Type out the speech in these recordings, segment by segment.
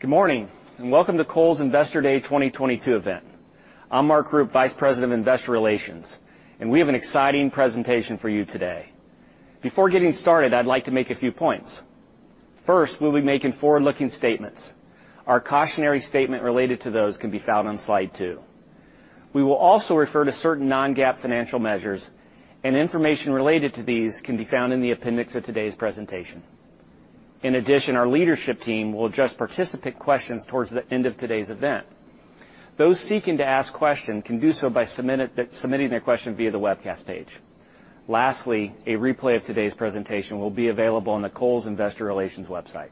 Good morning, and welcome to Kohl's Investor Day 2022 event. I'm Mark Rupe, Vice President of Investor Relations, and we have an exciting presentation for you today. Before getting started, I'd like to make a few points. First, we'll be making forward-looking statements. Our cautionary statement related to those can be found on slide two. We will also refer to certain non-GAAP financial measures and information related to these can be found in the appendix of today's presentation. In addition, our leadership team will address participant questions towards the end of today's event. Those seeking to ask questions can do so by submitting their question via the webcast page. Lastly, a replay of today's presentation will be available on the Kohl's Investor Relations website.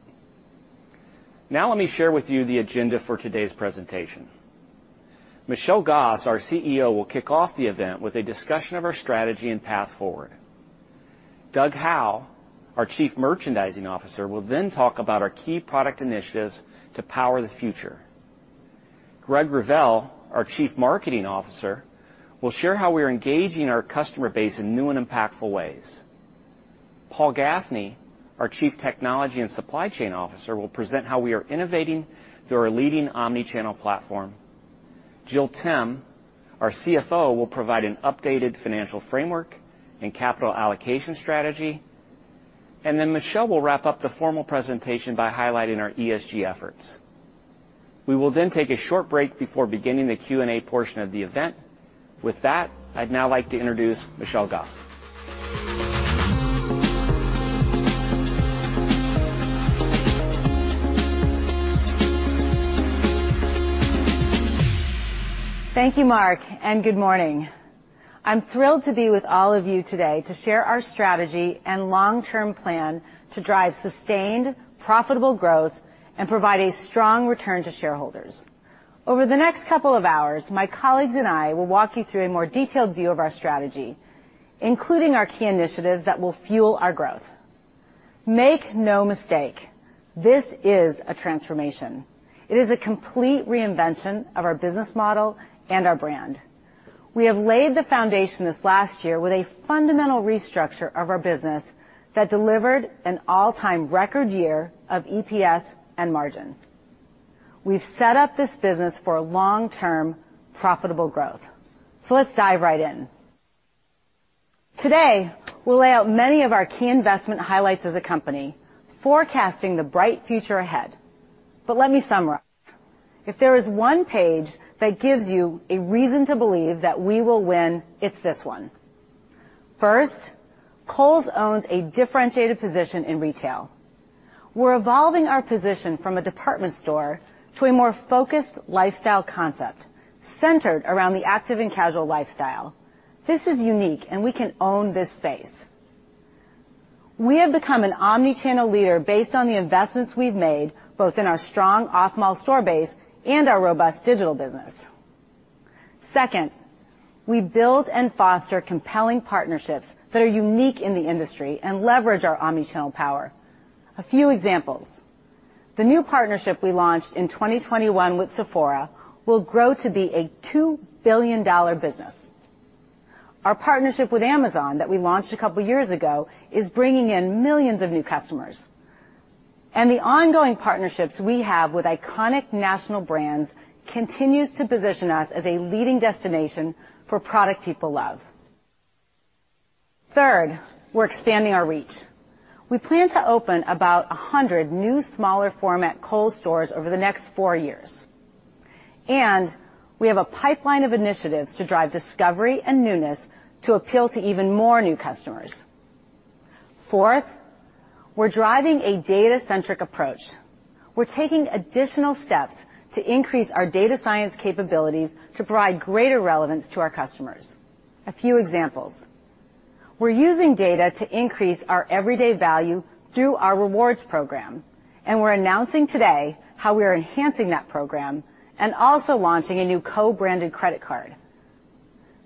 Now let me share with you the agenda for today's presentation. Michelle Gass, our CEO, will kick off the event with a discussion of our strategy and path forward. Doug Howe, our Chief Merchandising Officer, will then talk about our key product initiatives to power the future. Greg Revelle, our Chief Marketing Officer, will share how we are engaging our customer base in new and impactful ways. Paul Gaffney, our Chief Technology and Supply Chain Officer, will present how we are innovating through our leading omni-channel platform. Jill Timm, our CFO, will provide an updated financial framework and capital allocation strategy. Then Michelle will wrap up the formal presentation by highlighting our ESG efforts. We will then take a short break before beginning the Q&A portion of the event. With that, I'd now like to introduce Michelle Gass. Thank you, Mark, and good morning. I'm thrilled to be with all of you today to share our strategy and long-term plan to drive sustained, profitable growth and provide a strong return to shareholders. Over the next couple of hours, my colleagues and I will walk you through a more detailed view of our strategy, including our key initiatives that will fuel our growth. Make no mistake, this is a transformation. It is a complete reinvention of our business model and our brand. We have laid the foundation this last year with a fundamental restructure of our business that delivered an all-time record year of EPS and margin. We've set up this business for a long-term profitable growth. Let's dive right in. Today, we'll lay out many of our key investment highlights of the company, forecasting the bright future ahead. Let me summarize. If there is one page that gives you a reason to believe that we will win, it's this one. First, Kohl's owns a differentiated position in retail. We're evolving our position from a department store to a more focused lifestyle concept centered around the active and casual lifestyle. This is unique, and we can own this space. We have become an omnichannel leader based on the investments we've made, both in our strong off-mall store base and our robust digital business. Second, we build and foster compelling partnerships that are unique in the industry and leverage our omnichannel power. A few examples. The new partnership we launched in 2021 with Sephora will grow to be a $2 billion business. Our partnership with Amazon that we launched a couple years ago is bringing in millions of new customers. The ongoing partnerships we have with iconic national brands continues to position us as a leading destination for product people love. Third, we're expanding our reach. We plan to open about 100 new smaller format Kohl's stores over the next four years. We have a pipeline of initiatives to drive discovery and newness to appeal to even more new customers. Fourth, we're driving a data-centric approach. We're taking additional steps to increase our data science capabilities to provide greater relevance to our customers. A few examples. We're using data to increase our everyday value through our rewards program, and we're announcing today how we are enhancing that program and also launching a new co-branded credit card.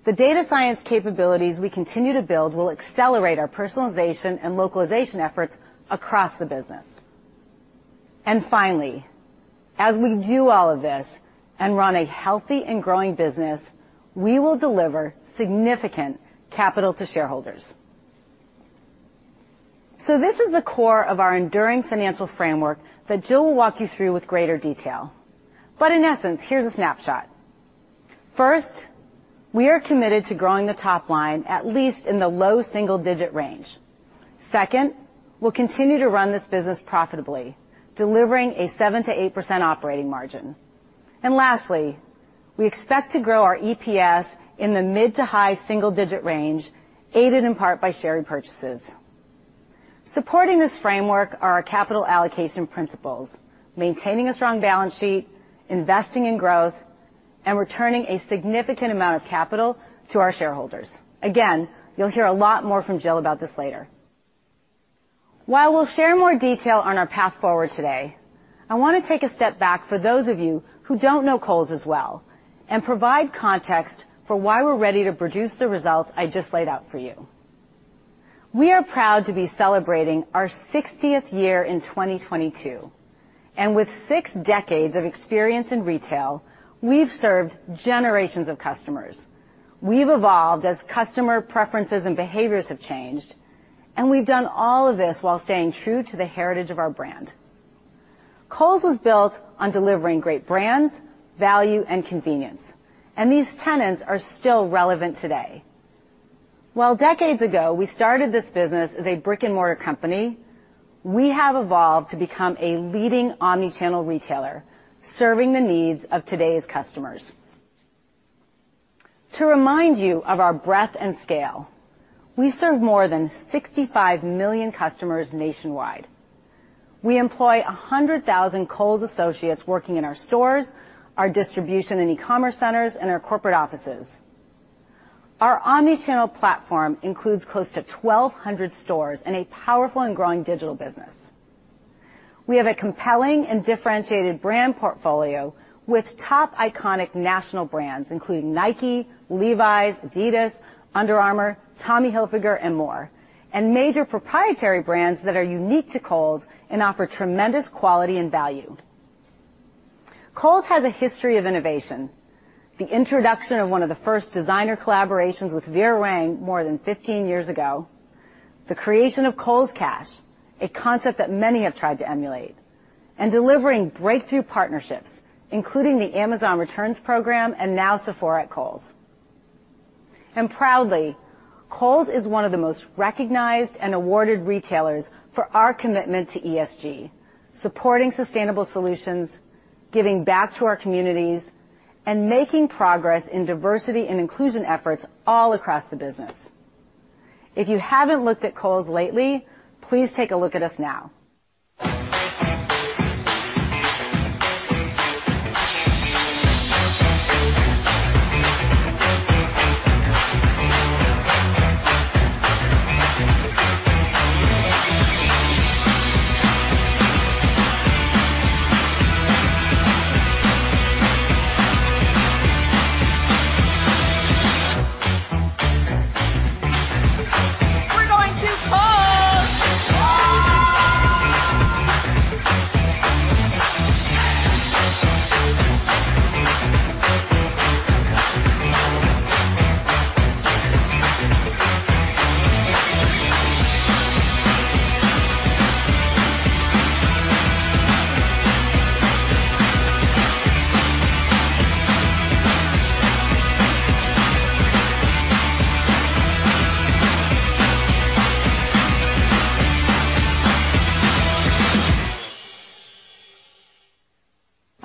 The data science capabilities we continue to build will accelerate our personalization and localization efforts across the business. Finally, as we do all of this and run a healthy and growing business, we will deliver significant capital to shareholders. This is the core of our enduring financial framework that Jill will walk you through with greater detail. In essence, here's a snapshot. First, we are committed to growing the top line at least in the low single-digit range. Second, we'll continue to run this business profitably, delivering a 7%-8% operating margin. Lastly, we expect to grow our EPS in the mid to high single-digit range, aided in part by share repurchases. Supporting this framework are our capital allocation principles, maintaining a strong balance sheet, investing in growth, and returning a significant amount of capital to our shareholders. Again, you'll hear a lot more from Jill about this later. While we'll share more detail on our path forward today, I wanna take a step back for those of you who don't know Kohl's as well and provide context for why we're ready to produce the results I just laid out for you. We are proud to be celebrating our 60th year in 2022. With six decades of experience in retail, we've served generations of customers. We've evolved as customer preferences and behaviors have changed, and we've done all of this while staying true to the heritage of our brand. Kohl's was built on delivering great brands, value, and convenience. These tenets are still relevant today. While decades ago, we started this business as a brick-and-mortar company, we have evolved to become a leading omnichannel retailer, serving the needs of today's customers. To remind you of our breadth and scale, we serve more than 65 million customers nationwide. We employ 100,000 Kohl's associates working in our stores, our distribution and e-commerce centers, and our corporate offices. Our omni-channel platform includes close to 1,200 stores and a powerful and growing digital business. We have a compelling and differentiated brand portfolio with top iconic national brands, including Nike, Levi's, Adidas, Under Armour, Tommy Hilfiger, and more, and major proprietary brands that are unique to Kohl's and offer tremendous quality and value. Kohl's has a history of innovation. The introduction of one of the first designer collaborations with Vera Wang more than 15 years ago, the creation of Kohl's Cash, a concept that many have tried to emulate, and delivering breakthrough partnerships, including the Amazon Returns program and now Sephora at Kohl's. Proudly, Kohl's is one of the most recognized and awarded retailers for our commitment to ESG, supporting sustainable solutions, giving back to our communities, and making progress in diversity and inclusion efforts all across the business. If you haven't looked at Kohl's lately, please take a look at us now.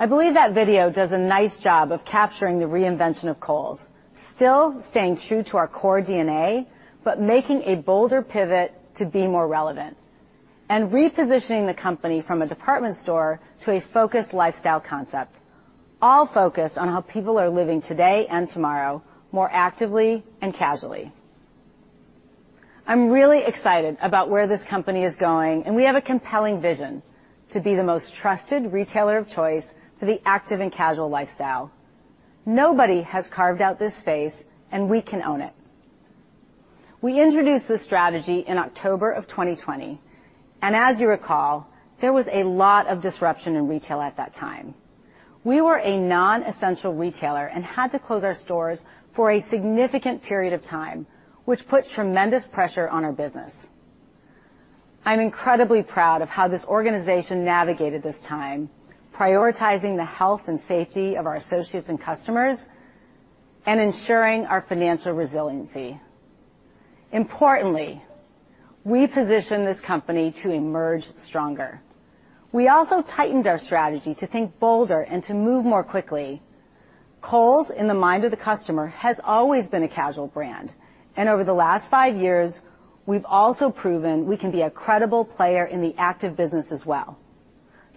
We're going to Kohl's. I believe that video does a nice job of capturing the reinvention of Kohl's, still staying true to our core DNA, but making a bolder pivot to be more relevant and repositioning the company from a department store to a focused lifestyle concept, all focused on how people are living today and tomorrow, more actively and casually. I'm really excited about where this company is going, and we have a compelling vision to be the most trusted retailer of choice for the active and casual lifestyle. Nobody has carved out this space and we can own it. We introduced this strategy in October 2020, and as you recall, there was a lot of disruption in retail at that time. We were a non-essential retailer and had to close our stores for a significant period of time, which put tremendous pressure on our business. I'm incredibly proud of how this organization navigated this time, prioritizing the health and safety of our associates and customers and ensuring our financial resiliency. Importantly, we positioned this company to emerge stronger. We also tightened our strategy to think bolder and to move more quickly. Kohl's, in the mind of the customer, has always been a casual brand, and over the last five years, we've also proven we can be a credible player in the active business as well.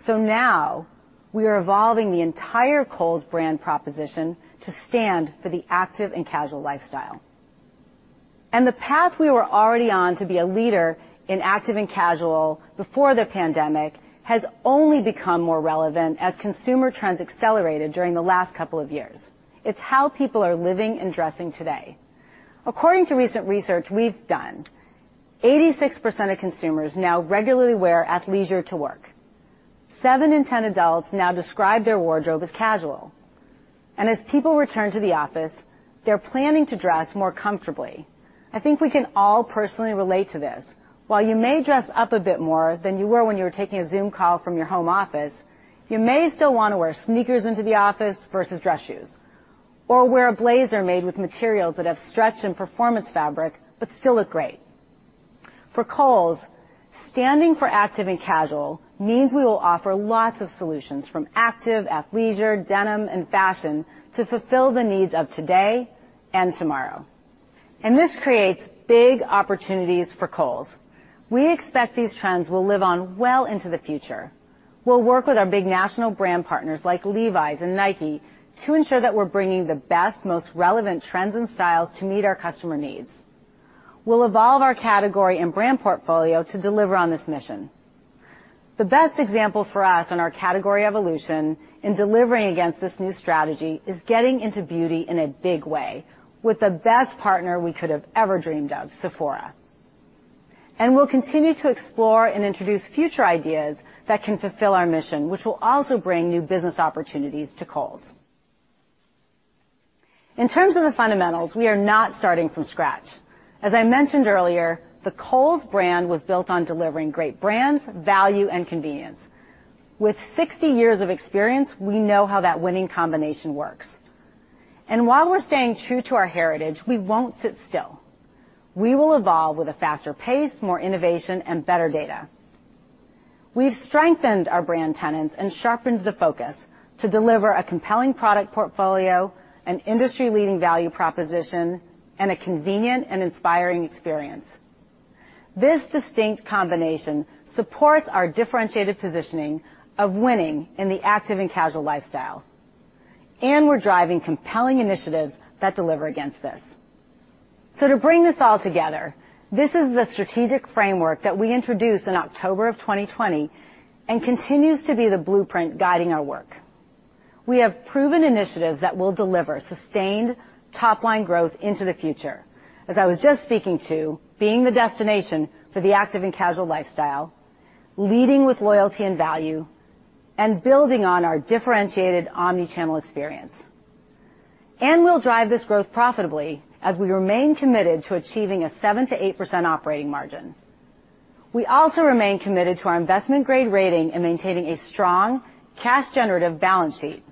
Now we are evolving the entire Kohl's brand proposition to stand for the active and casual lifestyle. The path we were already on to be a leader in active and casual before the pandemic has only become more relevant as consumer trends accelerated during the last couple of years. It's how people are living and dressing today. According to recent research we've done, 86% of consumers now regularly wear athleisure to work. Seven in 10 adults now describe their wardrobe as casual. As people return to the office, they're planning to dress more comfortably. I think we can all personally relate to this. While you may dress up a bit more than you were when you were taking a Zoom call from your home office, you may still wanna wear sneakers into the office versus dress shoes, or wear a blazer made with materials that have stretch and performance fabric, but still look great. For Kohl's, standing for active and casual means we will offer lots of solutions from active, athleisure, denim, and fashion to fulfill the needs of today and tomorrow. This creates big opportunities for Kohl's. We expect these trends will live on well into the future. We'll work with our big national brand partners like Levi's and Nike to ensure that we're bringing the best, most relevant trends and styles to meet our customer needs. We'll evolve our category and brand portfolio to deliver on this mission. The best example for us in our category evolution in delivering against this new strategy is getting into beauty in a big way with the best partner we could have ever dreamed of, Sephora. We'll continue to explore and introduce future ideas that can fulfill our mission, which will also bring new business opportunities to Kohl's. In terms of the fundamentals, we are not starting from scratch. As I mentioned earlier, the Kohl's brand was built on delivering great brands, value, and convenience. With 60 years of experience, we know how that winning combination works. While we're staying true to our heritage, we won't sit still. We will evolve with a faster pace, more innovation, and better data. We've strengthened our brand tenants and sharpened the focus to deliver a compelling product portfolio, an industry-leading value proposition, and a convenient and inspiring experience. This distinct combination supports our differentiated positioning of winning in the active and casual lifestyle. We're driving compelling initiatives that deliver against this. To bring this all together, this is the strategic framework that we introduced in October of 2020 and continues to be the blueprint guiding our work. We have proven initiatives that will deliver sustained top-line growth into the future. As I was just speaking to, being the destination for the active and casual lifestyle, leading with loyalty and value, and building on our differentiated omni-channel experience. We'll drive this growth profitably as we remain committed to achieving a 7%-8% operating margin. We also remain committed to our investment-grade rating in maintaining a strong cash generative balance sheet.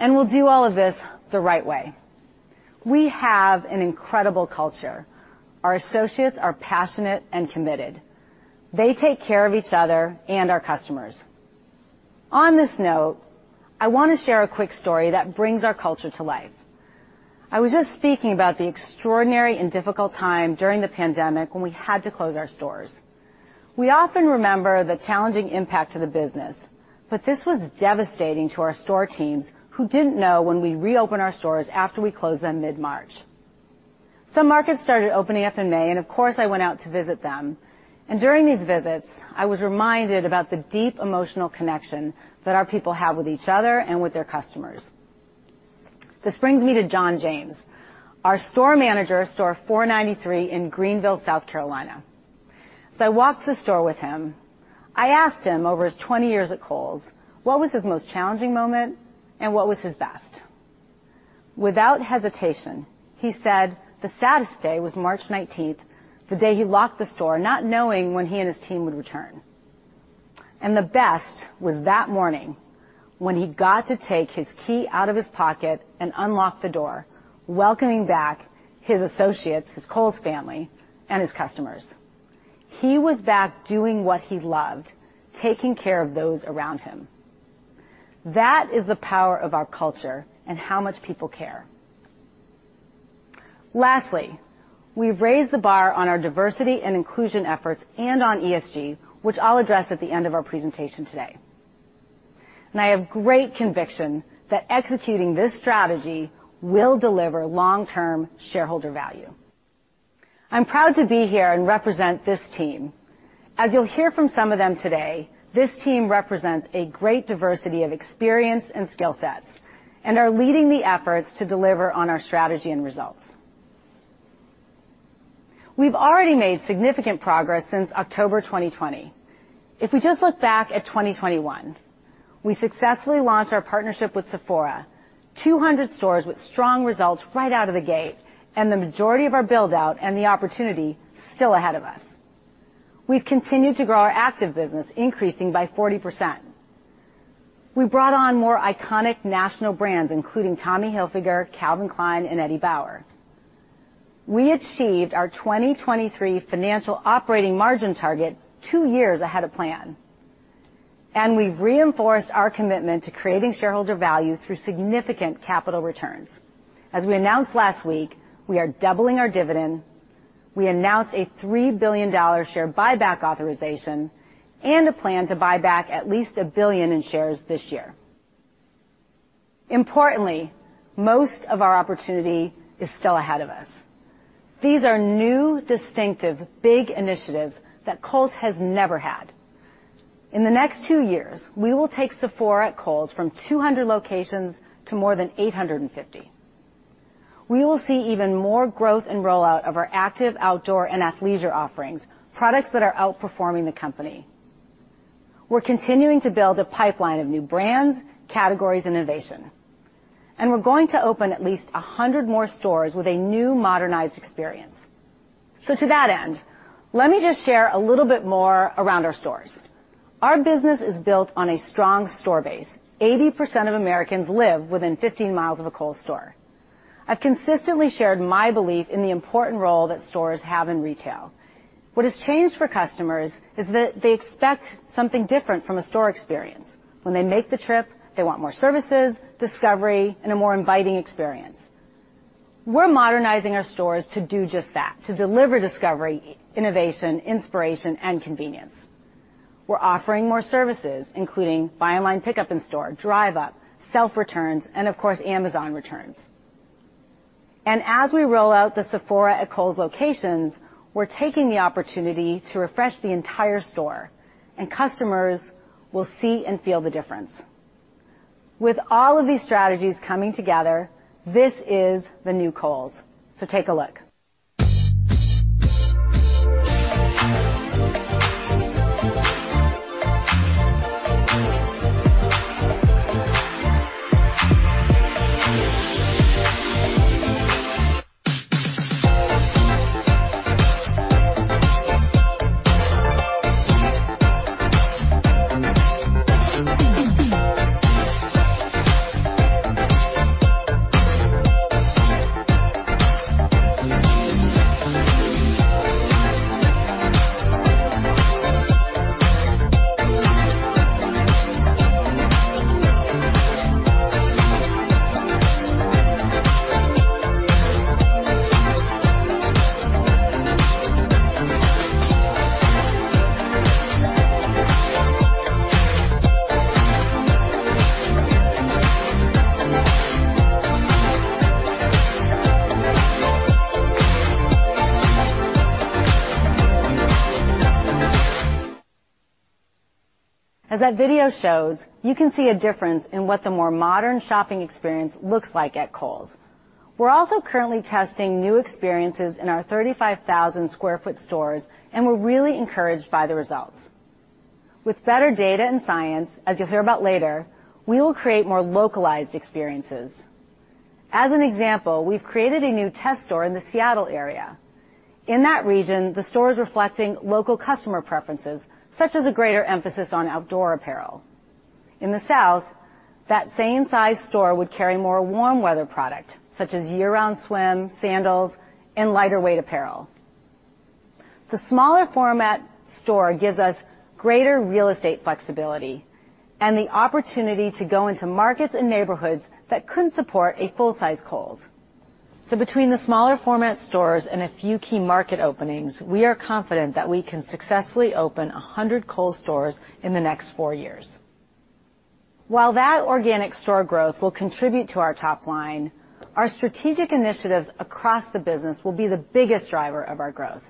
We'll do all of this the right way. We have an incredible culture. Our associates are passionate and committed. They take care of each other and our customers. On this note, I wanna share a quick story that brings our culture to life. I was just speaking about the extraordinary and difficult time during the pandemic when we had to close our stores. We often remember the challenging impact to the business, but this was devastating to our store teams who didn't know when we'd reopen our stores after we closed them mid-March. Some markets started opening up in May, and of course, I went out to visit them, and during these visits, I was reminded about the deep emotional connection that our people have with each other and with their customers. This brings me to John James, our Store Manager, store 493 in Greenville, South Carolina. As I walked the store with him, I asked him over his 20 years at Kohl's, what was his most challenging moment and what was his best? Without hesitation, he said the saddest day was March 19th, the day he locked the store, not knowing when he and his team would return. The best was that morning when he got to take his key out of his pocket and unlock the door, welcoming back his associates, his Kohl's family, and his customers. He was back doing what he loved, taking care of those around him. That is the power of our culture and how much people care. Lastly, we've raised the bar on our diversity and inclusion efforts and on ESG, which I'll address at the end of our presentation today. I have great conviction that executing this strategy will deliver long-term shareholder value. I'm proud to be here and represent this team. As you'll hear from some of them today, this team represents a great diversity of experience and skill sets, and are leading the efforts to deliver on our strategy and results. We've already made significant progress since October 2020. If we just look back at 2021, we successfully launched our partnership with Sephora, 200 stores with strong results right out of the gate, and the majority of our build-out and the opportunity still ahead of us. We've continued to grow our active business, increasing by 40%. We brought on more iconic national brands, including Tommy Hilfiger, Calvin Klein, and Eddie Bauer. We achieved our 2023 financial operating margin target two years ahead of plan. We've reinforced our commitment to creating shareholder value through significant capital returns. As we announced last week, we are doubling our dividend. We announced a $3 billion share buyback authorization and a plan to buy back at least $1 billion in shares this year. Importantly, most of our opportunity is still ahead of us. These are new, distinctive, big initiatives that Kohl's has never had. In the next two years, we will take Sephora at Kohl's from 200 locations to more than 850. We will see even more growth and rollout of our active outdoor and athleisure offerings, products that are outperforming the company. We're continuing to build a pipeline of new brands, categories, and innovation. We're going to open at least 100 more stores with a new modernized experience. To that end, let me just share a little bit more around our stores. Our business is built on a strong store base. 80% of Americans live within 15 miles of a Kohl's store. I've consistently shared my belief in the important role that stores have in retail. What has changed for customers is that they expect something different from a store experience. When they make the trip, they want more services, discovery, and a more inviting experience. We're modernizing our stores to do just that, to deliver discovery, innovation, inspiration, and convenience. We're offering more services, including buy online pickup in store, drive-up, self returns, and of course, Amazon returns. As we roll out the Sephora at Kohl's locations, we're taking the opportunity to refresh the entire store, and customers will see and feel the difference. With all of these strategies coming together, this is the new Kohl's. Take a look. As that video shows, you can see a difference in what the more modern shopping experience looks like at Kohl's. We're also currently testing new experiences in our 35,000 sq ft stores, and we're really encouraged by the results. With better data and science, as you'll hear about later, we will create more localized experiences. As an example, we've created a new test store in the Seattle area. In that region, the store is reflecting local customer preferences, such as a greater emphasis on outdoor apparel. In the South, that same size store would carry more warm weather product, such as year-round swim, sandals, and lighter weight apparel. The smaller format store gives us greater real estate flexibility and the opportunity to go into markets and neighborhoods that couldn't support a full-size Kohl's. Between the smaller format stores and a few key market openings, we are confident that we can successfully open 100 Kohl's stores in the next four years. While that organic store growth will contribute to our top line, our strategic initiatives across the business will be the biggest driver of our growth.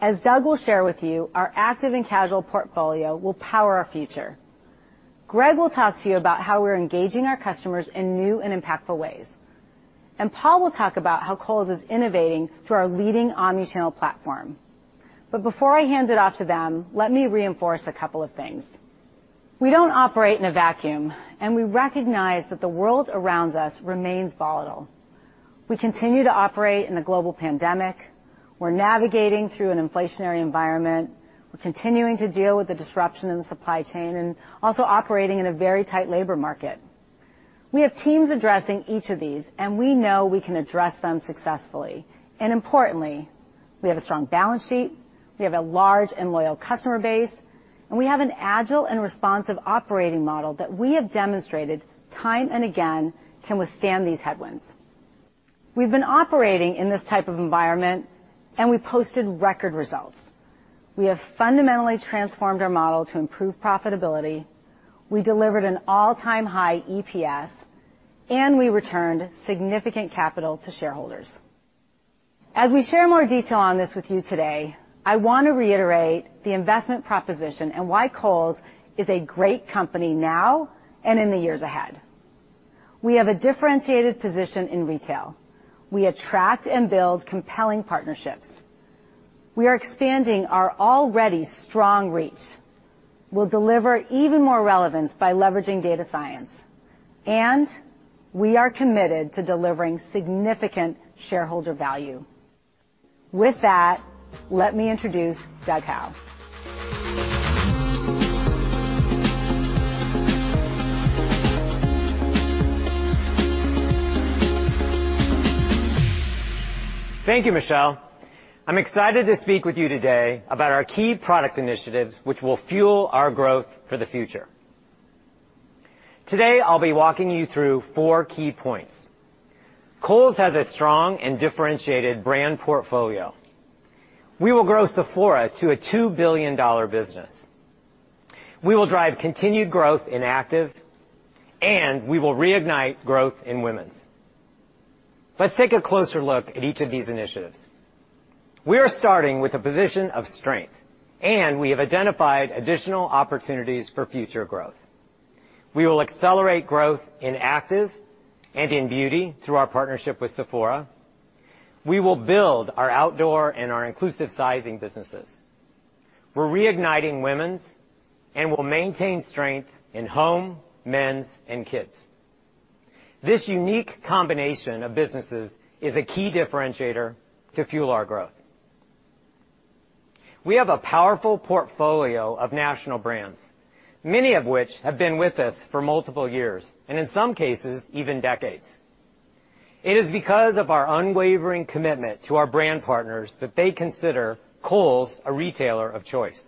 As Doug will share with you, our active and casual portfolio will power our future. Greg will talk to you about how we're engaging our customers in new and impactful ways, and Paul will talk about how Kohl's is innovating through our leading omni-channel platform. Before I hand it off to them, let me reinforce a couple of things. We don't operate in a vacuum, and we recognize that the world around us remains volatile. We continue to operate in a global pandemic. We're navigating through an inflationary environment. We're continuing to deal with the disruption in the supply chain and also operating in a very tight labor market. We have teams addressing each of these, and we know we can address them successfully. Importantly, we have a strong balance sheet, we have a large and loyal customer base, and we have an agile and responsive operating model that we have demonstrated time and again can withstand these headwinds. We've been operating in this type of environment, and we posted record results. We have fundamentally transformed our model to improve profitability. We delivered an all-time high EPS, and we returned significant capital to shareholders. As we share more detail on this with you today, I want to reiterate the investment proposition and why Kohl's is a great company now and in the years ahead. We have a differentiated position in retail. We attract and build compelling partnerships. We are expanding our already strong reach. We'll deliver even more relevance by leveraging data science, and we are committed to delivering significant shareholder value. With that, let me introduce Doug Howe. Thank you, Michelle. I'm excited to speak with you today about our key product initiatives which will fuel our growth for the future. Today, I'll be walking you through four key points. Kohl's has a strong and differentiated brand portfolio. We will grow Sephora to a $2 billion business. We will drive continued growth in active, and we will reignite growth in women's. Let's take a closer look at each of these initiatives. We are starting with a position of strength, and we have identified additional opportunities for future growth. We will accelerate growth in active and in beauty through our partnership with Sephora. We will build our outdoor and our inclusive sizing businesses. We're reigniting women's and will maintain strength in home, men's, and kids. This unique combination of businesses is a key differentiator to fuel our growth. We have a powerful portfolio of national brands, many of which have been with us for multiple years, and in some cases, even decades. It is because of our unwavering commitment to our brand partners that they consider Kohl's a retailer of choice.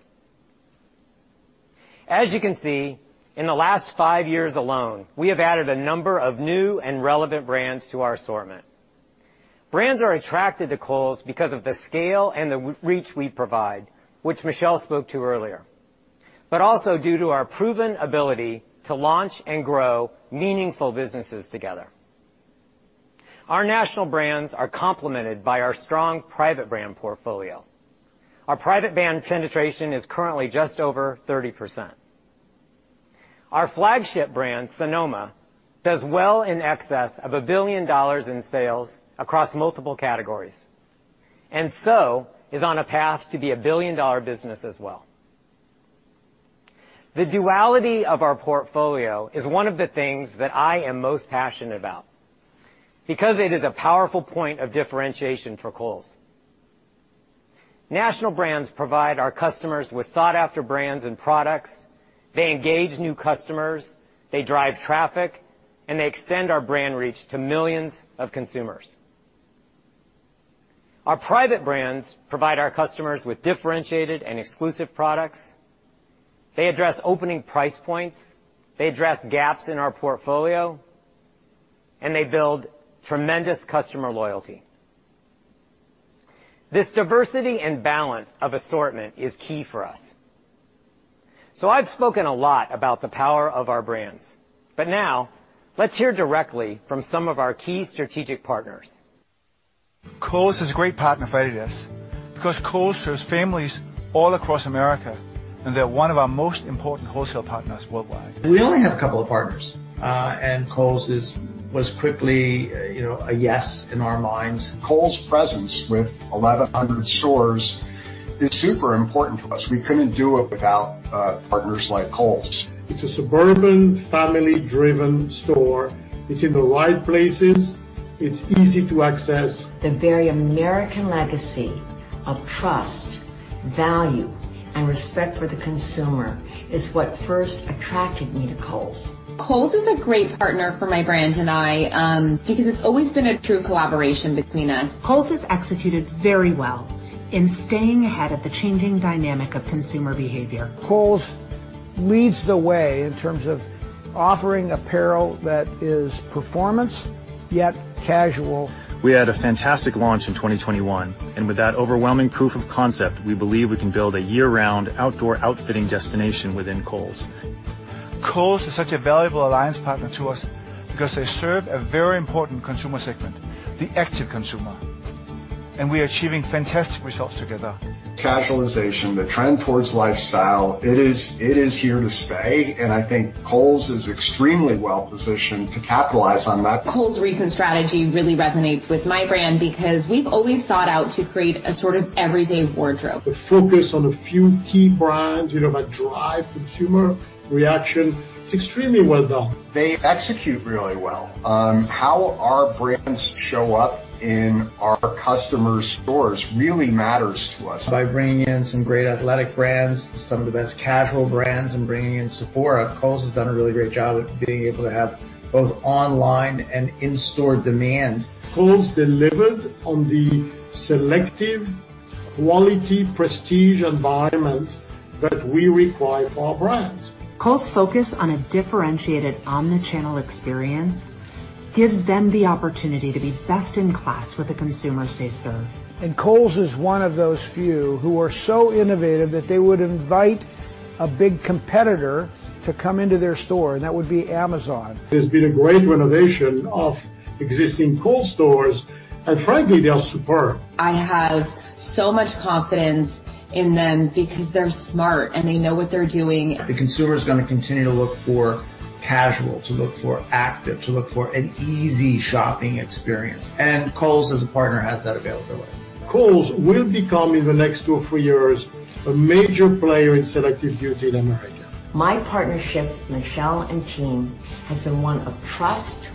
As you can see, in the last five years alone, we have added a number of new and relevant brands to our assortment. Brands are attracted to Kohl's because of the scale and the reach we provide, which Michelle spoke to earlier, but also due to our proven ability to launch and grow meaningful businesses together. Our national brands are complemented by our strong private brand portfolio. Our private brand penetration is currently just over 30%. Our flagship brand, Sonoma, does well in excess of $1 billion in sales across multiple categories, and so is on a path to be a billion-dollar business as well. The duality of our portfolio is one of the things that I am most passionate about because it is a powerful point of differentiation for Kohl's. National brands provide our customers with sought-after brands and products. They engage new customers, they drive traffic, and they extend our brand reach to millions of consumers. Our private brands provide our customers with differentiated and exclusive products. They address opening price points, they address gaps in our portfolio, and they build tremendous customer loyalty. This diversity and balance of assortment is key for us. I've spoken a lot about the power of our brands, but now let's hear directly from some of our key strategic partners. Kohl's is a great partner for Adidas because Kohl's serves families all across America, and they're one of our most important wholesale partners worldwide. We only have a couple of partners, and Kohl's was quickly, you know, a yes in our minds. Kohl's presence with 1,100 stores is super important to us. We couldn't do it without partners like Kohl's. It's a suburban family-driven store. It's in the right places. It's easy to access. The very American legacy of trust, value, and respect for the consumer is what first attracted me to Kohl's. Kohl's is a great partner for my brand and I, because it's always been a true collaboration between us. Kohl's has executed very well in staying ahead of the changing dynamic of consumer behavior. Kohl's leads the way in terms of offering apparel that is performance, yet casual. We had a fantastic launch in 2021, and with that overwhelming proof of concept, we believe we can build a year-round outdoor outfitting destination within Kohl's. Kohl's is such a valuable alliance partner to us because they serve a very important consumer segment, the active consumer, and we are achieving fantastic results together. Casualization, the trend towards lifestyle, it is here to stay, and I think Kohl's is extremely well positioned to capitalize on that. Kohl's recent strategy really resonates with my brand because we've always sought out to create a sort of everyday wardrobe. The focus on a few key brands, you know, that drive consumer reaction, it's extremely well done. They execute really well on how our brands show up in our customers' stores really matters to us. By bringing in some great athletic brands, some of the best casual brands, and bringing in Sephora, Kohl's has done a really great job at being able to have both online and in-store demand. Kohl's delivered on the selective quality prestige environments that we require for our brands. Kohl's focus on a differentiated omnichannel experience gives them the opportunity to be best in class with the consumers they serve. Kohl's is one of those few who are so innovative that they would invite a big competitor to come into their store, and that would be Amazon. There's been a great renovation of existing Kohl's stores, and frankly, they are superb. I have so much confidence in them because they're smart and they know what they're doing. The consumer is gonna continue to look for casual, to look for active, to look for an easy shopping experience, and Kohl's as a partner has that availability. Kohl's will become, in the next two or three years, a major player in selective beauty in America. My partnership with Michelle and team has been one of trust,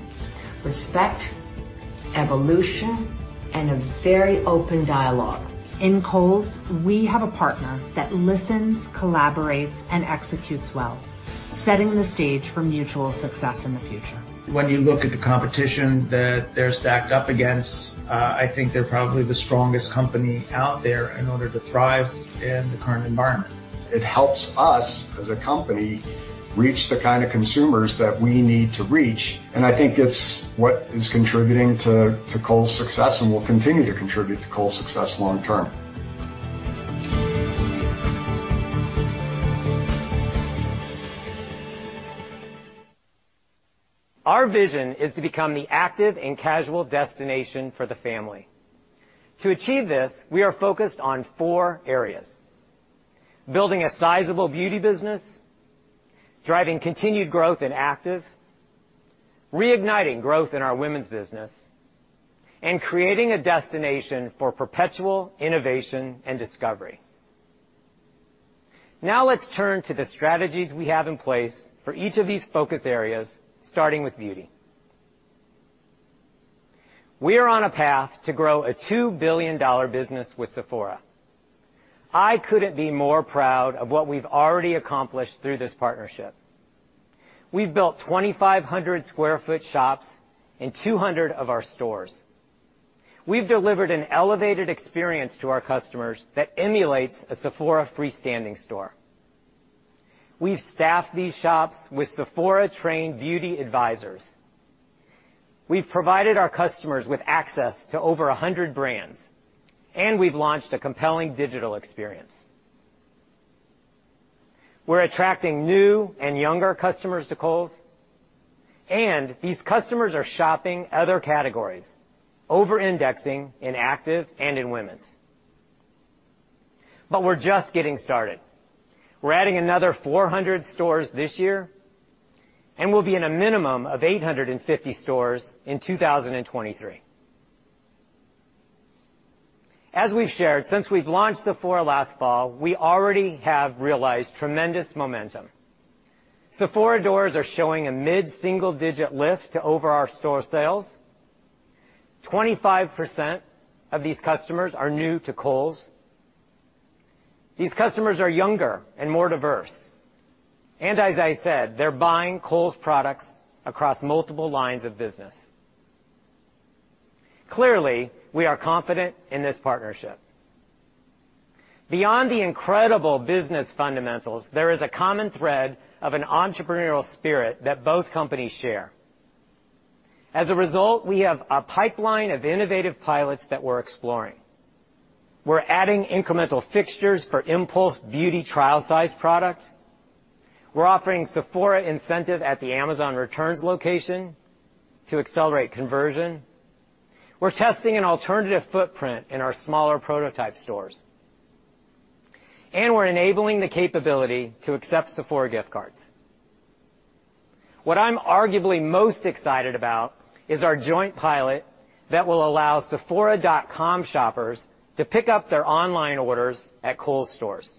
respect, evolution, and a very open dialogue. In Kohl's, we have a partner that listens, collaborates, and executes well, setting the stage for mutual success in the future. When you look at the competition that they're stacked up against, I think they're probably the strongest company out there in order to thrive in the current environment. It helps us as a company reach the kind of consumers that we need to reach, and I think it's what is contributing to Kohl's success and will continue to contribute to Kohl's success long term. Our vision is to become the active and casual destination for the family. To achieve this, we are focused on four areas: building a sizable beauty business, driving continued growth in active, reigniting growth in our women's business, and creating a destination for perpetual innovation and discovery. Now let's turn to the strategies we have in place for each of these focus areas, starting with beauty. We are on a path to grow a $2 billion business with Sephora. I couldn't be more proud of what we've already accomplished through this partnership. We've built 2,500 sq ft shops in 200 of our stores. We've delivered an elevated experience to our customers that emulates a Sephora freestanding store. We've staffed these shops with Sephora-trained beauty advisors. We've provided our customers with access to over 100 brands, and we've launched a compelling digital experience. We're attracting new and younger customers to Kohl's, and these customers are shopping other categories, over-indexing in active and in women's. But we're just getting started. We're adding another 400 stores this year, and we'll be in a minimum of 850 stores in 2023. As we've shared, since we've launched Sephora last fall, we already have realized tremendous momentum. Sephora doors are showing a mid-single-digit lift to overall store sales. 25% of these customers are new to Kohl's. These customers are younger and more diverse. As I said, they're buying Kohl's products across multiple lines of business. Clearly, we are confident in this partnership. Beyond the incredible business fundamentals, there is a common thread of an entrepreneurial spirit that both companies share. As a result, we have a pipeline of innovative pilots that we're exploring. We're adding incremental fixtures for impulse beauty trial size product. We're offering Sephora incentive at the Amazon returns location to accelerate conversion. We're testing an alternative footprint in our smaller prototype stores. We're enabling the capability to accept Sephora gift cards. What I'm arguably most excited about is our joint pilot that will allow sephora.com shoppers to pick up their online orders at Kohl's stores.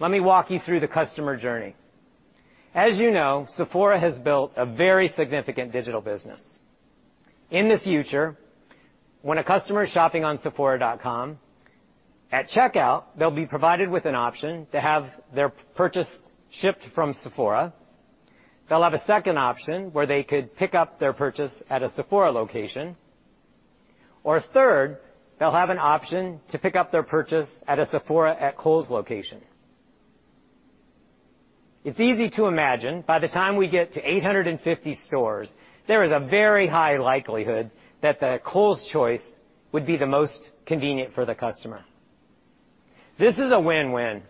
Let me walk you through the customer journey. As you know, Sephora has built a very significant digital business. In the future, when a customer is shopping on sephora.com, at checkout, they'll be provided with an option to have their purchase shipped from Sephora. They'll have a second option where they could pick up their purchase at a Sephora location. Third, they'll have an option to pick up their purchase at a Sephora at Kohl's location. It's easy to imagine by the time we get to 850 stores, there is a very high likelihood that the Kohl's choice would be the most convenient for the customer. This is a win-win.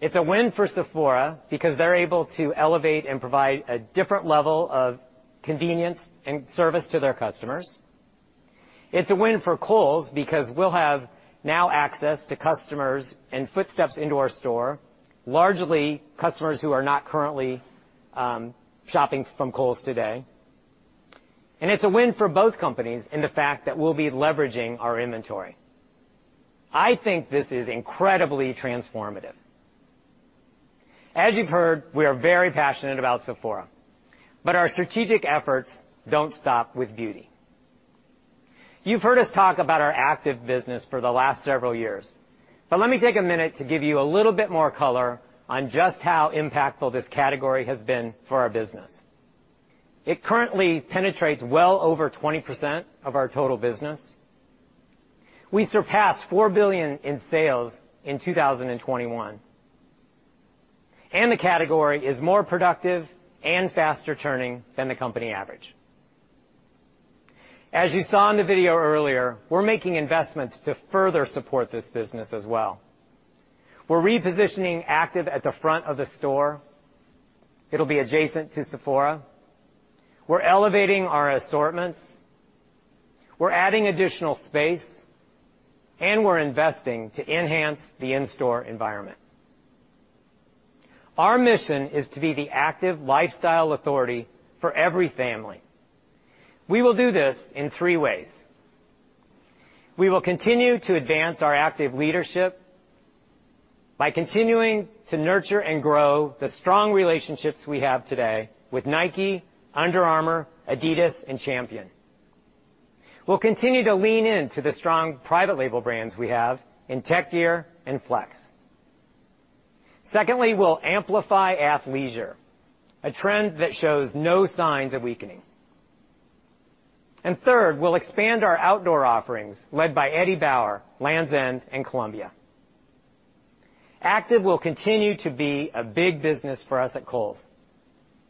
It's a win for Sephora because they're able to elevate and provide a different level of convenience and service to their customers. It's a win for Kohl's because we'll have now access to customers and footsteps into our store, largely customers who are not currently shopping from Kohl's today. It's a win for both companies in the fact that we'll be leveraging our inventory. I think this is incredibly transformative. As you've heard, we are very passionate about Sephora, but our strategic efforts don't stop with beauty. You've heard us talk about our active business for the last several years, but let me take a minute to give you a little bit more color on just how impactful this category has been for our business. It currently penetrates well over 20% of our total business. We surpassed $4 billion in sales in 2021, and the category is more productive and faster turning than the company average. As you saw in the video earlier, we're making investments to further support this business as well. We're repositioning active at the front of the store. It'll be adjacent to Sephora. We're elevating our assortments, we're adding additional space, and we're investing to enhance the in-store environment. Our mission is to be the active lifestyle authority for every family. We will do this in three ways. We will continue to advance our active leadership by continuing to nurture and grow the strong relationships we have today with Nike, Under Armour, Adidas, and Champion. We'll continue to lean into the strong private label brands we have in Tek Gear and FLX. Secondly, we'll amplify athleisure, a trend that shows no signs of weakening. Third, we'll expand our outdoor offerings led by Eddie Bauer, Lands' End, and Columbia. Active will continue to be a big business for us at Kohl's,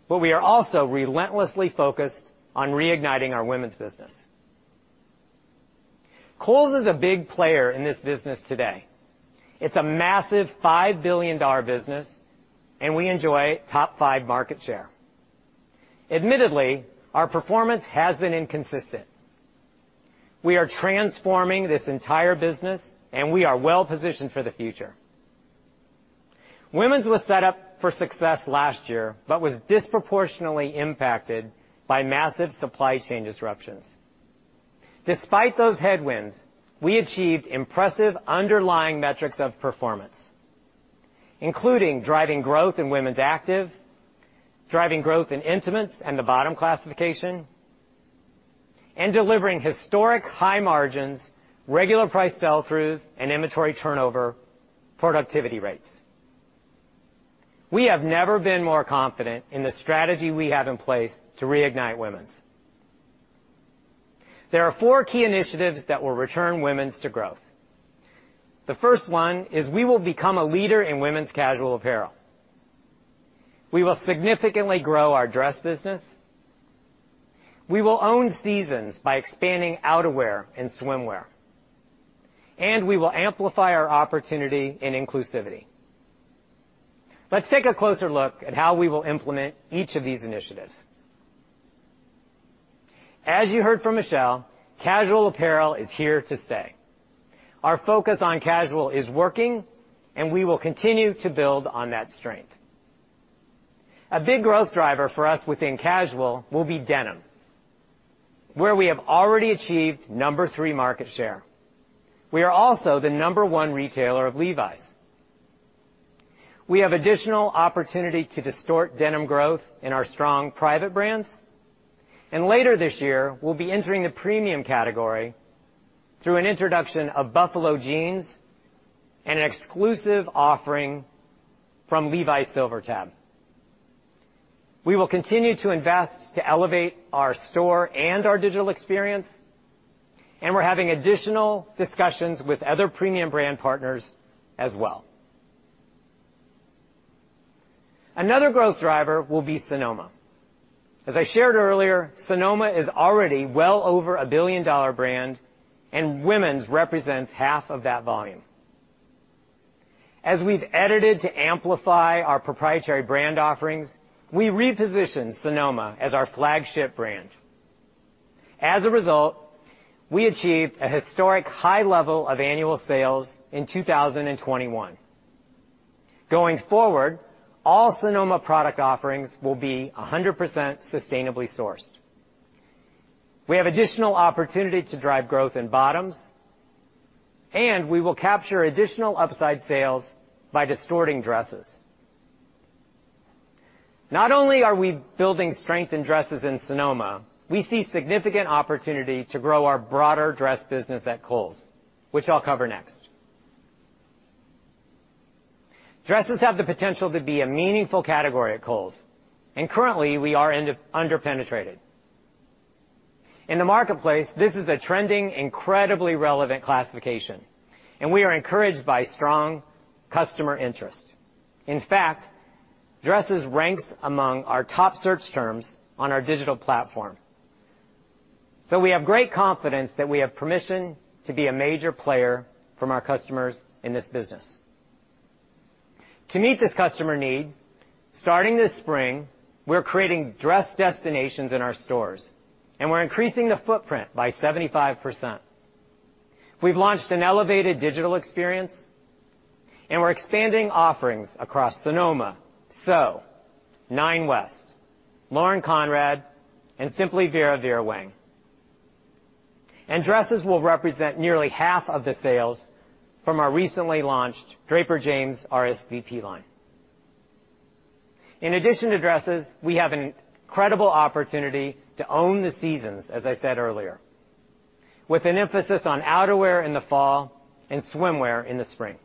but we are also relentlessly focused on reigniting our women's business. Kohl's is a big player in this business today. It's a massive $5 billion business, and we enjoy top five market share. Admittedly, our performance has been inconsistent. We are transforming this entire business, and we are well positioned for the future. Women's was set up for success last year, but was disproportionately impacted by massive supply chain disruptions. Despite those headwinds, we achieved impressive underlying metrics of performance, including driving growth in women's active, driving growth in intimates and the bottom classification, and delivering historic high margins, regular price sell-throughs, and inventory turnover productivity rates. We have never been more confident in the strategy we have in place to reignite women's. There are four key initiatives that will return women's to growth. The first one is we will become a leader in women's casual apparel. We will significantly grow our dress business. We will own seasons by expanding outerwear and swimwear. We will amplify our opportunity in inclusivity. Let's take a closer look at how we will implement each of these initiatives. As you heard from Michelle, casual apparel is here to stay. Our focus on casual is working, and we will continue to build on that strength. A big growth driver for us within casual will be denim, where we have already achieved No. 3 market share. We are also the No. 1 retailer of Levi's. We have additional opportunity to distort denim growth in our strong private brands, and later this year, we'll be entering the premium category through an introduction of Buffalo Jeans and an exclusive offering from Levi's SilverTab. We will continue to invest to elevate our store and our digital experience, and we're having additional discussions with other premium brand partners as well. Another growth driver will be Sonoma. As I shared earlier, Sonoma is already well over a billion-dollar brand, and women's represents half of that volume. As we've edited to amplify our proprietary brand offerings, we repositioned Sonoma as our flagship brand. As a result, we achieved a historic high level of annual sales in 2021. Going forward, all Sonoma product offerings will be 100% sustainably sourced. We have additional opportunity to drive growth in bottoms, and we will capture additional upside sales by distorting dresses. Not only are we building strength in dresses in Sonoma, we see significant opportunity to grow our broader dress business at Kohl's, which I'll cover next. Dresses have the potential to be a meaningful category at Kohl's, and currently, we are underpenetrated. In the marketplace, this is a trending, incredibly relevant classification, and we are encouraged by strong customer interest. In fact, dresses ranks among our top search terms on our digital platform. We have great confidence that we have permission to be a major player from our customers in this business. To meet this customer need, starting this spring, we're creating dress destinations in our stores, and we're increasing the footprint by 75%. We've launched an elevated digital experience, and we're expanding offerings across Sonoma, SO, Nine West, Lauren Conrad, and Simply Vera Vera Wang. Dresses will represent nearly half of the sales from our recently launched Draper James RSVP line. In addition to dresses, we have an incredible opportunity to own the seasons, as I said earlier, with an emphasis on outerwear in the fall and swimwear in the spring.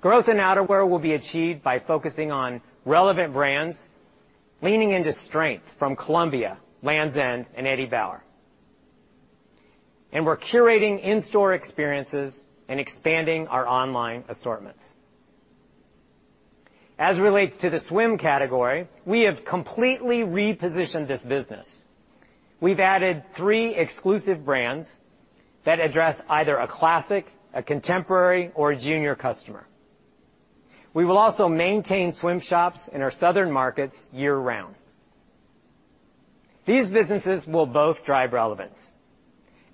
Growth in outerwear will be achieved by focusing on relevant brands, leaning into strength from Columbia, Lands' End, and Eddie Bauer. We're curating in-store experiences and expanding our online assortments. As it relates to the swim category, we have completely repositioned this business. We've added three exclusive brands that address either a classic, a contemporary, or a junior customer. We will also maintain swim shops in our southern markets year-round. These businesses will both drive relevance,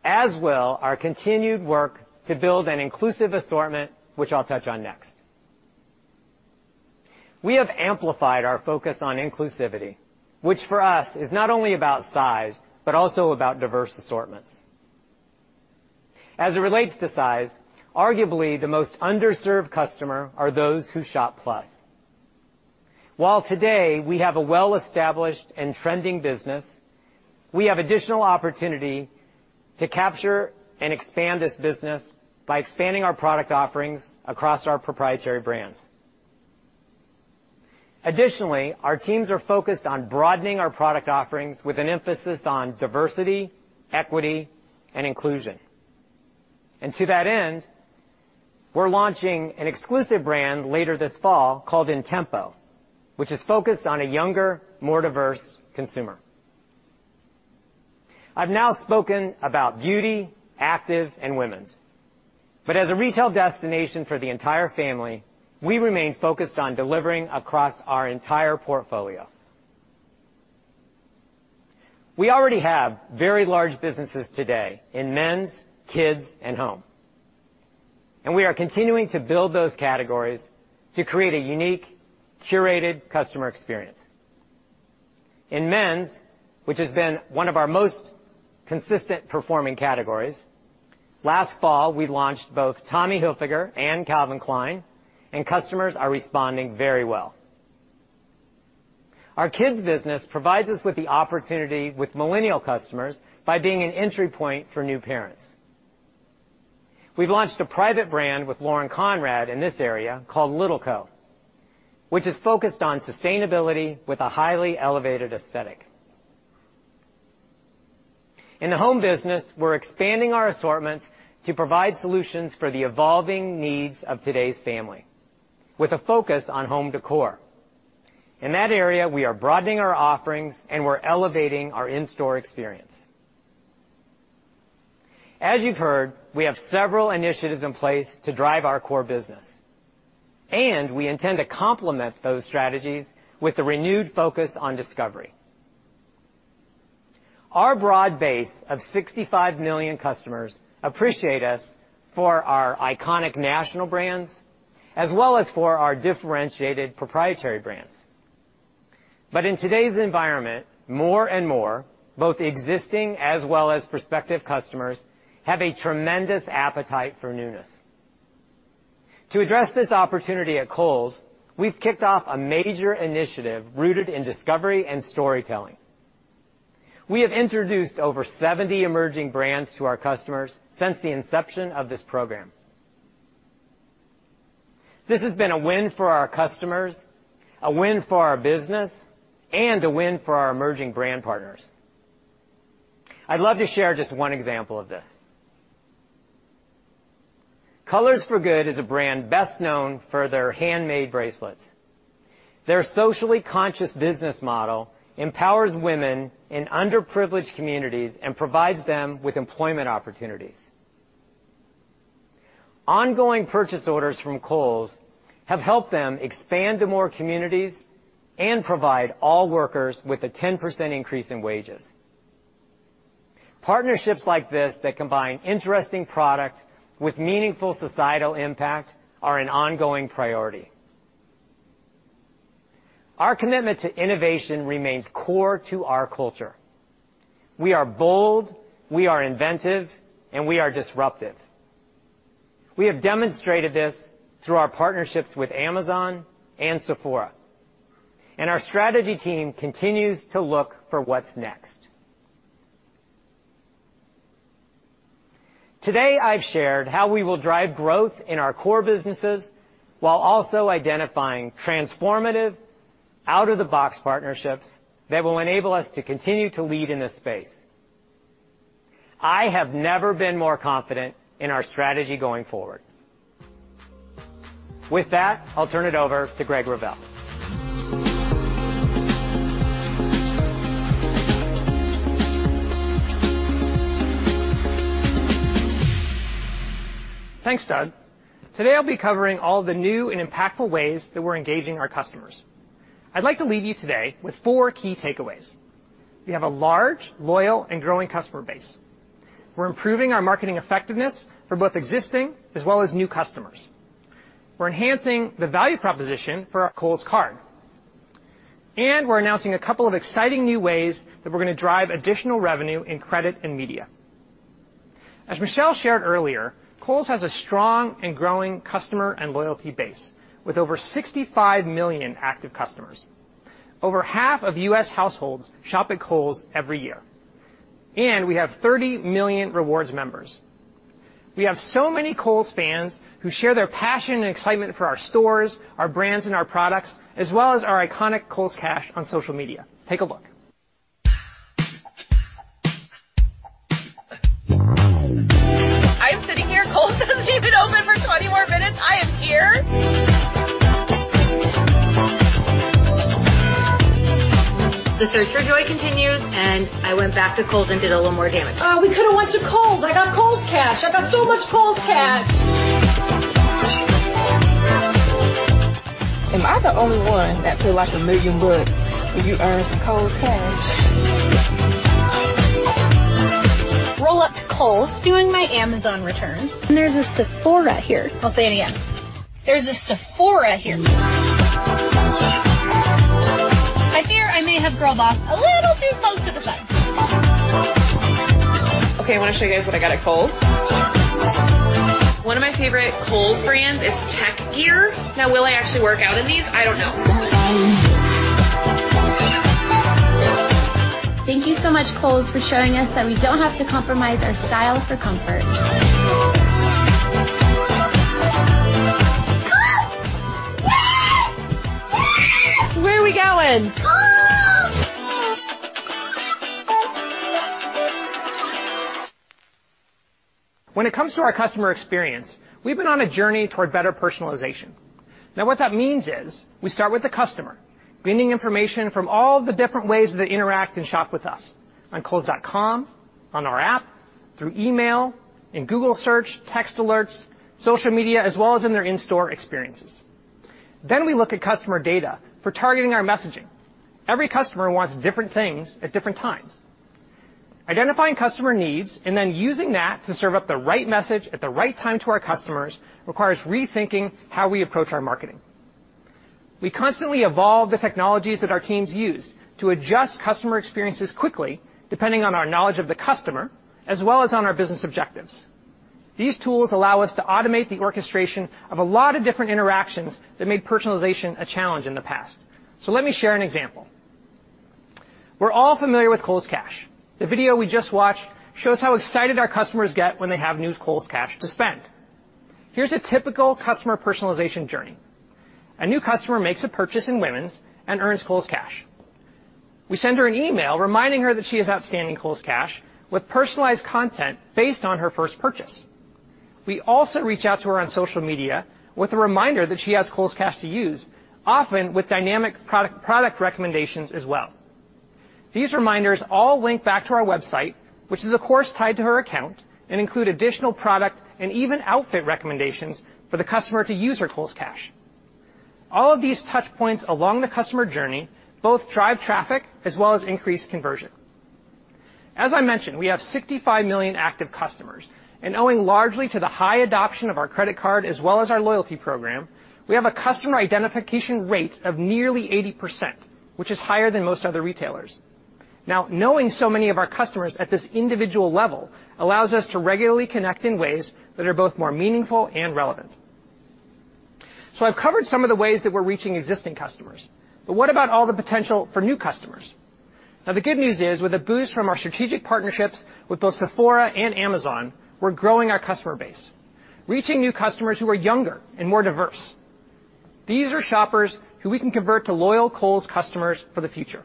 as will our continued work to build an inclusive assortment, which I'll touch on next. We have amplified our focus on inclusivity, which for us is not only about size, but also about diverse assortments. As it relates to size, arguably, the most underserved customer are those who shop plus. While today, we have a well-established and trending business, we have additional opportunity to capture and expand this business by expanding our product offerings across our proprietary brands. Additionally, our teams are focused on broadening our product offerings with an emphasis on diversity, equity, and inclusion. To that end, we're launching an exclusive brand later this fall called In Tempo, which is focused on a younger, more diverse consumer. I've now spoken about beauty, active, and women's. As a retail destination for the entire family, we remain focused on delivering across our entire portfolio. We already have very large businesses today in men's, kids, and home, and we are continuing to build those categories to create a unique, curated customer experience. In men's, which has been one of our most consistent performing categories, last fall, we launched both Tommy Hilfiger and Calvin Klein, and customers are responding very well. Our kids business provides us with the opportunity with millennial customers by being an entry point for new parents. We've launched a private brand with Lauren Conrad in this area called Little Co., which is focused on sustainability with a highly elevated aesthetic. In the home business, we're expanding our assortments to provide solutions for the evolving needs of today's family, with a focus on home decor. In that area, we are broadening our offerings, and we're elevating our in-store experience. As you've heard, we have several initiatives in place to drive our core business, and we intend to complement those strategies with a renewed focus on discovery. Our broad base of 65 million customers appreciate us for our iconic national brands, as well as for our differentiated proprietary brands. In today's environment, more and more, both existing as well as prospective customers have a tremendous appetite for newness. To address this opportunity at Kohl's, we've kicked off a major initiative rooted in discovery and storytelling. We have introduced over 70 emerging brands to our customers since the inception of this program. This has been a win for our customers, a win for our business, and a win for our emerging brand partners. I'd love to share just one example of this. Colors For Good is a brand best known for their handmade bracelets. Their socially conscious business model empowers women in underprivileged communities and provides them with employment opportunities. Ongoing purchase orders from Kohl's have helped them expand to more communities and provide all workers with a 10% increase in wages. Partnerships like this that combine interesting product with meaningful societal impact are an ongoing priority. Our commitment to innovation remains core to our culture. We are bold, we are inventive, and we are disruptive. We have demonstrated this through our partnerships with Amazon and Sephora, and our strategy team continues to look for what's next. Today, I've shared how we will drive growth in our core businesses while also identifying transformative out-of-the-box partnerships that will enable us to continue to lead in this space. I have never been more confident in our strategy going forward. With that, I'll turn it over to Greg Revelle. Thanks, Doug. Today, I'll be covering all the new and impactful ways that we're engaging our customers. I'd like to leave you today with four key takeaways. We have a large, loyal, and growing customer base. We're improving our marketing effectiveness for both existing as well as new customers. We're enhancing the value proposition for our Kohl's card. We're announcing a couple of exciting new ways that we're gonna drive additional revenue in credit and media. As Michelle shared earlier, Kohl's has a strong and growing customer and loyalty base, with over 65 million active customers. Over half of U.S. households shop at Kohl's every year. We have 30 million Rewards members. We have so many Kohl's fans who share their passion and excitement for our stores, our brands, and our products, as well as our iconic Kohl's Cash on social media. Take a look. I'm sitting here. Kohl's doesn't even open for 20 more minutes. I am here. The search for joy continues, and I went back to Kohl's and did a little more damage. Oh, we could have went to Kohl's. I got Kohl's Cash. I got so much Kohl's Cash. Am I the only one that feel like a million bucks when you earn some Kohl's Cash? Roll up to Kohl's doing my Amazon returns, and there's a Sephora here. I'll say it again. There's a Sephora here. I fear I may have girl bossed a little too close to the sun. Okay, I wanna show you guys what I got at Kohl's. One of my favorite Kohl's brands is Tek Gear. Now, will I actually work out in these? I don't know. Thank you so much, Kohl's, for showing us that we don't have to compromise our style for comfort. Kohl's. Yes. Yes .Where are we going? Kohl's. When it comes to our customer experience, we've been on a journey toward better personalization. Now what that means is, we start with the customer, bringing information from all the different ways that they interact and shop with us, on kohls.com, on our app, through email, in Google Search, text alerts, social media, as well as in their in-store experiences. We look at customer data for targeting our messaging. Every customer wants different things at different times. Identifying customer needs and then using that to serve up the right message at the right time to our customers requires rethinking how we approach our marketing. We constantly evolve the technologies that our teams use to adjust customer experiences quickly, depending on our knowledge of the customer as well as on our business objectives. These tools allow us to automate the orchestration of a lot of different interactions that made personalization a challenge in the past. Let me share an example. We're all familiar with Kohl's Cash. The video we just watched shows how excited our customers get when they have new Kohl's Cash to spend. Here's a typical customer personalization journey. A new customer makes a purchase in women's and earns Kohl's Cash. We send her an email reminding her that she has outstanding Kohl's Cash with personalized content based on her first purchase. We also reach out to her on social media with a reminder that she has Kohl's Cash to use, often with dynamic product recommendations as well. These reminders all link back to our website, which is of course, tied to her account and include additional product and even outfit recommendations for the customer to use her Kohl's Cash. All of these touchpoints along the customer journey both drive traffic as well as increase conversion. As I mentioned, we have 65 million active customers, and owing largely to the high adoption of our credit card as well as our loyalty program, we have a customer identification rate of nearly 80%, which is higher than most other retailers. Now, knowing so many of our customers at this individual level allows us to regularly connect in ways that are both more meaningful and relevant. I've covered some of the ways that we're reaching existing customers, but what about all the potential for new customers? Now, the good news is, with a boost from our strategic partnerships with both Sephora and Amazon, we're growing our customer base, reaching new customers who are younger and more diverse. These are shoppers who we can convert to loyal Kohl's customers for the future.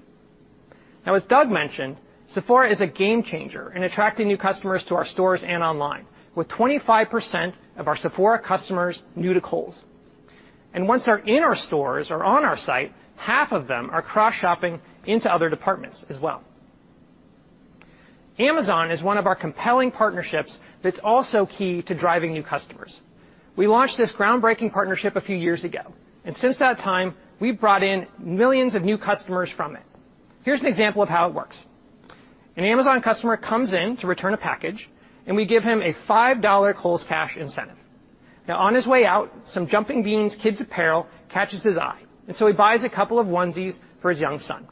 Now, as Doug mentioned, Sephora is a game changer in attracting new customers to our stores and online, with 25% of our Sephora customers new to Kohl's. Once they're in our stores or on our site, half of them are cross-shopping into other departments as well. Amazon is one of our compelling partnerships that's also key to driving new customers. We launched this groundbreaking partnership a few years ago, and since that time, we've brought in millions of new customers from it. Here's an example of how it works. An Amazon customer comes in to return a package, and we give him a $5 Kohl's Cash incentive. Now on his way out, some Jumping Beans kids apparel catches his eye, and so he buys a couple of onesies for his young son.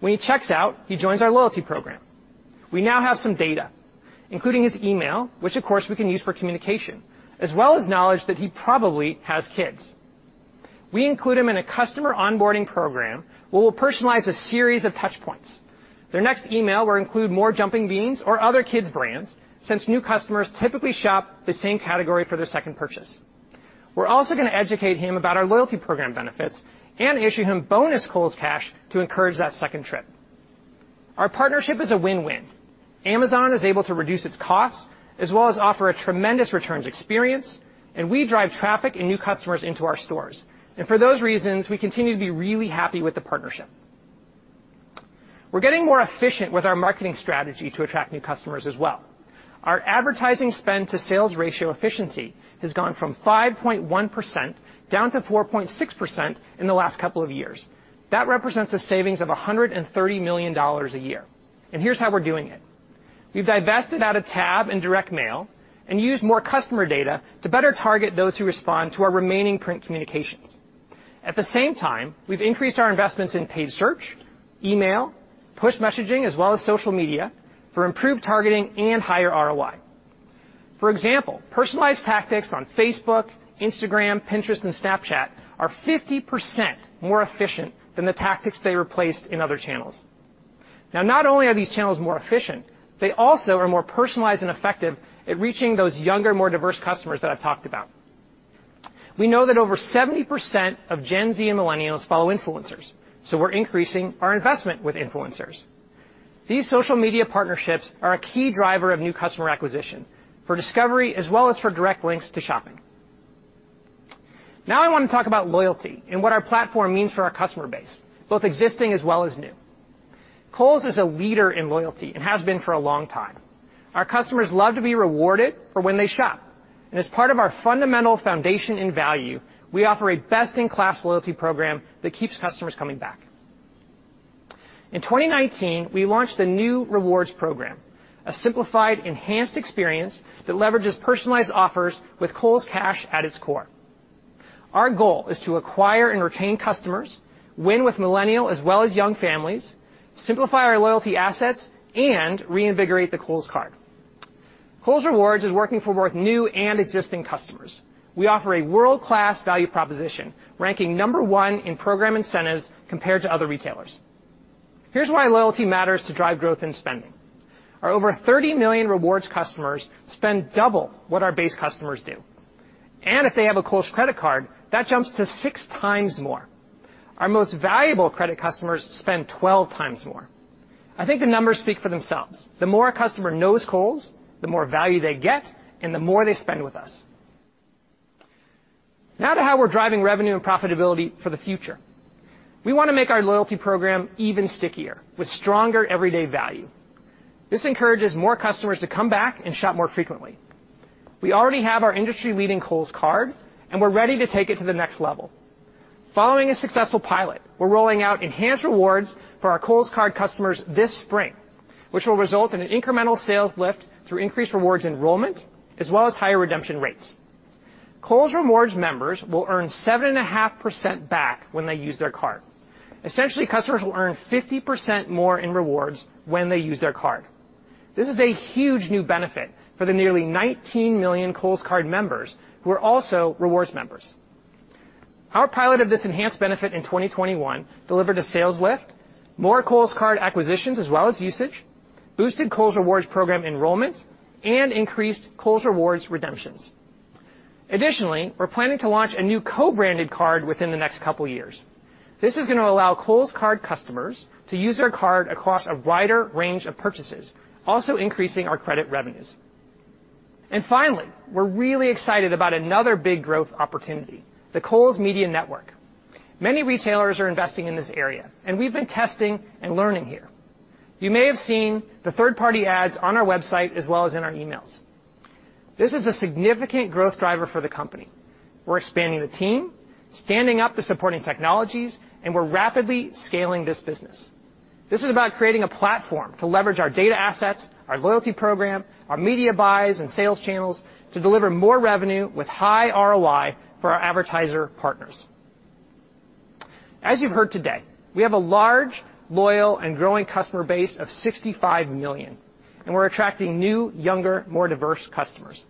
When he checks out, he joins our loyalty program. We now have some data, including his email, which of course, we can use for communication, as well as knowledge that he probably has kids. We include him in a customer onboarding program where we'll personalize a series of touchpoints. Their next email will include more Jumping Beans or other kids' brands, since new customers typically shop the same category for their second purchase. We're also gonna educate him about our loyalty program benefits and issue him bonus Kohl's Cash to encourage that second trip. Our partnership is a win-win. Amazon is able to reduce its costs as well as offer a tremendous returns experience, and we drive traffic and new customers into our stores. For those reasons, we continue to be really happy with the partnership. We're getting more efficient with our marketing strategy to attract new customers as well. Our advertising spend to sales ratio efficiency has gone from 5.1% down to 4.6% in the last couple of years. That represents a savings of $130 million a year. Here's how we're doing it. We've divested out of TV and direct mail and used more customer data to better target those who respond to our remaining print communications. At the same time, we've increased our investments in paid search, email, push messaging, as well as social media for improved targeting and higher ROI. For example, personalized tactics on Facebook, Instagram, Pinterest, and Snapchat are 50% more efficient than the tactics they replaced in other channels. Now, not only are these channels more efficient, they also are more personalized and effective at reaching those younger, more diverse customers that I've talked about. We know that over 70% of Gen Z and millennials follow influencers, so we're increasing our investment with influencers. These social media partnerships are a key driver of new customer acquisition for discovery as well as for direct links to shopping. Now I want to talk about loyalty and what our platform means for our customer base, both existing as well as new. Kohl's is a leader in loyalty and has been for a long time. Our customers love to be rewarded for when they shop. As part of our fundamental foundation and value, we offer a best-in-class loyalty program that keeps customers coming back. In 2019, we launched a new rewards program, a simplified, enhanced experience that leverages personalized offers with Kohl's Cash at its core. Our goal is to acquire and retain customers, win with Millennials as well as young families, simplify our loyalty assets, and reinvigorate the Kohl's card. Kohl's Rewards is working for both new and existing customers. We offer a world-class value proposition, ranking one in program incentives compared to other retailers. Here's why loyalty matters to drive growth in spending. Our over 30 million Rewards customers spend double what our base customers do. If they have a Kohl's credit card, that jumps to 6x more. Our most valuable credit customers spend 12x more. I think the numbers speak for themselves. The more a customer knows Kohl's, the more value they get and the more they spend with us. Now to how we're driving revenue and profitability for the future. We want to make our loyalty program even stickier with stronger everyday value. This encourages more customers to come back and shop more frequently. We already have our industry-leading Kohl's Card, and we're ready to take it to the next level. Following a successful pilot, we're rolling out enhanced rewards for our Kohl's Card customers this spring, which will result in an incremental sales lift through increased rewards enrollment as well as higher redemption rates. Kohl's Rewards members will earn 7.5% back when they use their card. Essentially, customers will earn 50% more in rewards when they use their card. This is a huge new benefit for the nearly 19 million Kohl's Card members who are also Rewards members. Our pilot of this enhanced benefit in 2021 delivered a sales lift, more Kohl's Card acquisitions as well as usage, boosted Kohl's Rewards program enrollment, and increased Kohl's Rewards redemptions. Additionally, we're planning to launch a new co-branded card within the next couple years. This is gonna allow Kohl's card customers to use their card across a wider range of purchases, also increasing our credit revenues. We're really excited about another big growth opportunity, the Kohl's Media Network. Many retailers are investing in this area, and we've been testing and learning here. You may have seen the third-party ads on our website as well as in our emails. This is a significant growth driver for the company. We're expanding the team, standing up the supporting technologies, and we're rapidly scaling this business. This is about creating a platform to leverage our data assets, our loyalty program, our media buys and sales channels to deliver more revenue with high ROI for our advertiser partners. As you've heard today, we have a large, loyal, and growing customer base of 65 million, and we're attracting new, younger, more diverse customers.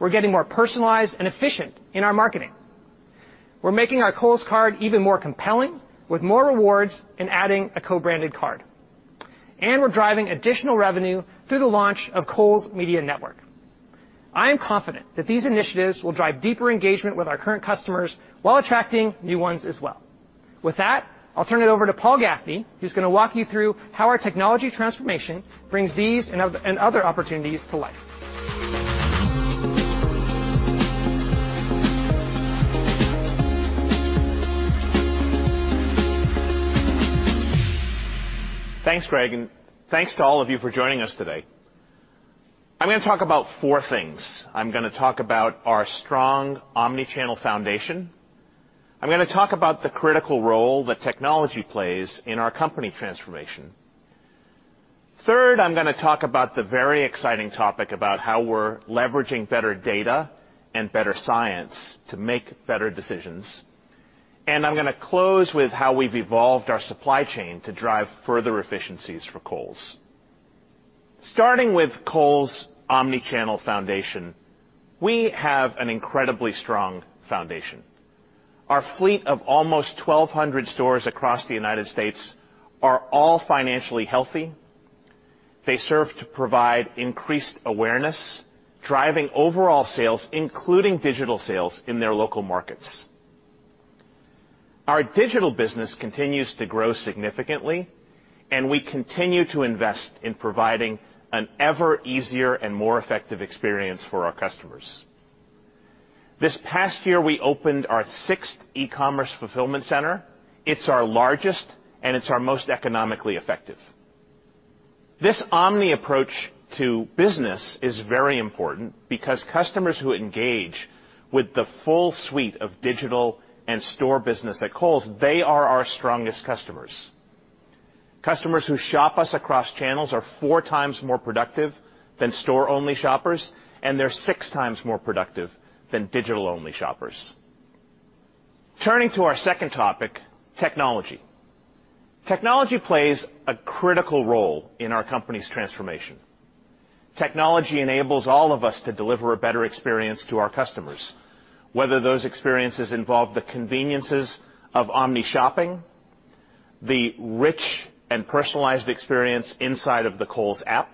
We're getting more personalized and efficient in our marketing. We're making our Kohl's card even more compelling with more rewards and adding a co-branded card. We're driving additional revenue through the launch of Kohl's Media Network. I am confident that these initiatives will drive deeper engagement with our current customers while attracting new ones as well. With that, I'll turn it over to Paul Gaffney, who's gonna walk you through how our technology transformation brings these and other opportunities to life. Thanks, Greg, and thanks to all of you for joining us today. I'm gonna talk about four things. I'm gonna talk about our strong omnichannel foundation. I'm gonna talk about the critical role that technology plays in our company transformation. Third, I'm gonna talk about the very exciting topic about how we're leveraging better data and better science to make better decisions. I'm gonna close with how we've evolved our supply chain to drive further efficiencies for Kohl's. Starting with Kohl's omnichannel foundation, we have an incredibly strong foundation. Our fleet of almost 1,200 stores across the United States are all financially healthy. They serve to provide increased awareness, driving overall sales, including digital sales, in their local markets. Our digital business continues to grow significantly, and we continue to invest in providing an ever easier and more effective experience for our customers. This past year, we opened our sixth e-commerce fulfillment center. It's our largest, and it's our most economically effective. This omni approach to business is very important because customers who engage with the full suite of digital and store business at Kohl's, they are our strongest customers. Customers who shop us across channels are 4x more productive than store-only shoppers, and they're 6x more productive than digital-only shoppers. Turning to our second topic, technology. Technology plays a critical role in our company's transformation. Technology enables all of us to deliver a better experience to our customers, whether those experiences involve the conveniences of omni shopping, the rich and personalized experience inside of the Kohl's app,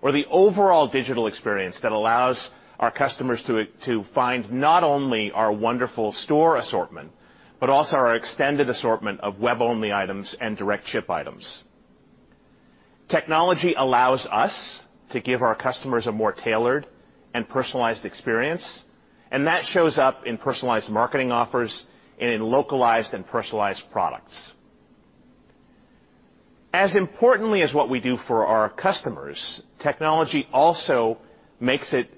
or the overall digital experience that allows our customers to find not only our wonderful store assortment, but also our extended assortment of web-only items and direct ship items. Technology allows us to give our customers a more tailored and personalized experience, and that shows up in personalized marketing offers and in localized and personalized products. As importantly as what we do for our customers, technology also makes it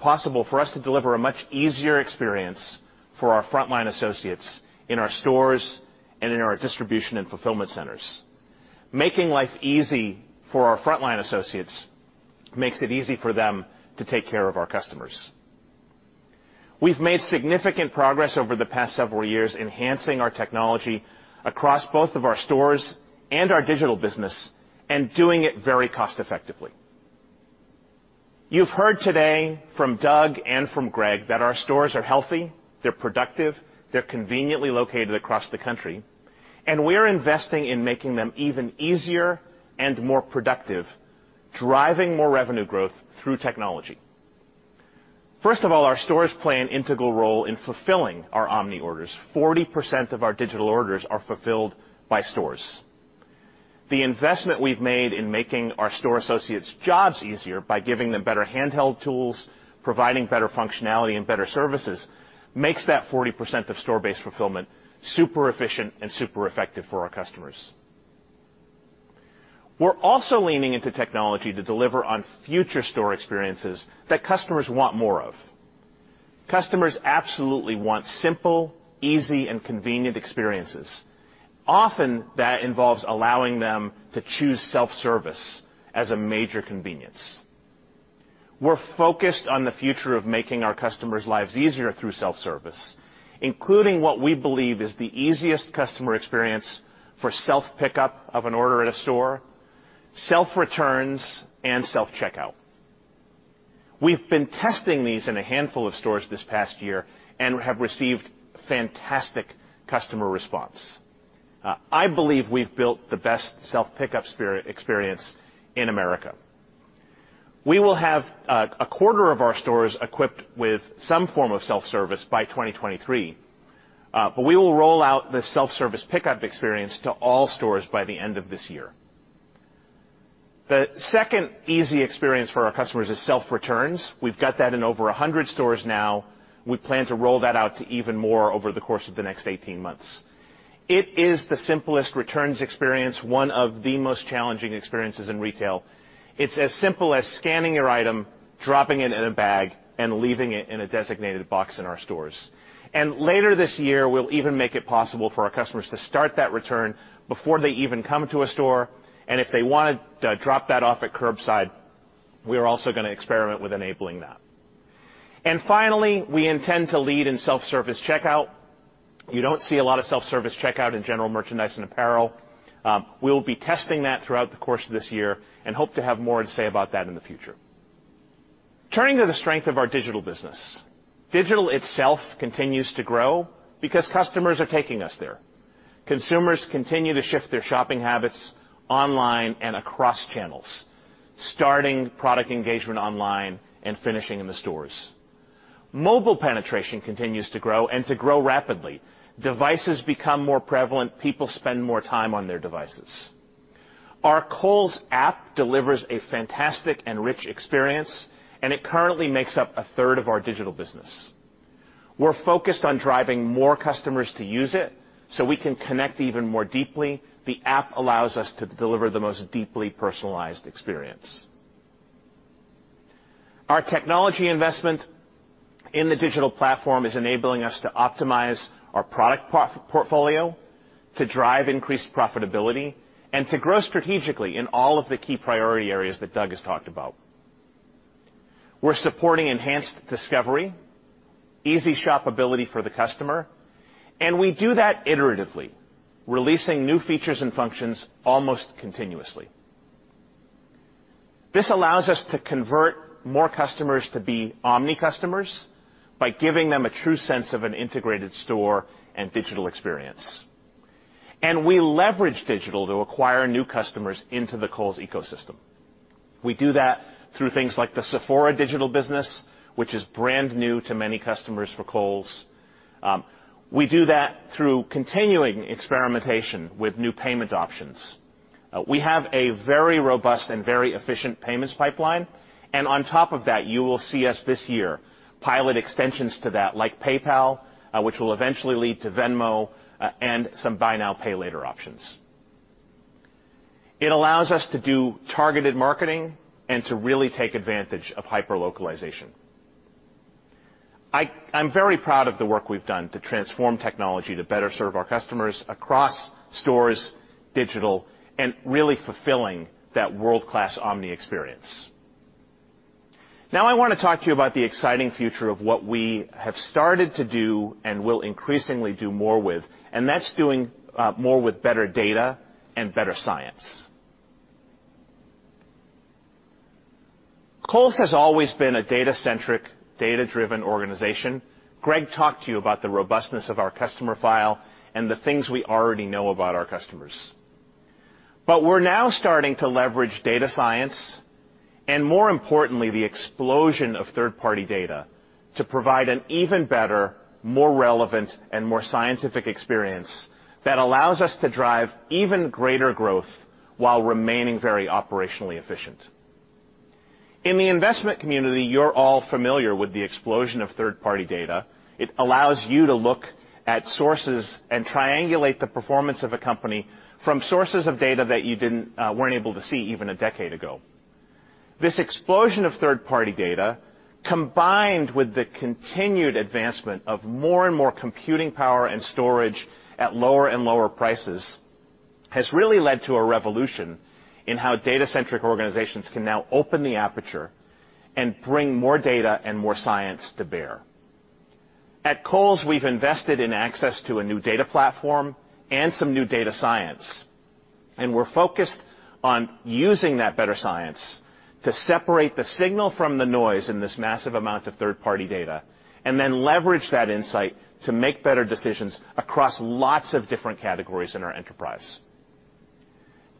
possible for us to deliver a much easier experience for our frontline associates in our stores and in our distribution and fulfillment centers. Making life easy for our frontline associates makes it easy for them to take care of our customers. We've made significant progress over the past several years enhancing our technology across both of our stores and our digital business and doing it very cost effectively. You've heard today from Doug and from Greg that our stores are healthy, they're productive, they're conveniently located across the country, and we're investing in making them even easier and more productive, driving more revenue growth through technology. First of all, our stores play an integral role in fulfilling our omni orders. 40% of our digital orders are fulfilled by stores. The investment we've made in making our store associates' jobs easier by giving them better handheld tools, providing better functionality and better services, makes that 40% of store-based fulfillment super efficient and super effective for our customers. We're also leaning into technology to deliver on future store experiences that customers want more of. Customers absolutely want simple, easy, and convenient experiences. Often, that involves allowing them to choose self-service as a major convenience. We're focused on the future of making our customers' lives easier through self-service, including what we believe is the easiest customer experience for self pickup of an order at a store, self returns, and self-checkout. We've been testing these in a handful of stores this past year and have received fantastic customer response. I believe we've built the best self-pickup experience in America. We will have a quarter of our stores equipped with some form of self-service by 2023. We will roll out the self-service pickup experience to all stores by the end of this year. The second easy experience for our customers is self returns. We've got that in over 100 stores now. We plan to roll that out to even more over the course of the next 18 months. It is the simplest returns experience, one of the most challenging experiences in retail. It's as simple as scanning your item, dropping it in a bag, and leaving it in a designated box in our stores. Later this year, we'll even make it possible for our customers to start that return before they even come to a store. If they wanna drop that off at curbside, we are also gonna experiment with enabling that. Finally, we intend to lead in self-service checkout. You don't see a lot of self-service checkout in general merchandise and apparel. We'll be testing that throughout the course of this year and hope to have more to say about that in the future. Turning to the strength of our digital business. Digital itself continues to grow because customers are taking us there. Consumers continue to shift their shopping habits online and across channels, starting product engagement online and finishing in the stores. Mobile penetration continues to grow and to grow rapidly. Devices become more prevalent, people spend more time on their devices. Our Kohl's app delivers a fantastic and rich experience, and it currently makes up a third of our digital business. We're focused on driving more customers to use it so we can connect even more deeply. The app allows us to deliver the most deeply personalized experience. Our technology investment in the digital platform is enabling us to optimize our product portfolio to drive increased profitability and to grow strategically in all of the key priority areas that Doug has talked about. We're supporting enhanced discovery, easy shopability for the customer, and we do that iteratively, releasing new features and functions almost continuously. This allows us to convert more customers to be omni-customers by giving them a true sense of an integrated store and digital experience. We leverage digital to acquire new customers into the Kohl's ecosystem. We do that through things like the Sephora digital business, which is brand new to many customers for Kohl's. We do that through continuing experimentation with new payment options. We have a very robust and very efficient payments pipeline, and on top of that, you will see us this year pilot extensions to that like PayPal, which will eventually lead to Venmo, and some buy now, pay later options. It allows us to do targeted marketing and to really take advantage of hyperlocalization. I'm very proud of the work we've done to transform technology to better serve our customers across stores, digital, and really fulfilling that world-class omni-experience. Now, I wanna talk to you about the exciting future of what we have started to do and will increasingly do more with, and that's doing more with better data and better science. Kohl's has always been a data-centric, data-driven organization. Greg talked to you about the robustness of our customer file and the things we already know about our customers. We're now starting to leverage data science and, more importantly, the explosion of third-party data to provide an even better, more relevant, and more scientific experience that allows us to drive even greater growth while remaining very operationally efficient. In the investment community, you're all familiar with the explosion of third-party data. It allows you to look at sources and triangulate the performance of a company from sources of data that you weren't able to see even a decade ago. This explosion of third-party data, combined with the continued advancement of more and more computing power and storage at lower and lower prices, has really led to a revolution in how data-centric organizations can now open the aperture and bring more data and more science to bear. At Kohl's, we've invested in access to a new data platform and some new data science, and we're focused on using that better science to separate the signal from the noise in this massive amount of third-party data, and then leverage that insight to make better decisions across lots of different categories in our enterprise.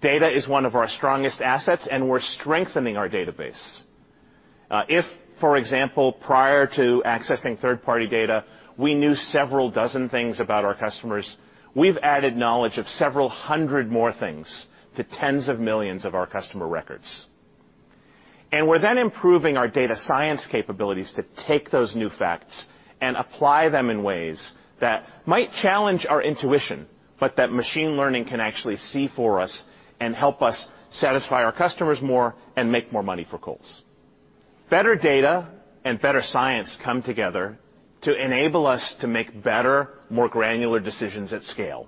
Data is one of our strongest assets, and we're strengthening our database. If, for example, prior to accessing third-party data, we knew several dozen things about our customers, we've added knowledge of several hundred more things to tens of millions of our customer records. We're then improving our data science capabilities to take those new facts and apply them in ways that might challenge our intuition, but that machine learning can actually see for us and help us satisfy our customers more and make more money for Kohl's. Better data and better science come together to enable us to make better, more granular decisions at scale.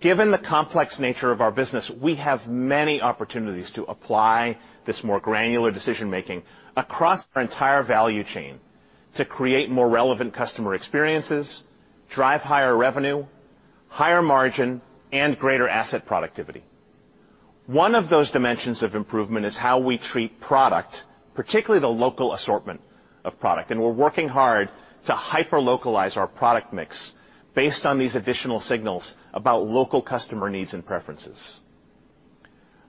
Given the complex nature of our business, we have many opportunities to apply this more granular decision-making across our entire value chain to create more relevant customer experiences, drive higher revenue, higher margin, and greater asset productivity. One of those dimensions of improvement is how we treat product, particularly the local assortment of product, and we're working hard to hyper localize our product mix based on these additional signals about local customer needs and preferences.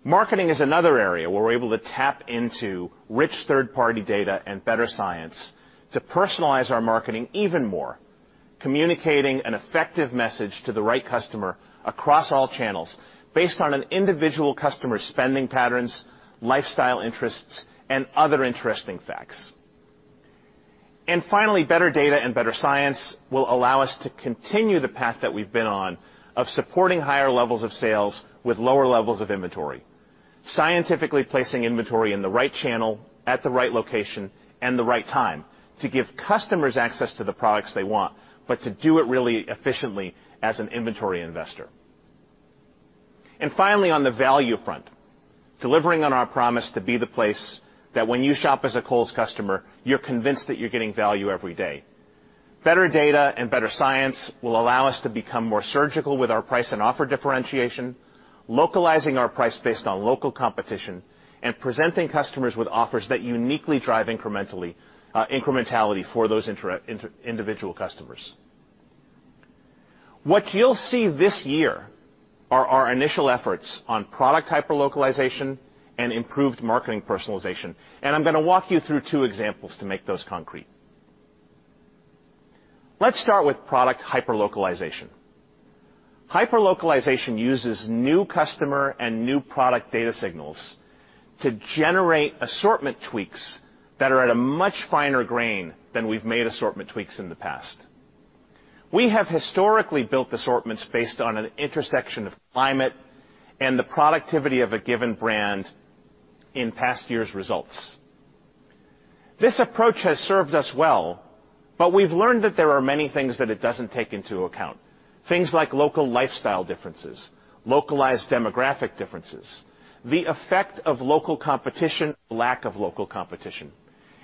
Marketing is another area where we're able to tap into rich third-party data and better science to personalize our marketing even more, communicating an effective message to the right customer across all channels based on an individual customer's spending patterns, lifestyle interests, and other interesting facts. Finally, better data and better science will allow us to continue the path that we've been on of supporting higher levels of sales with lower levels of inventory. Scientifically placing inventory in the right channel at the right location and the right time to give customers access to the products they want, but to do it really efficiently as an inventory investor. Finally, on the value front, delivering on our promise to be the place that when you shop as a Kohl's customer, you're convinced that you're getting value every day. Better data and better science will allow us to become more surgical with our price and offer differentiation, localizing our price based on local competition, and presenting customers with offers that uniquely drive incrementally, incrementality for those individual customers. What you'll see this year are our initial efforts on product hyperlocalization and improved marketing personalization, and I'm gonna walk you through two examples to make those concrete. Let's start with product hyperlocalization. Hyperlocalization uses new customer and new product data signals to generate assortment tweaks that are at a much finer grain than we've made assortment tweaks in the past. We have historically built assortments based on an intersection of climate and the productivity of a given brand in past years' results. This approach has served us well, but we've learned that there are many things that it doesn't take into account. Things like local lifestyle differences, localized demographic differences, the effect of local competition, lack of local competition,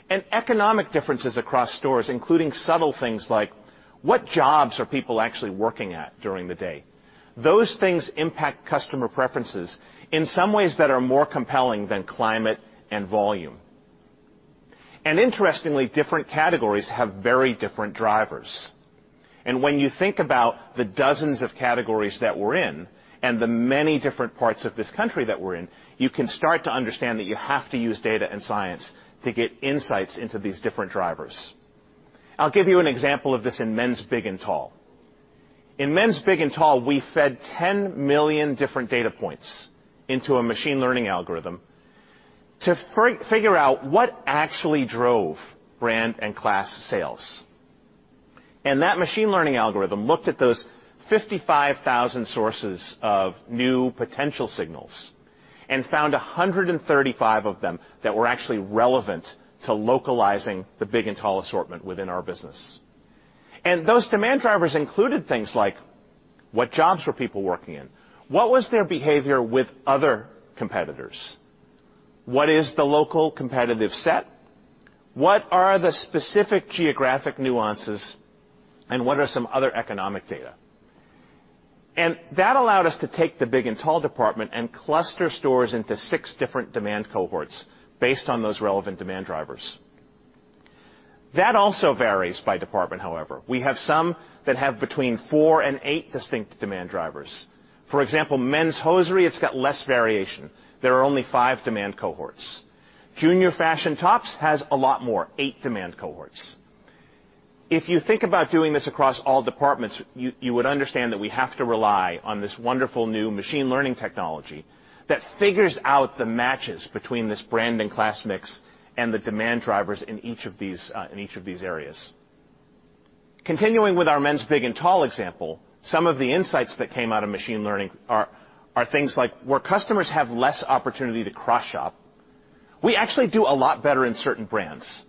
and economic differences across stores, including subtle things like what jobs are people actually working at during the day. Those things impact customer preferences in some ways that are more compelling than climate and volume. Interestingly, different categories have very different drivers. When you think about the dozens of categories that we're in and the many different parts of this country that we're in, you can start to understand that you have to use data and science to get insights into these different drivers. I'll give you an example of this in men's big and tall. In men's big and tall, we fed 10 million different data points into a machine learning algorithm to figure out what actually drove brand and class sales. That machine learning algorithm looked at those 55,000 sources of new potential signals and found 135 of them that were actually relevant to localizing the big and tall assortment within our business. Those demand drivers included things like what jobs were people working in? What was their behavior with other competitors? What is the local competitive set? What are the specific geographic nuances, and what are some other economic data? That allowed us to take the big and tall department and cluster stores into six different demand cohorts based on those relevant demand drivers. That also varies by department, however. We have some that have between four and eight distinct demand drivers. For example, men's hosiery, it's got less variation. There are only five demand cohorts. Junior fashion tops has a lot more, eight demand cohorts. If you think about doing this across all departments, you would understand that we have to rely on this wonderful new machine learning technology that figures out the matches between this brand and class mix and the demand drivers in each of these, in each of these areas. Continuing with our men's big and tall example, some of the insights that came out of machine learning are things like where customers have less opportunity to cross-shop, we actually do a lot better in certain brands.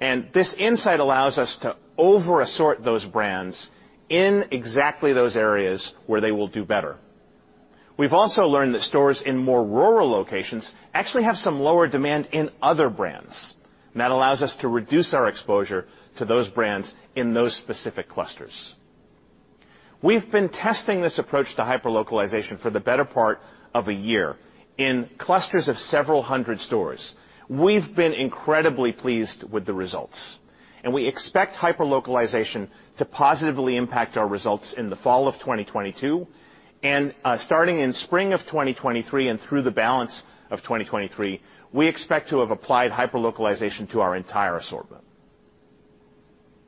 This insight allows us to over-assort those brands in exactly those areas where they will do better. We've also learned that stores in more rural locations actually have some lower demand in other brands, and that allows us to reduce our exposure to those brands in those specific clusters. We've been testing this approach to hyperlocalization for the better part of a year in clusters of several hundred stores. We've been incredibly pleased with the results, and we expect hyperlocalization to positively impact our results in the fall of 2022. Starting in spring of 2023 and through the balance of 2023, we expect to have applied hyperlocalization to our entire assortment.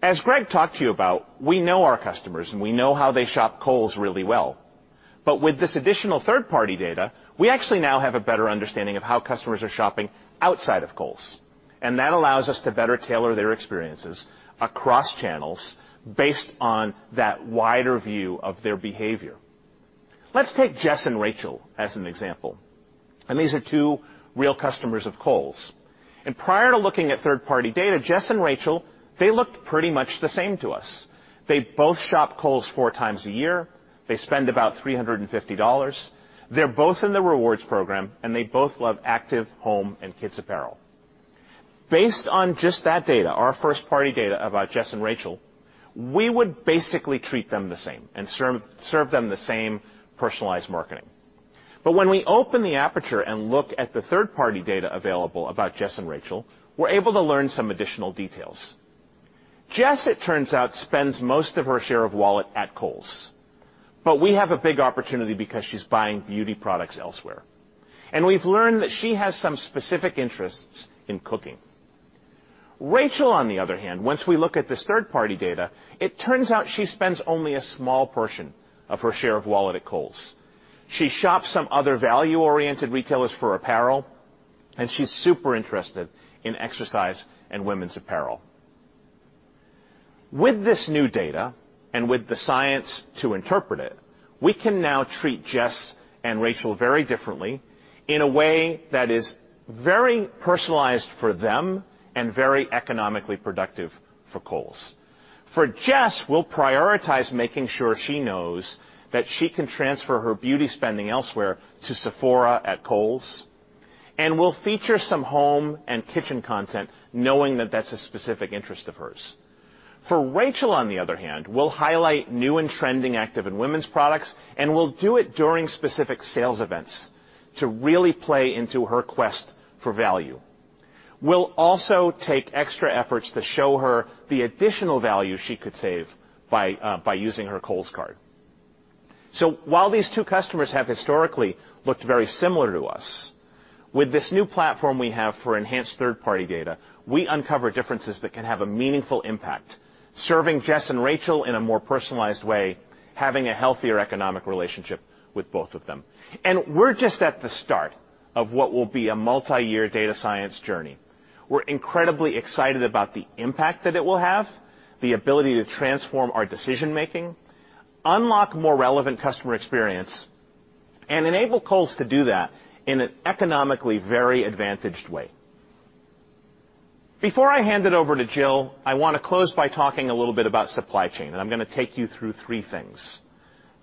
As Greg talked to you about, we know our customers, and we know how they shop Kohl's really well. But with this additional third-party data, we actually now have a better understanding of how customers are shopping outside of Kohl's, and that allows us to better tailor their experiences across channels based on that wider view of their behavior. Let's take Jess and Rachel as an example, and these are two real customers of Kohl's. Prior to looking at third-party data, Jess and Rachel, they looked pretty much the same to us. They both shop Kohl's 4x a year. They spend about $350. They're both in the Rewards program, and they both love active home and kids apparel. Based on just that data, our first-party data about Jess and Rachel, we would basically treat them the same and serve them the same personalized marketing. When we open the aperture and look at the third-party data available about Jess and Rachel, we're able to learn some additional details. Jess, it turns out, spends most of her share of wallet at Kohl's, but we have a big opportunity because she's buying beauty products elsewhere. We've learned that she has some specific interests in cooking. Rachel, on the other hand, once we look at this third party data, it turns out she spends only a small portion of her share of wallet at Kohl's. She shops some other value-oriented retailers for apparel, and she's super interested in exercise and women's apparel. With this new data, and with the science to interpret it, we can now treat Jess and Rachel very differently in a way that is very personalized for them and very economically productive for Kohl's. For Jess, we'll prioritize making sure she knows that she can transfer her beauty spending elsewhere to Sephora at Kohl's, and we'll feature some home and kitchen content knowing that that's a specific interest of hers. For Rachel on the other hand, we'll highlight new and trending active and women's products, and we'll do it during specific sales events to really play into her quest for value. We'll also take extra efforts to show her the additional value she could save by using her Kohl's card. While these two customers have historically looked very similar to us, with this new platform we have for enhanced third-party data, we uncover differences that can have a meaningful impact, serving Jess and Rachel in a more personalized way, having a healthier economic relationship with both of them. We're just at the start of what will be a multiyear data science journey. We're incredibly excited about the impact that it will have, the ability to transform our decision-making, unlock more relevant customer experience, and enable Kohl's to do that in an economically very advantaged way. Before I hand it over to Jill, I wanna close by talking a little bit about supply chain, and I'm gonna take you through three things.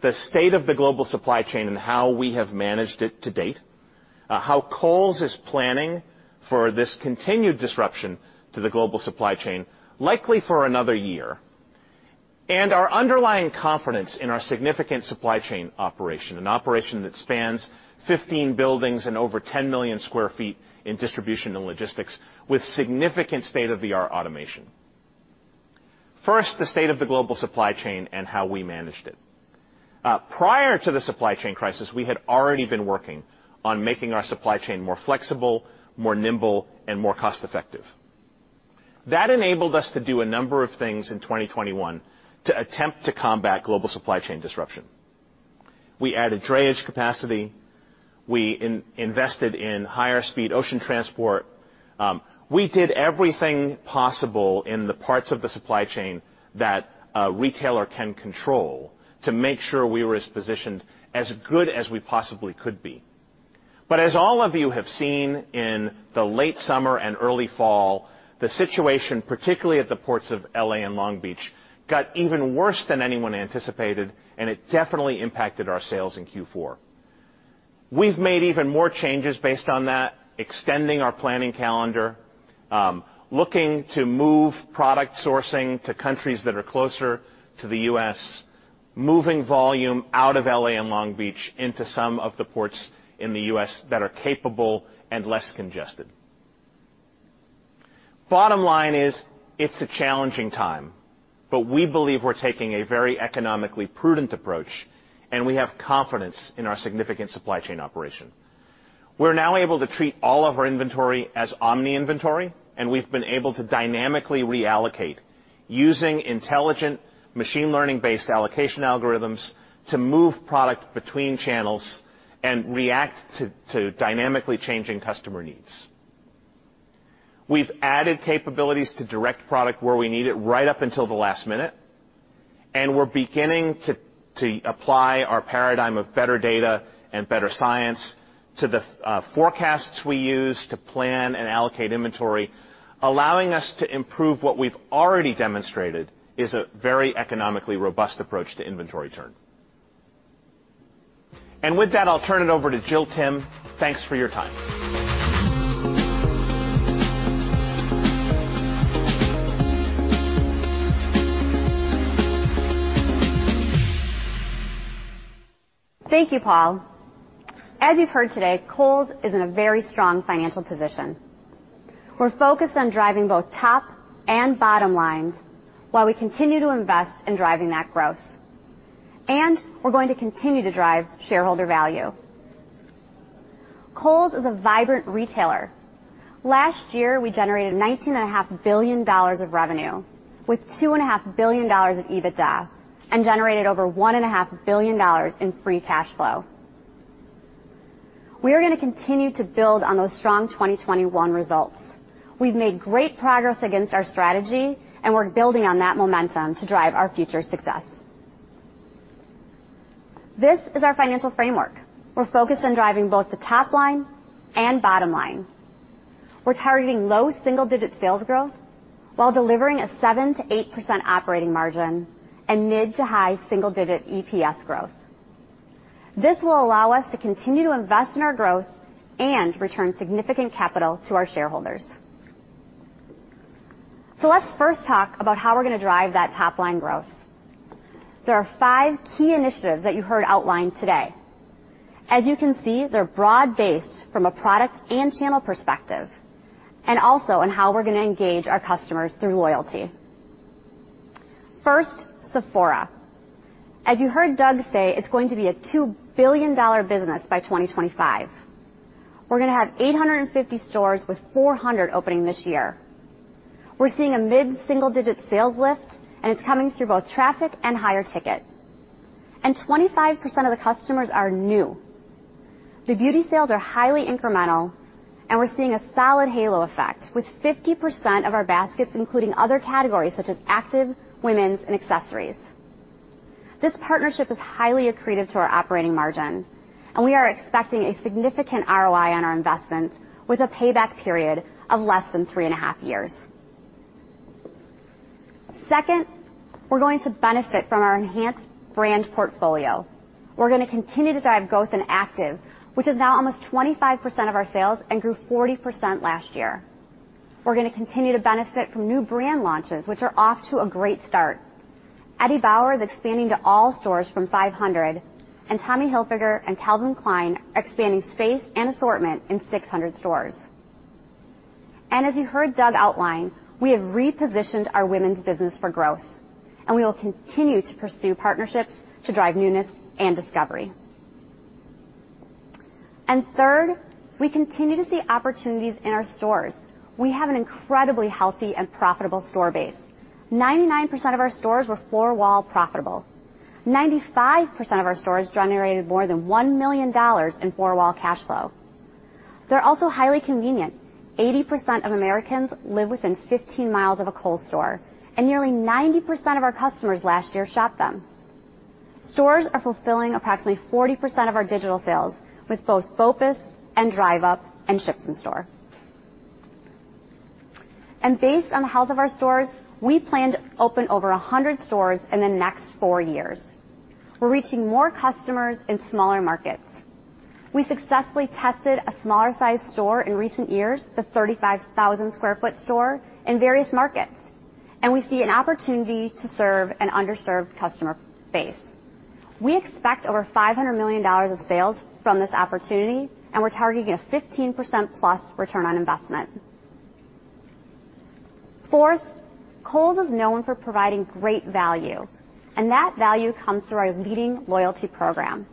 The state of the global supply chain and how we have managed it to date, how Kohl's is planning for this continued disruption to the global supply chain, likely for another year, and our underlying confidence in our significant supply chain operation, an operation that spans 15 buildings and over 10 million sq ft in distribution and logistics with significant state-of-the-art automation. First, the state of the global supply chain and how we managed it. Prior to the supply chain crisis, we had already been working on making our supply chain more flexible, more nimble, and more cost-effective. That enabled us to do a number of things in 2021 to attempt to combat global supply chain disruption. We added drayage capacity. We invested in higher speed ocean transport. We did everything possible in the parts of the supply chain that a retailer can control to make sure we were as positioned as good as we possibly could be. As all of you have seen in the late summer and early fall, the situation, particularly at the ports of L.A. and Long Beach, got even worse than anyone anticipated, and it definitely impacted our sales in Q4. We've made even more changes based on that, extending our planning calendar, looking to move product sourcing to countries that are closer to the U.S., moving volume out of L.A. and Long Beach into some of the ports in the U.S. that are capable and less congested. Bottom line is it's a challenging time, but we believe we're taking a very economically prudent approach, and we have confidence in our significant supply chain operation. We're now able to treat all of our inventory as omni-inventory, and we've been able to dynamically reallocate using intelligent machine learning-based allocation algorithms to move product between channels and react to dynamically changing customer needs. We've added capabilities to direct product where we need it right up until the last minute, and we're beginning to apply our paradigm of better data and better science to the forecasts we use to plan and allocate inventory, allowing us to improve what we've already demonstrated is a very economically robust approach to inventory turn. With that, I'll turn it over to Jill Timm. Thanks for your time. Thank you, Paul. As you've heard today, Kohl's is in a very strong financial position. We're focused on driving both top and bottom lines while we continue to invest in driving that growth. We're going to continue to drive shareholder value. Kohl's is a vibrant retailer. Last year, we generated $19.5 billion of revenue with $2.5 billion of EBITDA and generated over $1.5 billion in free cash flow. We are gonna continue to build on those strong 2021 results. We've made great progress against our strategy, and we're building on that momentum to drive our future success. This is our financial framework. We're focused on driving both the top line and bottom line. We're targeting low single-digit sales growth while delivering a 7%-8% operating margin and mid- to high single-digit EPS growth. This will allow us to continue to invest in our growth and return significant capital to our shareholders. Let's first talk about how we're gonna drive that top line growth. There are five key initiatives that you heard outlined today. As you can see, they're broad-based from a product and channel perspective, and also on how we're gonna engage our customers through loyalty. First, Sephora. As you heard Doug say, it's going to be a $2 billion business by 2025. We're gonna have 850 stores with 400 opening this year. We're seeing a mid-single-digit sales lift, and it's coming through both traffic and higher ticket. 25% of the customers are new. The beauty sales are highly incremental, and we're seeing a solid halo effect, with 50% of our baskets including other categories such as active, women's, and accessories. This partnership is highly accretive to our operating margin, and we are expecting a significant ROI on our investments with a payback period of less than 3.5 years. Second, we're going to benefit from our enhanced brand portfolio. We're gonna continue to drive growth in active, which is now almost 25% of our sales and grew 40% last year. We're gonna continue to benefit from new brand launches, which are off to a great start. Eddie Bauer is expanding to all stores from 500, and Tommy Hilfiger and Calvin Klein are expanding space and assortment in 600 stores. As you heard Doug outline, we have repositioned our women's business for growth, and we will continue to pursue partnerships to drive newness and discovery. Third, we continue to see opportunities in our stores. We have an incredibly healthy and profitable store base. 99% of our stores were four-wall profitable. 95% of our stores generated more than $1 million in four-wall cash flow. They're also highly convenient. 80% of Americans live within 15 miles of a Kohl's store, and nearly 90% of our customers last year shopped them. Stores are fulfilling approximately 40% of our digital sales with both BOPUS and drive-up and ship from store. Based on the health of our stores, we plan to open over 100 stores in the next four years. We're reaching more customers in smaller markets. We successfully tested a smaller size store in recent years, the 35,000 sq ft store in various markets, and we see an opportunity to serve an underserved customer base. We expect over $500 million of sales from this opportunity, and we're targeting a 15%+ return on investment. Fourth, Kohl's is known for providing great value, and that value comes through our leading loyalty program.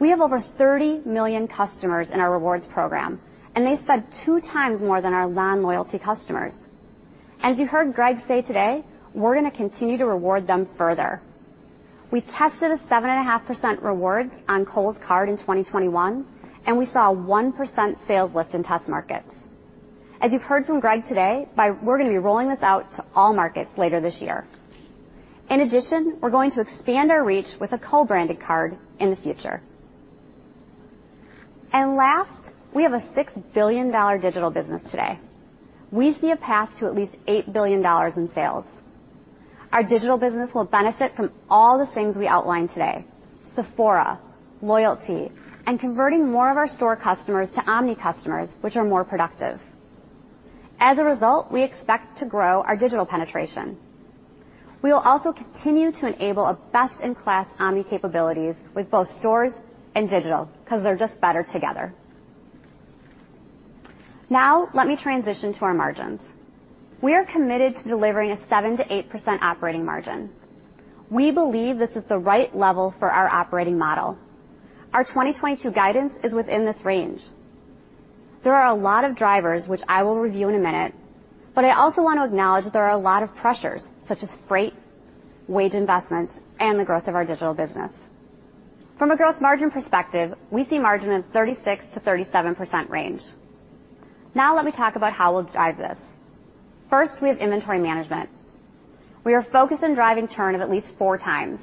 We have over 30 million customers in our rewards program, and they spend 2x more than our non-loyalty customers. As you heard Greg say today, we're gonna continue to reward them further. We tested a 7.5% rewards on Kohl's card in 2021, and we saw a 1% sales lift in test markets. As you've heard from Greg today, we're gonna be rolling this out to all markets later this year. In addition, we're going to expand our reach with a co-branded card in the future. Last, we have a $6 billion digital business today. We see a path to at least $8 billion in sales. Our digital business will benefit from all the things we outlined today, Sephora, loyalty, and converting more of our store customers to omni customers, which are more productive. As a result, we expect to grow our digital penetration. We will also continue to enable a best-in-class omni capabilities with both stores and digital 'cause they're just better together. Now let me transition to our margins. We are committed to delivering a 7%-8% operating margin. We believe this is the right level for our operating model. Our 2022 guidance is within this range. There are a lot of drivers which I will review in a minute, but I also want to acknowledge there are a lot of pressures such as freight, wage investments, and the growth of our digital business. From a gross margin perspective, we see margin in 36%-37% range. Now let me talk about how we'll drive this. First, we have inventory management. We are focused on driving turn of at least 4x.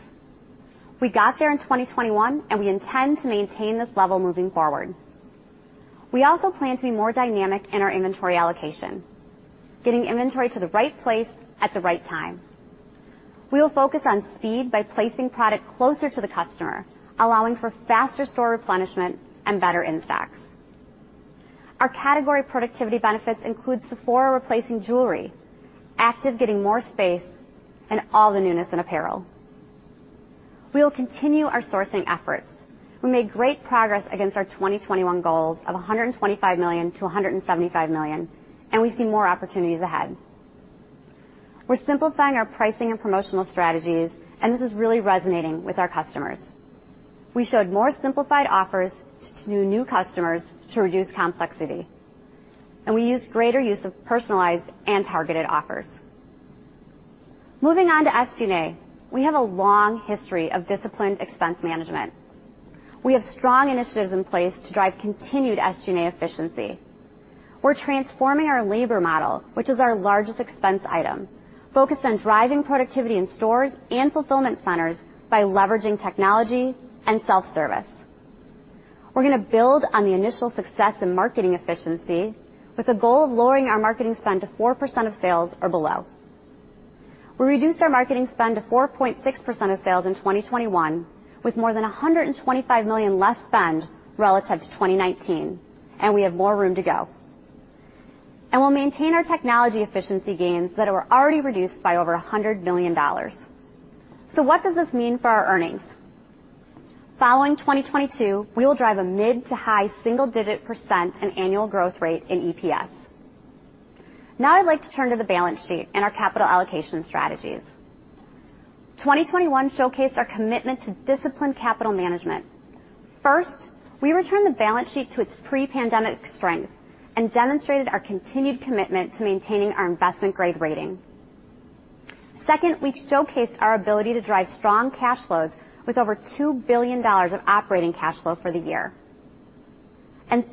We got there in 2021, and we intend to maintain this level moving forward. We also plan to be more dynamic in our inventory allocation, getting inventory to the right place at the right time. We will focus on speed by placing product closer to the customer, allowing for faster store replenishment and better in stocks. Our category productivity benefits include Sephora replacing jewelry, active getting more space, and all the newness in apparel. We will continue our sourcing efforts. We made great progress against our 2021 goals of $125 million-$175 million, and we see more opportunities ahead. We're simplifying our pricing and promotional strategies, and this is really resonating with our customers. We showed more simplified offers to new customers to reduce complexity, and we use greater use of personalized and targeted offers. Moving on to SG&A. We have a long history of disciplined expense management. We have strong initiatives in place to drive continued SG&A efficiency. We're transforming our labor model, which is our largest expense item, focused on driving productivity in stores and fulfillment centers by leveraging technology and self-service. We're gonna build on the initial success in marketing efficiency with the goal of lowering our marketing spend to 4% of sales or below. We reduced our marketing spend to 4.6% of sales in 2021, with more than $125 million less spend relative to 2019, and we have more room to go. We'll maintain our technology efficiency gains that are already reduced by over $100 million. What does this mean for our earnings? Following 2022, we will drive a mid- to high single-digit percent annual growth rate in EPS. Now I'd like to turn to the balance sheet and our capital allocation strategies. 2021 showcased our commitment to disciplined capital management. First, we returned the balance sheet to its pre-pandemic strength and demonstrated our continued commitment to maintaining our investment-grade rating. Second, we've showcased our ability to drive strong cash flows with over $2 billion of operating cash flow for the year.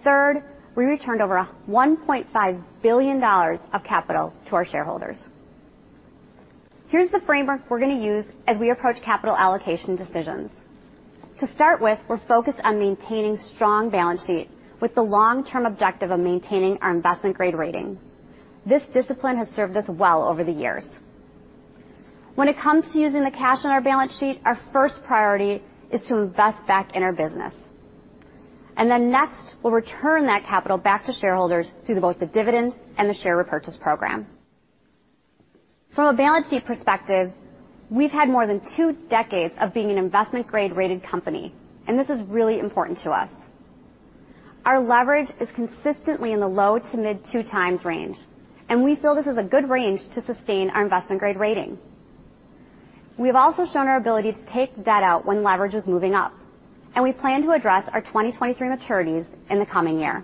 Third, we returned over $1.5 billion of capital to our shareholders. Here's the framework we're gonna use as we approach capital allocation decisions. To start with, we're focused on maintaining strong balance sheet with the long-term objective of maintaining our investment grade rating. This discipline has served us well over the years. When it comes to using the cash on our balance sheet, our first priority is to invest back in our business. Then next, we'll return that capital back to shareholders through both the dividends and the share repurchase program. From a balance sheet perspective, we've had more than two decades of being an investment grade-rated company, and this is really important to us. Our leverage is consistently in the low- to mid-2x range, and we feel this is a good range to sustain our investment-grade rating. We have also shown our ability to take debt out when leverage is moving up, and we plan to address our 2023 maturities in the coming year.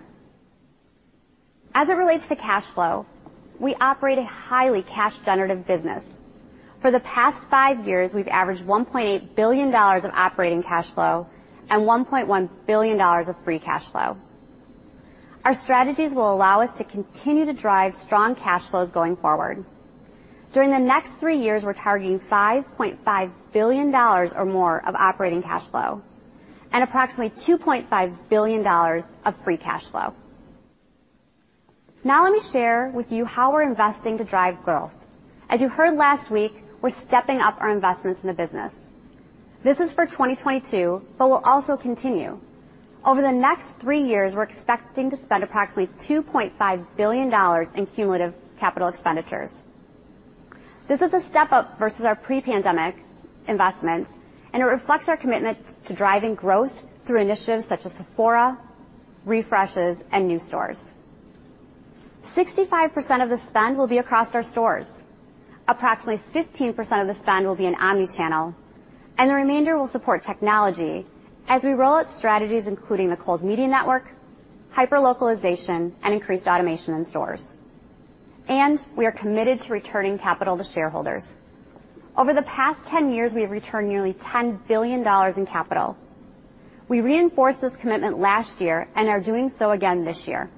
As it relates to cash flow, we operate a highly cash generative business. For the past five years, we've averaged $1.8 billion of operating cash flow and $1.1 billon of free cash flow. Our strategies will allow us to continue to drive strong cash flows going forward. During the next three years, we're targeting $5.5 billion or more of operating cash flow and approximately $2.5 billion of free cash flow. Now let me share with you how we're investing to drive growth. As you heard last week, we're stepping up our investments in the business. This is for 2022, but will also continue. Over the next three years, we're expecting to spend approximately $2.5 billion in cumulative capital expenditures. This is a step-up versus our pre-pandemic investments, and it reflects our commitment to driving growth through initiatives such as Sephora, refreshes, and new stores. 65% of the spend will be across our stores. Approximately 15% of the spend will be in omnichannel, and the remainder will support technology as we roll out strategies including the Kohl's Media Network, hyper-localization, and increased automation in stores. We are committed to returning capital to shareholders. Over the past 10 years, we have returned nearly $10 billion in capital. We reinforced this commitment last year and are doing so again this year.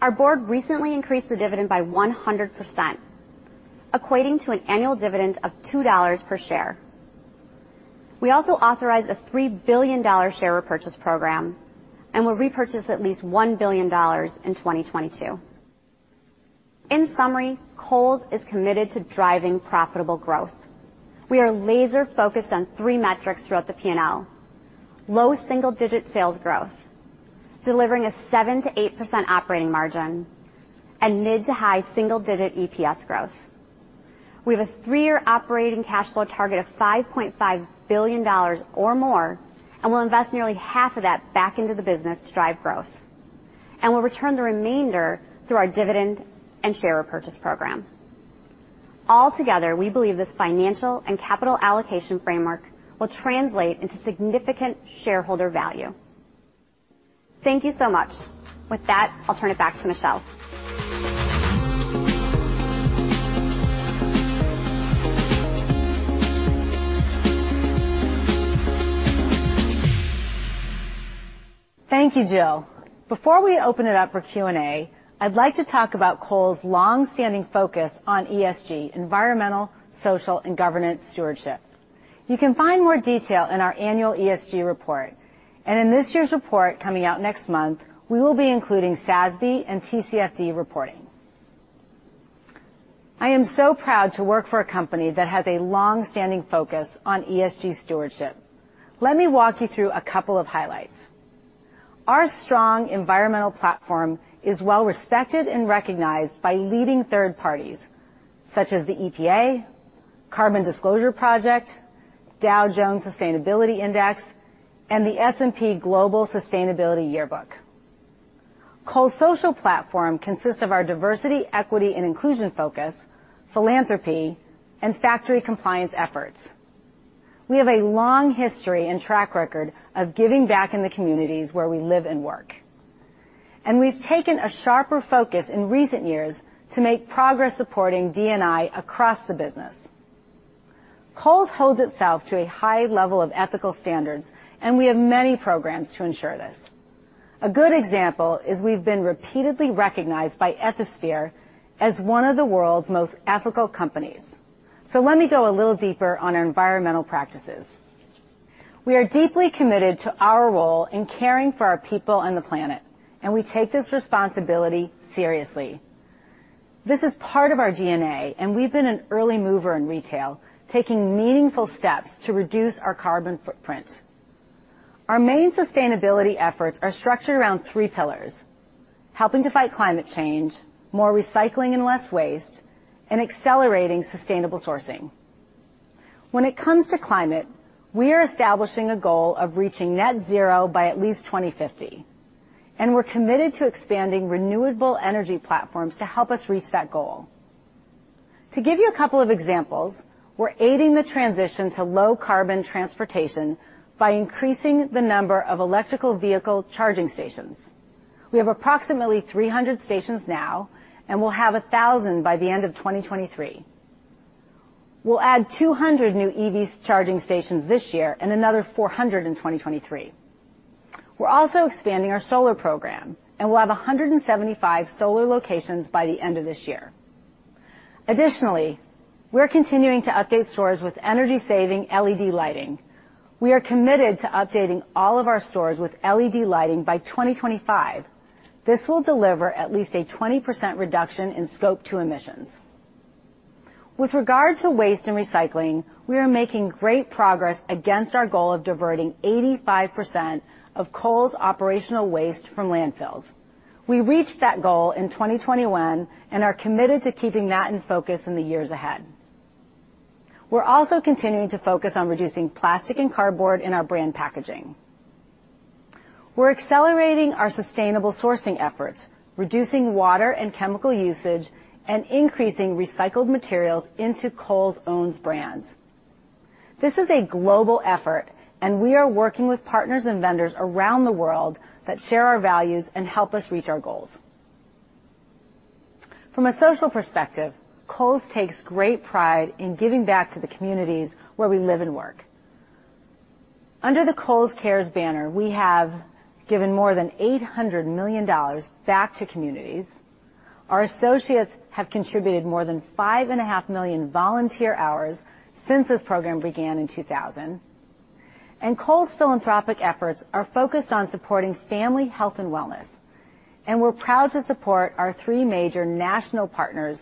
Our board recently increased the dividend by 100%, equating to an annual dividend of $2 per share. We also authorized a $3 billion share repurchase program and will repurchase at least $1 billion in 2022. In summary, Kohl's is committed to driving profitable growth. We are laser-focused on three metrics throughout the P&L: low single-digit sales growth, delivering a 7%-8% operating margin, and mid- to high single-digit EPS growth. We have a three year operating cash flow target of $5.5 billion or more, and we'll invest nearly half of that back into the business to drive growth. We'll return the remainder through our dividend and share repurchase program. Altogether, we believe this financial and capital allocation framework will translate into significant shareholder value. Thank you so much. With that, I'll turn it back to Michelle. Thank you, Jill. Before we open it up for Q&A, I'd like to talk about Kohl's long-standing focus on ESG, environmental, social, and governance stewardship. You can find more detail in our annual ESG report. In this year's report coming out next month, we will be including SASB and TCFD reporting. I am so proud to work for a company that has a long-standing focus on ESG stewardship. Let me walk you through a couple of highlights. Our strong environmental platform is well respected and recognized by leading third parties, such as the EPA, Carbon Disclosure Project, Dow Jones Sustainability Index, and the S&P Global Sustainability Yearbook. Kohl's social platform consists of our diversity, equity, and inclusion focus, philanthropy, and factory compliance efforts. We have a long history and track record of giving back in the communities where we live and work. We've taken a sharper focus in recent years to make progress supporting D&I across the business. Kohl's holds itself to a high level of ethical standards, and we have many programs to ensure this. A good example is we've been repeatedly recognized by Ethisphere as one of the world's most ethical companies. Let me go a little deeper on our environmental practices. We are deeply committed to our role in caring for our people and the planet, and we take this responsibility seriously. This is part of our DNA, and we've been an early mover in retail, taking meaningful steps to reduce our carbon footprint. Our main sustainability efforts are structured around three pillars, helping to fight climate change, more recycling and less waste, and accelerating sustainable sourcing. When it comes to climate, we are establishing a goal of reaching net zero by at least 2050, and we're committed to expanding renewable energy platforms to help us reach that goal. To give you a couple of examples, we're aiding the transition to low carbon transportation by increasing the number of electrical vehicle charging stations. We have approximately 300 stations now and will have 1,000 by the end of 2023. We'll add 200 new EV charging stations this year and another 400 in 2023. We're also expanding our solar program, and we'll have 175 solar locations by the end of this year. Additionally, we're continuing to update stores with energy-saving LED lighting. We are committed to updating all of our stores with LED lighting by 2025. This will deliver at least a 20% reduction in scope 2 emissions. With regard to waste and recycling, we are making great progress against our goal of diverting 85% of Kohl's operational waste from landfills. We reached that goal in 2021 and are committed to keeping that in focus in the years ahead. We're also continuing to focus on reducing plastic and cardboard in our brand packaging. We're accelerating our sustainable sourcing efforts, reducing water and chemical usage, and increasing recycled materials into Kohl's own brands. This is a global effort, and we are working with partners and vendors around the world that share our values and help us reach our goals. From a social perspective, Kohl's takes great pride in giving back to the communities where we live and work. Under the Kohl's Cares banner, we have given more than $800 million back to communities. Our associates have contributed more than 5.5 million volunteer hours since this program began in 2000. Kohl's philanthropic efforts are focused on supporting family health and wellness, and we're proud to support our three major national partners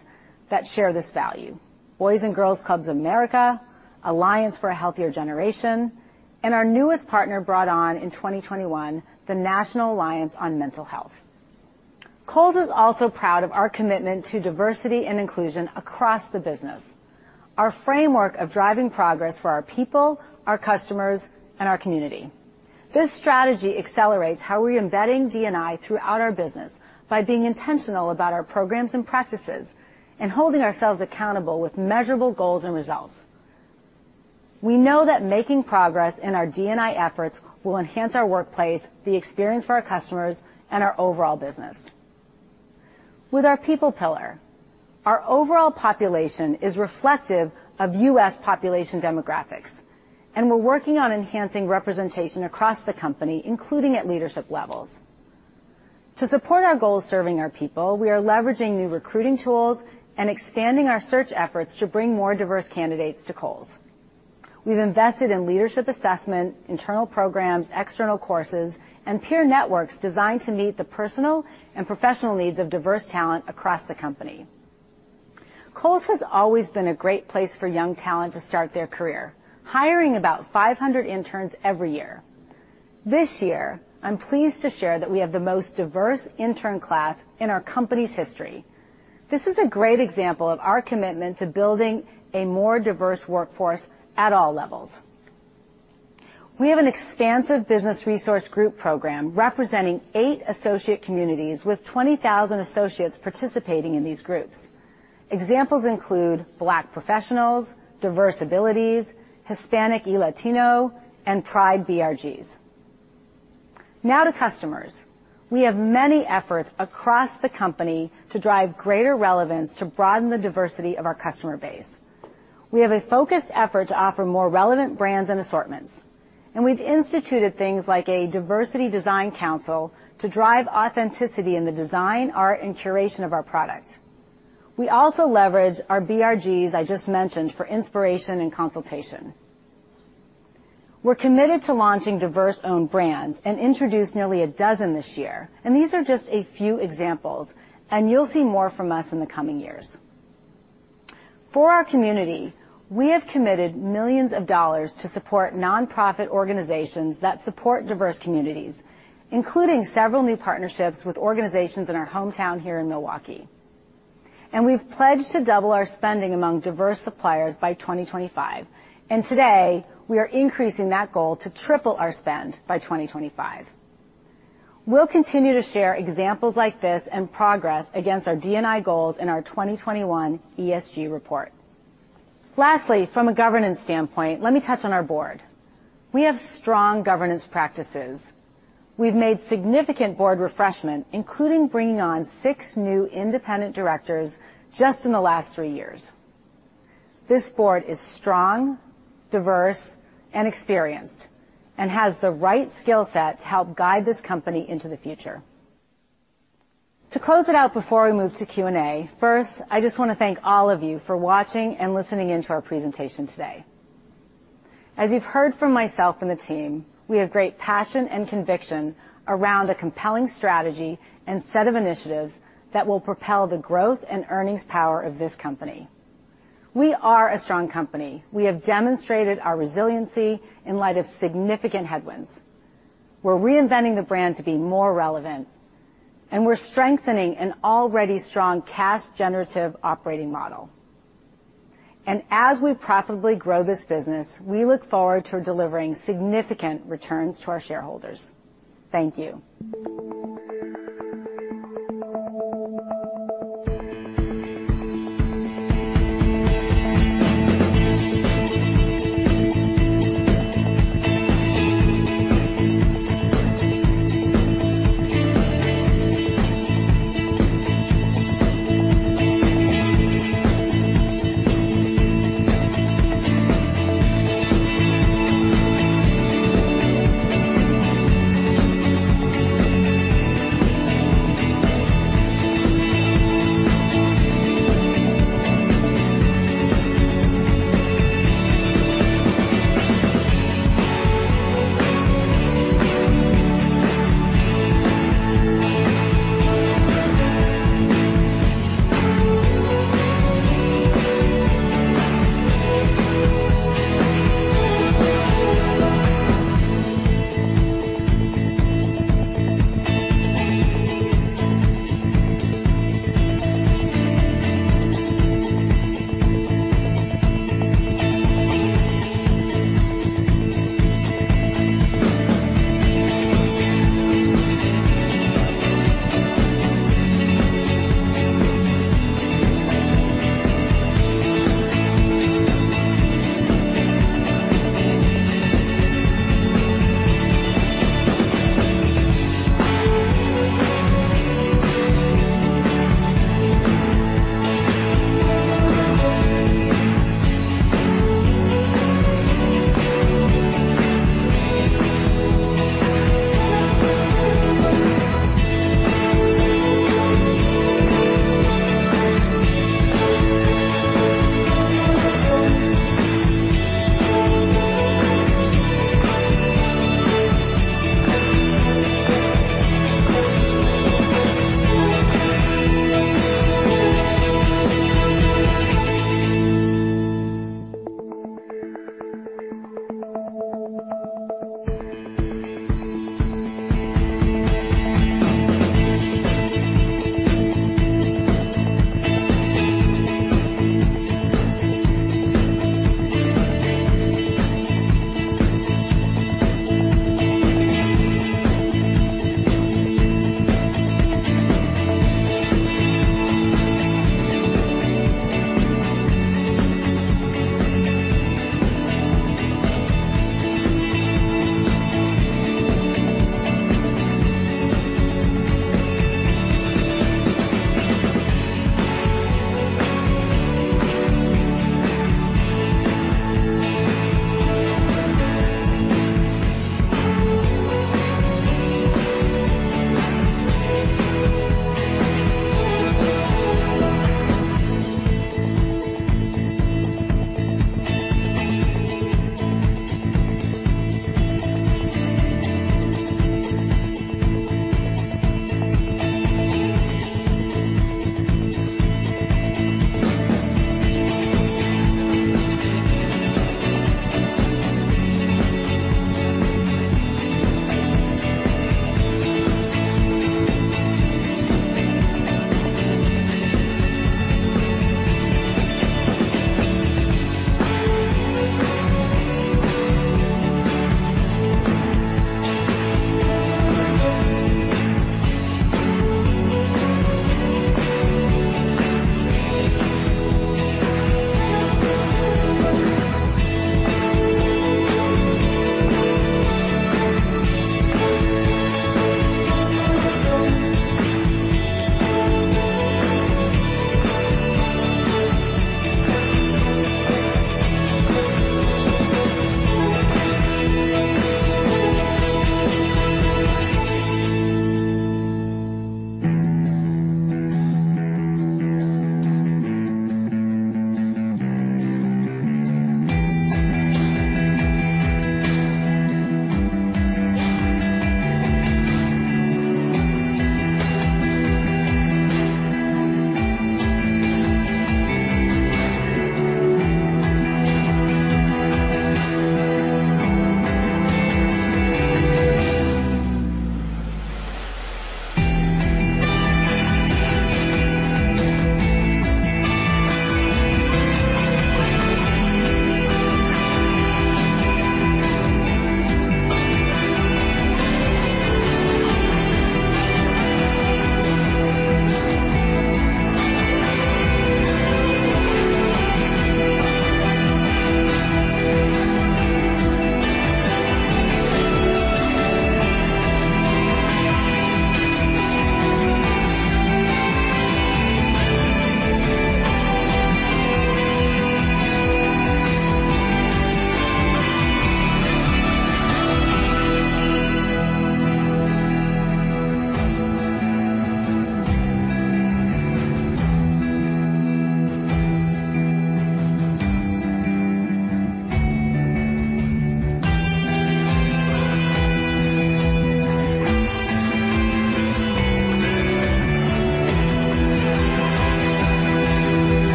that share this value, Boys & Girls Clubs of America, Alliance for a Healthier Generation, and our newest partner brought on in 2021, the National Alliance on Mental Illness. Kohl's is also proud of our commitment to diversity and inclusion across the business, our framework of driving progress for our people, our customers, and our community. This strategy accelerates how we're embedding D&I throughout our business by being intentional about our programs and practices and holding ourselves accountable with measurable goals and results. We know that making progress in our D&I efforts will enhance our workplace, the experience for our customers, and our overall business. With our people pillar, our overall population is reflective of U.S. population demographics, and we're working on enhancing representation across the company, including at leadership levels. To support our goals serving our people, we are leveraging new recruiting tools and expanding our search efforts to bring more diverse candidates to Kohl's. We've invested in leadership assessment, internal programs, external courses, and peer networks designed to meet the personal and professional needs of diverse talent across the company. Kohl's has always been a great place for young talent to start their career, hiring about 500 interns every year. This year, I'm pleased to share that we have the most diverse intern class in our company's history. This is a great example of our commitment to building a more diverse workforce at all levels. We have an expansive business resource group program representing eight associate communities with 20,000 associates participating in these groups. Examples include Black Professionals, Diverse Abilities, Hispanic and Latino, and Pride BRGs. Now to customers. We have many efforts across the company to drive greater relevance to broaden the diversity of our customer base. We have a focused effort to offer more relevant brands and assortments, and we've instituted things like a diversity design council to drive authenticity in the design, art, and curation of our products. We also leverage our BRGs I just mentioned for inspiration and consultation. We're committed to launching diverse owned brands and introduced nearly a dozen this year, and these are just a few examples, and you'll see more from us in the coming years. For our community, we have committed millions of dollars to support nonprofit organizations that support diverse communities, including several new partnerships with organizations in our hometown here in Milwaukee. We've pledged to double our spending among diverse suppliers by 2025. Today, we are increasing that goal to triple our spend by 2025. We'll continue to share examples like this and progress against our D&I goals in our 2021 ESG report. Lastly, from a governance standpoint, let me touch on our board. We have strong governance practices. We've made significant board refreshment, including bringing on six new independent directors just in the last three years. This board is strong, diverse, and experienced and has the right skill set to help guide this company into the future. To close it out before we move to Q&A, first, I just want to thank all of you for watching and listening in to our presentation today. As you've heard from myself and the team, we have great passion and conviction around a compelling strategy and set of initiatives that will propel the growth and earnings power of this company. We are a strong company. We have demonstrated our resiliency in light of significant headwinds. We're reinventing the brand to be more relevant, and we're strengthening an already strong cash generative operating model. As we profitably grow this business, we look forward to delivering significant returns to our shareholders. Thank you.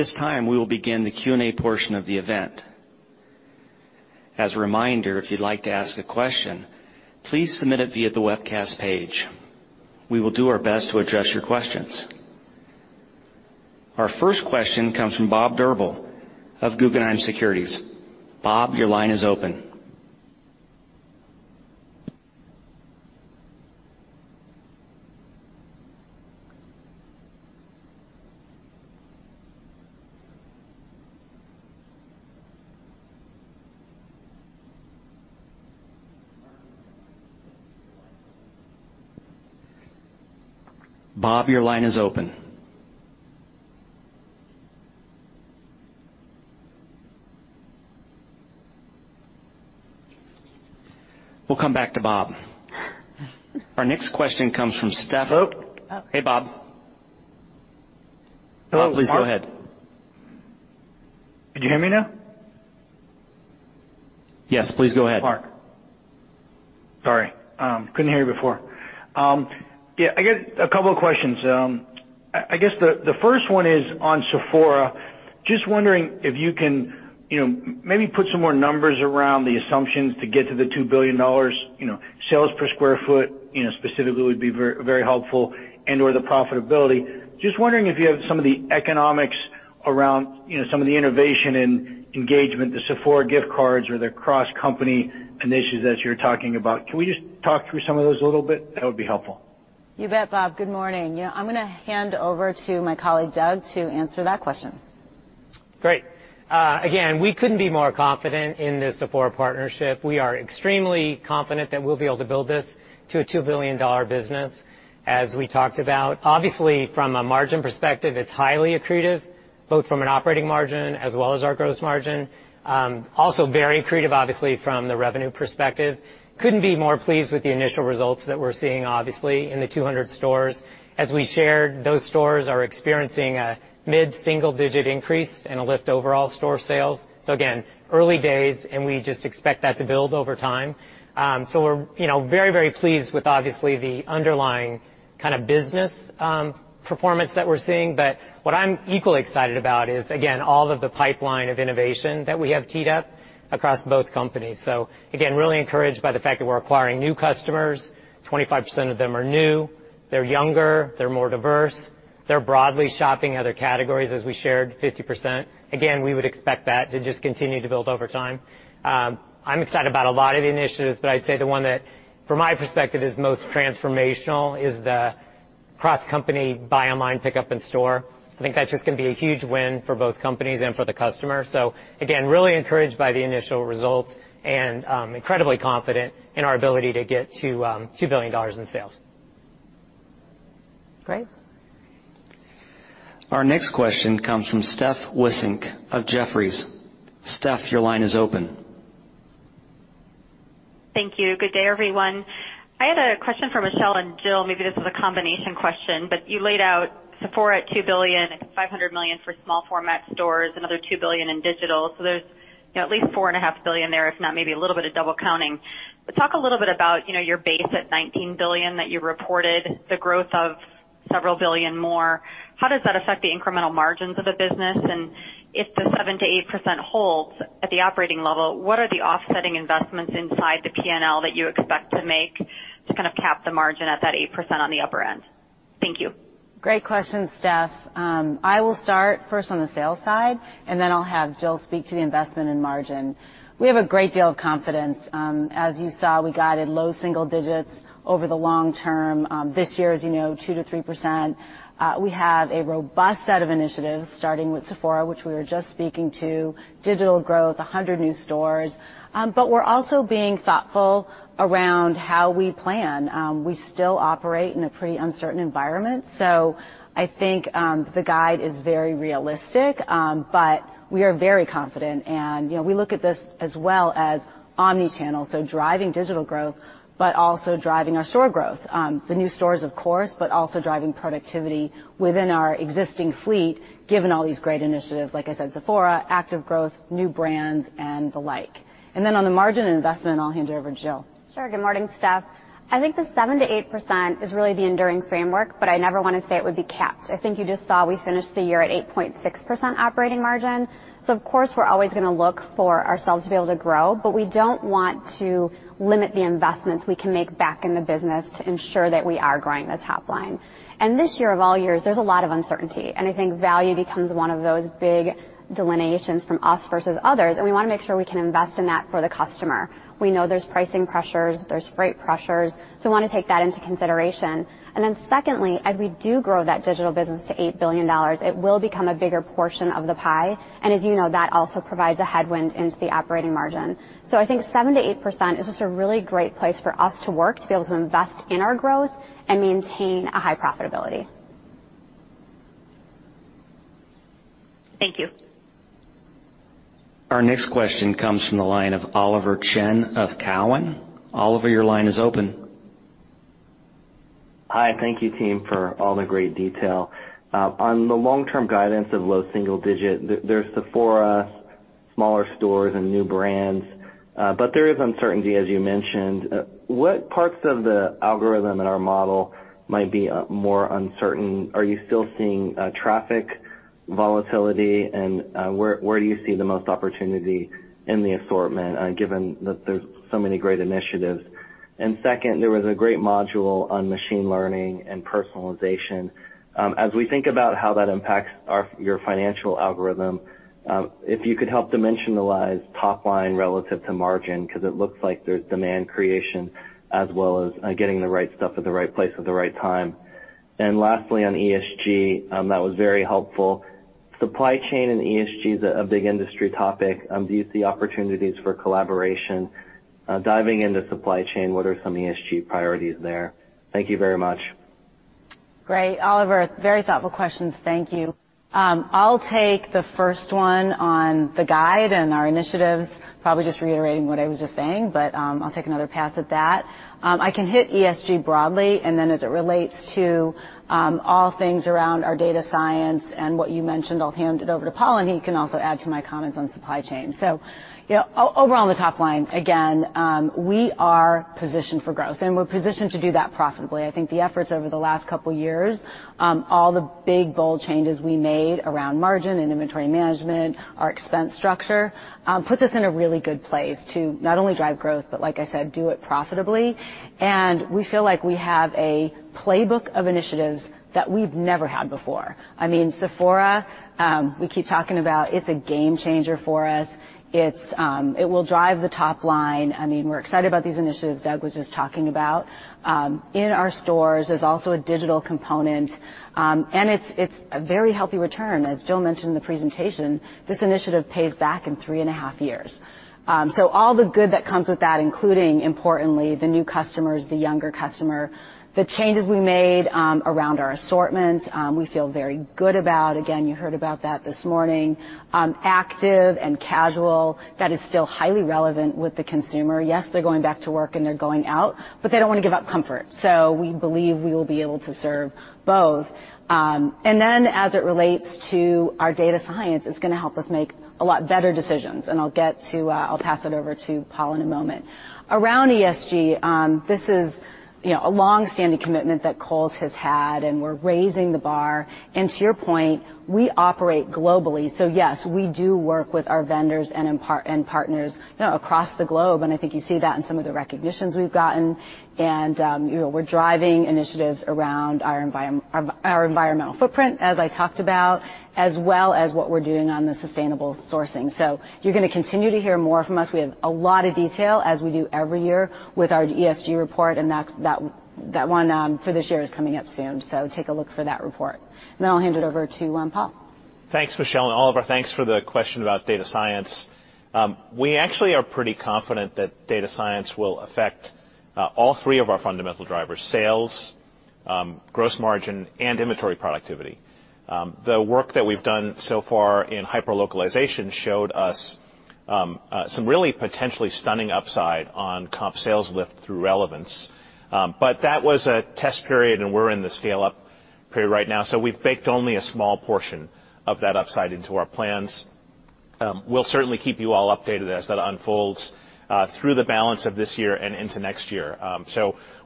At this time, we will begin the Q&A portion of the event. As a reminder, if you'd like to ask a question, please submit it via the webcast page. We will do our best to address your questions. Our first question comes from Bob Drbul of Guggenheim Securities. Bob, your line is open. Bob, your line is open. We'll come back to Bob. Our next question comes from Steph- Hello? Hey, Bob. Hello, Mark. Bob, please go ahead. Can you hear me now? Yes, please go ahead. Mark. Sorry. Couldn't hear you before. Yeah, I got a couple of questions. I guess the first one is on Sephora. Just wondering if you can, you know, maybe put some more numbers around the assumptions to get to the $2 billion, you know, sales per sq ft, you know, specifically would be very helpful and/or the profitability. Just wondering if you have some of the economics around, you know, some of the innovation and engagement, the Sephora gift cards or the cross-company initiatives that you're talking about. Can we just talk through some of those a little bit? That would be helpful. You bet, Bob. Good morning. Yeah, I'm gonna hand over to my colleague, Doug, to answer that question. Great. Again, we couldn't be more confident in the Sephora partnership. We are extremely confident that we'll be able to build this to a $2 billion business, as we talked about. Obviously, from a margin perspective, it's highly accretive, both from an operating margin as well as our gross margin. Also very accretive, obviously, from the revenue perspective. Couldn't be more pleased with the initial results that we're seeing, obviously, in the 200 stores. As we shared, those stores are experiencing a mid-single-digit increase in a lift overall store sales. Again, early days, and we just expect that to build over time. We're, you know, very, very pleased with obviously the underlying kind of business performance that we're seeing. What I'm equally excited about is, again, all of the pipeline of innovation that we have teed up across both companies. Again, really encouraged by the fact that we're acquiring new customers. 25% of them are new. They're younger, they're more diverse, they're broadly shopping other categories as we shared 50%. Again, we would expect that to just continue to build over time. I'm excited about a lot of the initiatives, but I'd say the one that from my perspective is most transformational is the cross-company buy online, pickup in store. I think that's just gonna be a huge win for both companies and for the customer. Again, really encouraged by the initial results and, incredibly confident in our ability to get to, $2 billion in sales. Great. Our next question comes from Steph Wissink of Jefferies. Steph, your line is open. Thank you. Good day, everyone. I had a question for Michelle and Jill. Maybe this is a combination question, but you laid out Sephora at $2.5 billion for small format stores, another $2 billion in digital. There's, you know, at least $4.5 billion there, if not maybe a little bit of double counting. Talk a little bit about, you know, your base at $19 billion that you reported the growth of several billion more. How does that affect the incremental margins of the business? If the 7%-8% holds at the operating level, what are the offsetting investments inside the P&L that you expect to make the margin at that 8% on the upper end. Thank you. Great question, Steph. I will start first on the sales side, and then I'll have Jill speak to the investment in margin. We have a great deal of confidence. As you saw, we guided low single digits over the long term. This year, as you know, 2%-3%. We have a robust set of initiatives starting with Sephora, which we were just speaking to, digital growth, 100 new stores. But we're also being thoughtful around how we plan. We still operate in a pretty uncertain environment, so I think the guide is very realistic. But we are very confident, and, you know, we look at this as well as omnichannel, so driving digital growth, but also driving our store growth. The new stores, of course, but also driving productivity within our existing fleet, given all these great initiatives, like I said, Sephora, active growth, new brands, and the like. Then on the margin investment, I'll hand you over to Jill. Sure. Good morning, Steph. I think the 7%-8% is really the enduring framework, but I never wanna say it would be capped. I think you just saw we finished the year at 8.6% operating margin. Of course, we're always gonna look for ourselves to be able to grow, but we don't want to limit the investments we can make back in the business to ensure that we are growing the top line. This year of all years, there's a lot of uncertainty, and I think value becomes one of those big delineations from us versus others, and we wanna make sure we can invest in that for the customer. We know there's pricing pressures, there's freight pressures, so we wanna take that into consideration. Secondly, as we do grow that digital business to $8 billion, it will become a bigger portion of the pie, and as you know, that also provides a headwind into the operating margin. I think 7%-8% is just a really great place for us to work to be able to invest in our growth and maintain a high profitability. Thank you. Our next question comes from the line of Oliver Chen of Cowen. Oliver, your line is open. Hi. Thank you team for all the great detail. On the long-term guidance of low single digit, there's Sephora, smaller stores and new brands, but there is uncertainty as you mentioned. What parts of the algorithm in our model might be more uncertain? Are you still seeing traffic volatility, and where do you see the most opportunity in the assortment, given that there's so many great initiatives? Second, there was a great module on machine learning and personalization. As we think about how that impacts your financial algorithm, if you could help dimensionalize top line relative to margin, 'cause it looks like there's demand creation as well as getting the right stuff at the right place at the right time. Lastly, on ESG, that was very helpful. Supply chain and ESG is a big industry topic. Do you see opportunities for collaboration, diving into supply chain, what are some ESG priorities there? Thank you very much. Great. Oliver, very thoughtful questions. Thank you. I'll take the first one on the guide and our initiatives, probably just reiterating what I was just saying, but I'll take another pass at that. I can hit ESG broadly, and then as it relates to all things around our data science and what you mentioned, I'll hand it over to Paul, and he can also add to my comments on supply chain. You know, overall on the top line, again, we are positioned for growth, and we're positioned to do that profitably. I think the efforts over the last couple years, all the big bold changes we made around margin and inventory management, our expense structure, puts us in a really good place to not only drive growth, but like I said, do it profitably. We feel like we have a playbook of initiatives that we've never had before. I mean, Sephora, we keep talking about it's a game changer for us. It will drive the top line. I mean, we're excited about these initiatives Doug was just talking about, in our stores. There's also a digital component, and it's a very healthy return. As Jill mentioned in the presentation, this initiative pays back in three and a half years. All the good that comes with that, including importantly, the new customers, the younger customer, the changes we made, around our assortments, we feel very good about. Again, you heard about that this morning. Active and casual, that is still highly relevant with the consumer. Yes, they're going back to work and they're going out, but they don't wanna give up comfort. We believe we will be able to serve both. As it relates to our data science, it's gonna help us make a lot better decisions, and I'll pass it over to Paul in a moment. Around ESG, this is, you know, a long-standing commitment that Kohl's has had, and we're raising the bar. To your point, we operate globally. Yes, we do work with our vendors and partners, you know, across the globe, and I think you see that in some of the recognitions we've gotten. You know, we're driving initiatives around our environment, our environmental footprint, as I talked about, as well as what we're doing on the sustainable sourcing. You're gonna continue to hear more from us. We have a lot of detail as we do every year with our ESG report, and that's that one for this year is coming up soon. Take a look for that report. I'll hand it over to Paul. Thanks, Michelle, and Oliver, thanks for the question about data science. We actually are pretty confident that data science will affect all three of our fundamental drivers, sales, gross margin, and inventory productivity. The work that we've done so far in hyper-localization showed us some really potentially stunning upside on comp sales lift through relevance. That was a test period and we're in the scale-up period right now, so we've baked only a small portion of that upside into our plans. We'll certainly keep you all updated as that unfolds through the balance of this year and into next year.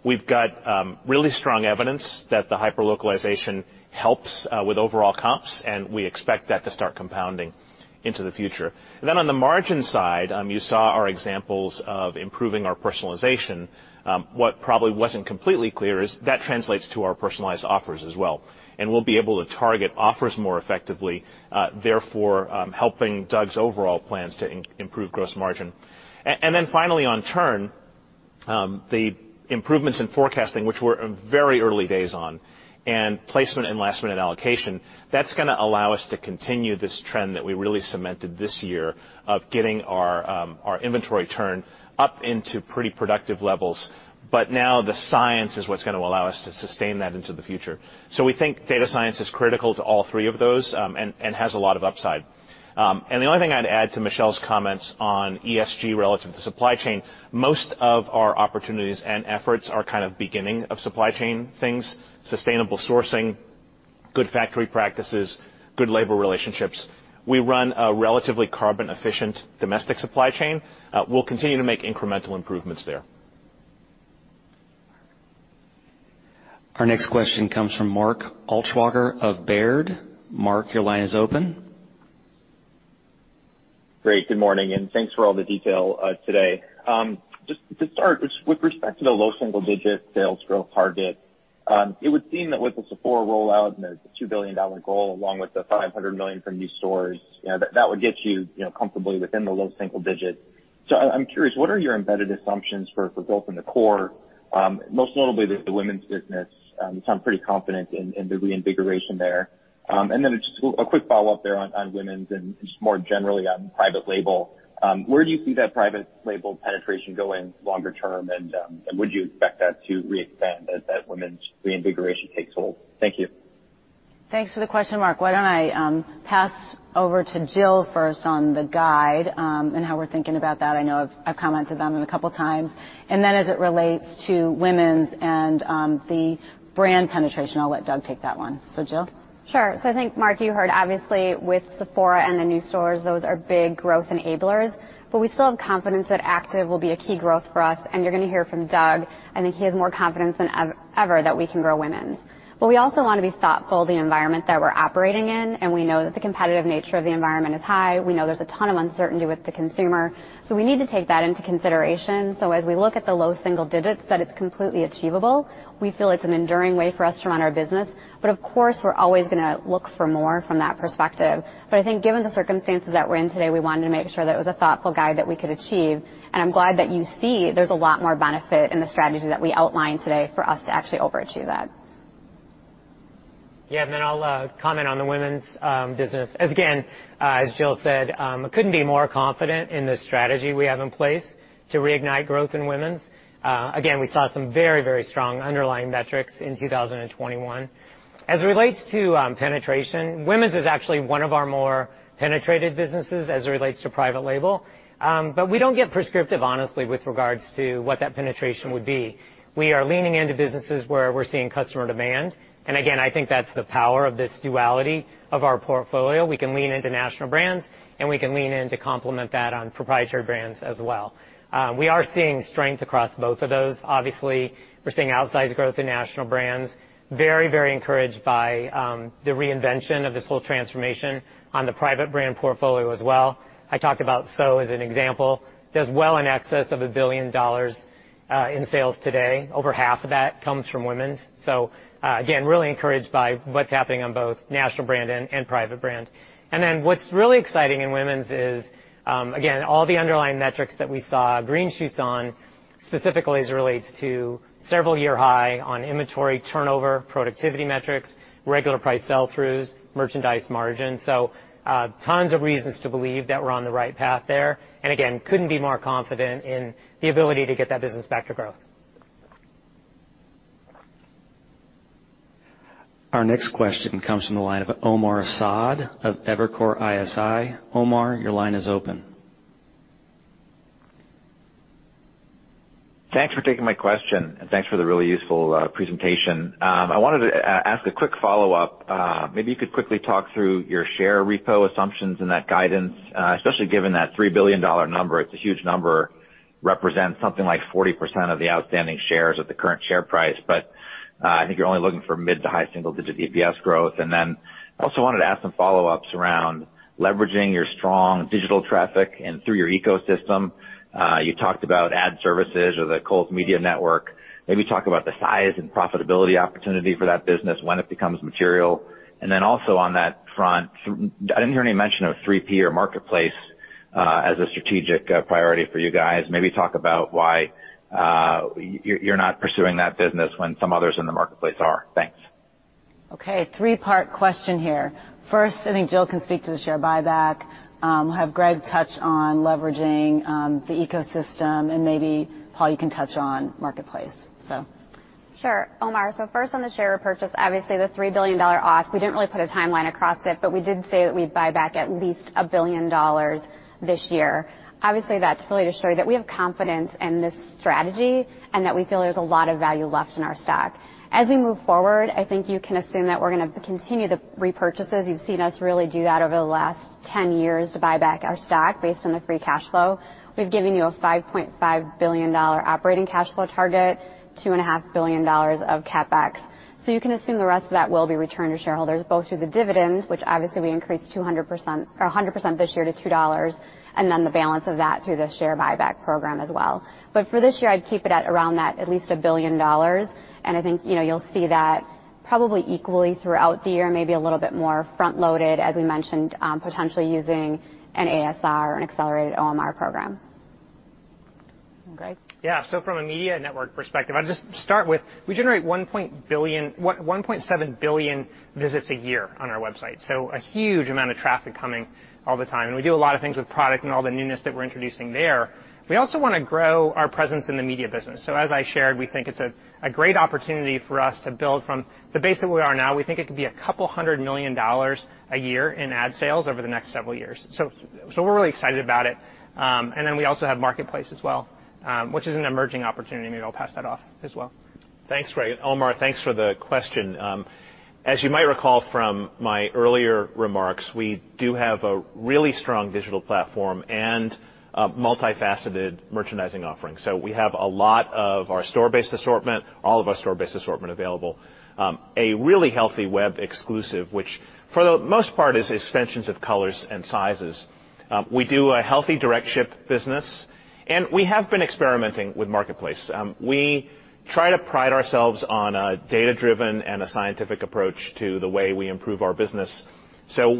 We've got really strong evidence that the hyper-localization helps with overall comps, and we expect that to start compounding into the future. Then on the margin side, you saw our examples of improving our personalization. What probably wasn't completely clear is that translates to our personalized offers as well. We'll be able to target offers more effectively, therefore, helping Doug's overall plans to improve gross margin. Then finally on turn, the improvements in forecasting, which we're in very early days on, and placement and last-minute allocation, that's gonna allow us to continue this trend that we really cemented this year of getting our inventory turn up into pretty productive levels. Now the science is what's gonna allow us to sustain that into the future. We think data science is critical to all three of those and has a lot of upside. The only thing I'd add to Michelle's comments on ESG relative to supply chain, most of our opportunities and efforts are kind of beginning of supply chain things, sustainable sourcing, good factory practices, good labor relationships. We run a relatively carbon efficient domestic supply chain. We'll continue to make incremental improvements there. Our next question comes from Mark Altschwager of Baird. Mark, your line is open. Great, good morning, and thanks for all the detail, today. Just to start, with respect to the low single digit sales growth target, it would seem that with the Sephora rollout and the $2 billion goal along with the $500 million from new stores, you know, that would get you know, comfortably within the low single digits. I'm curious, what are your embedded assumptions for growth in the core, most notably with the women's business? You sound pretty confident in the reinvigoration there. And then just a quick follow-up there on women's and just more generally on private label. Where do you see that private label penetration going longer term, and would you expect that to re-expand as that women's reinvigoration takes hold? Thank you. Thanks for the question, Mark. Why don't I pass over to Jill first on the guide, and how we're thinking about that. I know I've commented on it a couple times. Then as it relates to women's and the brand penetration, I'll let Doug take that one. Jill? Sure. I think, Mark, you heard obviously with Sephora and the new stores, those are big growth enablers, but we still have confidence that active will be a key growth for us, and you're gonna hear from Doug. I think he has more confidence than ever that we can grow women's. We also wanna be thoughtful of the environment that we're operating in, and we know that the competitive nature of the environment is high. We know there's a ton of uncertainty with the consumer. We need to take that into consideration. As we look at the low single digits, that it's completely achievable, we feel it's an enduring way for us to run our business. Of course, we're always gonna look for more from that perspective. I think given the circumstances that we're in today, we wanted to make sure that it was a thoughtful guide that we could achieve. I'm glad that you see there's a lot more benefit in the strategy that we outlined today for us to actually overachieve that. Yeah, I'll comment on the women's business. As, again, as Jill said, couldn't be more confident in the strategy we have in place to reignite growth in women's. Again, we saw some very, very strong underlying metrics in 2021. As it relates to penetration, women's is actually one of our more penetrated businesses as it relates to private label. We don't get prescriptive, honestly, with regards to what that penetration would be. We are leaning into businesses where we're seeing customer demand. Again, I think that's the power of this duality of our portfolio. We can lean into national brands, and we can lean in to complement that on proprietary brands as well. We are seeing strength across both of those. Obviously, we're seeing outsized growth in national brands. Very, very encouraged by the reinvention of this whole transformation on the private brand portfolio as well. I talked about SO as an example. There's well in excess of $1 billion in sales today. Over half of that comes from women's. Again, really encouraged by what's happening on both national brand and private brand. What's really exciting in women's is again, all the underlying metrics that we saw green shoots on, specifically as it relates to several year high on inventory turnover, productivity metrics, regular price sell-throughs, merchandise margin. Tons of reasons to believe that we're on the right path there. Again, couldn't be more confident in the ability to get that business back to growth. Our next question comes from the line of Omar Saad of Evercore ISI. Omar, your line is open. Thanks for taking my question, and thanks for the really useful presentation. I wanted to ask a quick follow-up. Maybe you could quickly talk through your share repo assumptions in that guidance, especially given that $3 billion number. It's a huge number, represents something like 40% of the outstanding shares at the current share price. I think you're only looking for mid- to high single-digit EPS growth. I also wanted to ask some follow-ups around leveraging your strong digital traffic and through your ecosystem. You talked about ad services or the Kohl's Media Network. Maybe talk about the size and profitability opportunity for that business, when it becomes material. Also on that front, I didn't hear any mention of third-party marketplace, as a strategic priority for you guys. Maybe talk about why you're not pursuing that business when some others in the marketplace are? Thanks. Okay, three-part question here. First, I think Jill can speak to the share buyback. We'll have Greg touch on leveraging the ecosystem, and maybe, Paul, you can touch on marketplace. So. Sure. Omar, so first on the share repurchase, obviously the $3 billion ask, we didn't really put a timeline across it, but we did say that we'd buy back at least $1 billion this year. Obviously, that's really to show you that we have confidence in this strategy and that we feel there's a lot of value left in our stock. As we move forward, I think you can assume that we're gonna continue the repurchases. You've seen us really do that over the last 10 years to buy back our stock based on the free cash flow. We've given you a $5.5 billion operating cash flow target, $2.5 billion of CapEx. You can assume the rest of that will be returned to shareholders, both through the dividends, which obviously we increased 200%, or 100%, this year to $2, and then the balance of that through the share buyback program as well. For this year, I'd keep it at around that at least $1 billion. I think, you know, you'll see that probably equally throughout the year, maybe a little bit more front-loaded, as we mentioned, potentially using an ASR, an accelerated OMR program. Greg? Yeah. From a media network perspective, I'll just start with we generate 1.7 billion visits a year on our website. A huge amount of traffic coming all the time. We do a lot of things with product and all the newness that we're introducing there. We also wanna grow our presence in the media business. As I shared, we think it's a great opportunity for us to build from the base that we are now. We think it could be $200 million a year in ad sales over the next several years. We're really excited about it. Then we also have Marketplace as well, which is an emerging opportunity. Maybe I'll pass that off as well. Thanks, Greg. Omar, thanks for the question. As you might recall from my earlier remarks, we do have a really strong digital platform and a multifaceted merchandising offering. We have a lot of our store-based assortment, all of our store-based assortment available. A really healthy web exclusive, which for the most part is extensions of colors and sizes. We do a healthy direct ship business, and we have been experimenting with Marketplace. We try to pride ourselves on a data-driven and a scientific approach to the way we improve our business.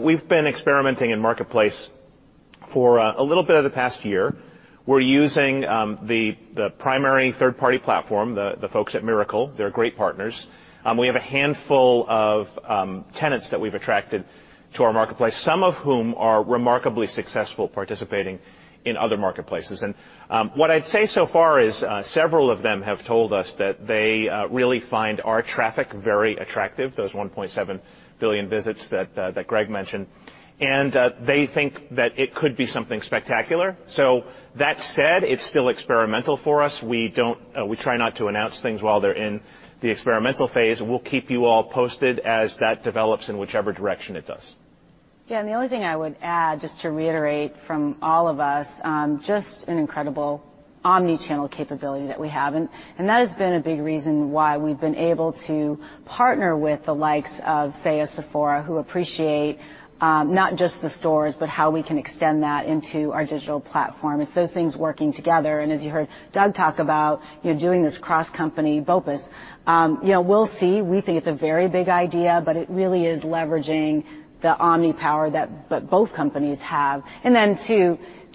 We've been experimenting in Marketplace for a little bit of the past year. We're using the primary third-party platform, the folks at Mirakl. They're great partners. We have a handful of tenants that we've attracted to our Marketplace, some of whom are remarkably successful participating in other marketplaces. What I'd say so far is several of them have told us that they really find our traffic very attractive, those 1.7 billion visits that Greg mentioned. They think that it could be something spectacular. That said, it's still experimental for us. We don't try not to announce things while they're in the experimental phase. We'll keep you all posted as that develops in whichever direction it does. Yeah. The only thing I would add, just to reiterate from all of us, just an incredible omni-channel capability that we have. That has been a big reason why we've been able to partner with the likes of, say, a Sephora, who appreciate not just the stores, but how we can extend that into our digital platform. It's those things working together. As you heard Doug talk about, you know, doing this cross-company BOPUS. You know, we'll see. We think it's a very big idea, but it really is leveraging the omni power that both companies have. Then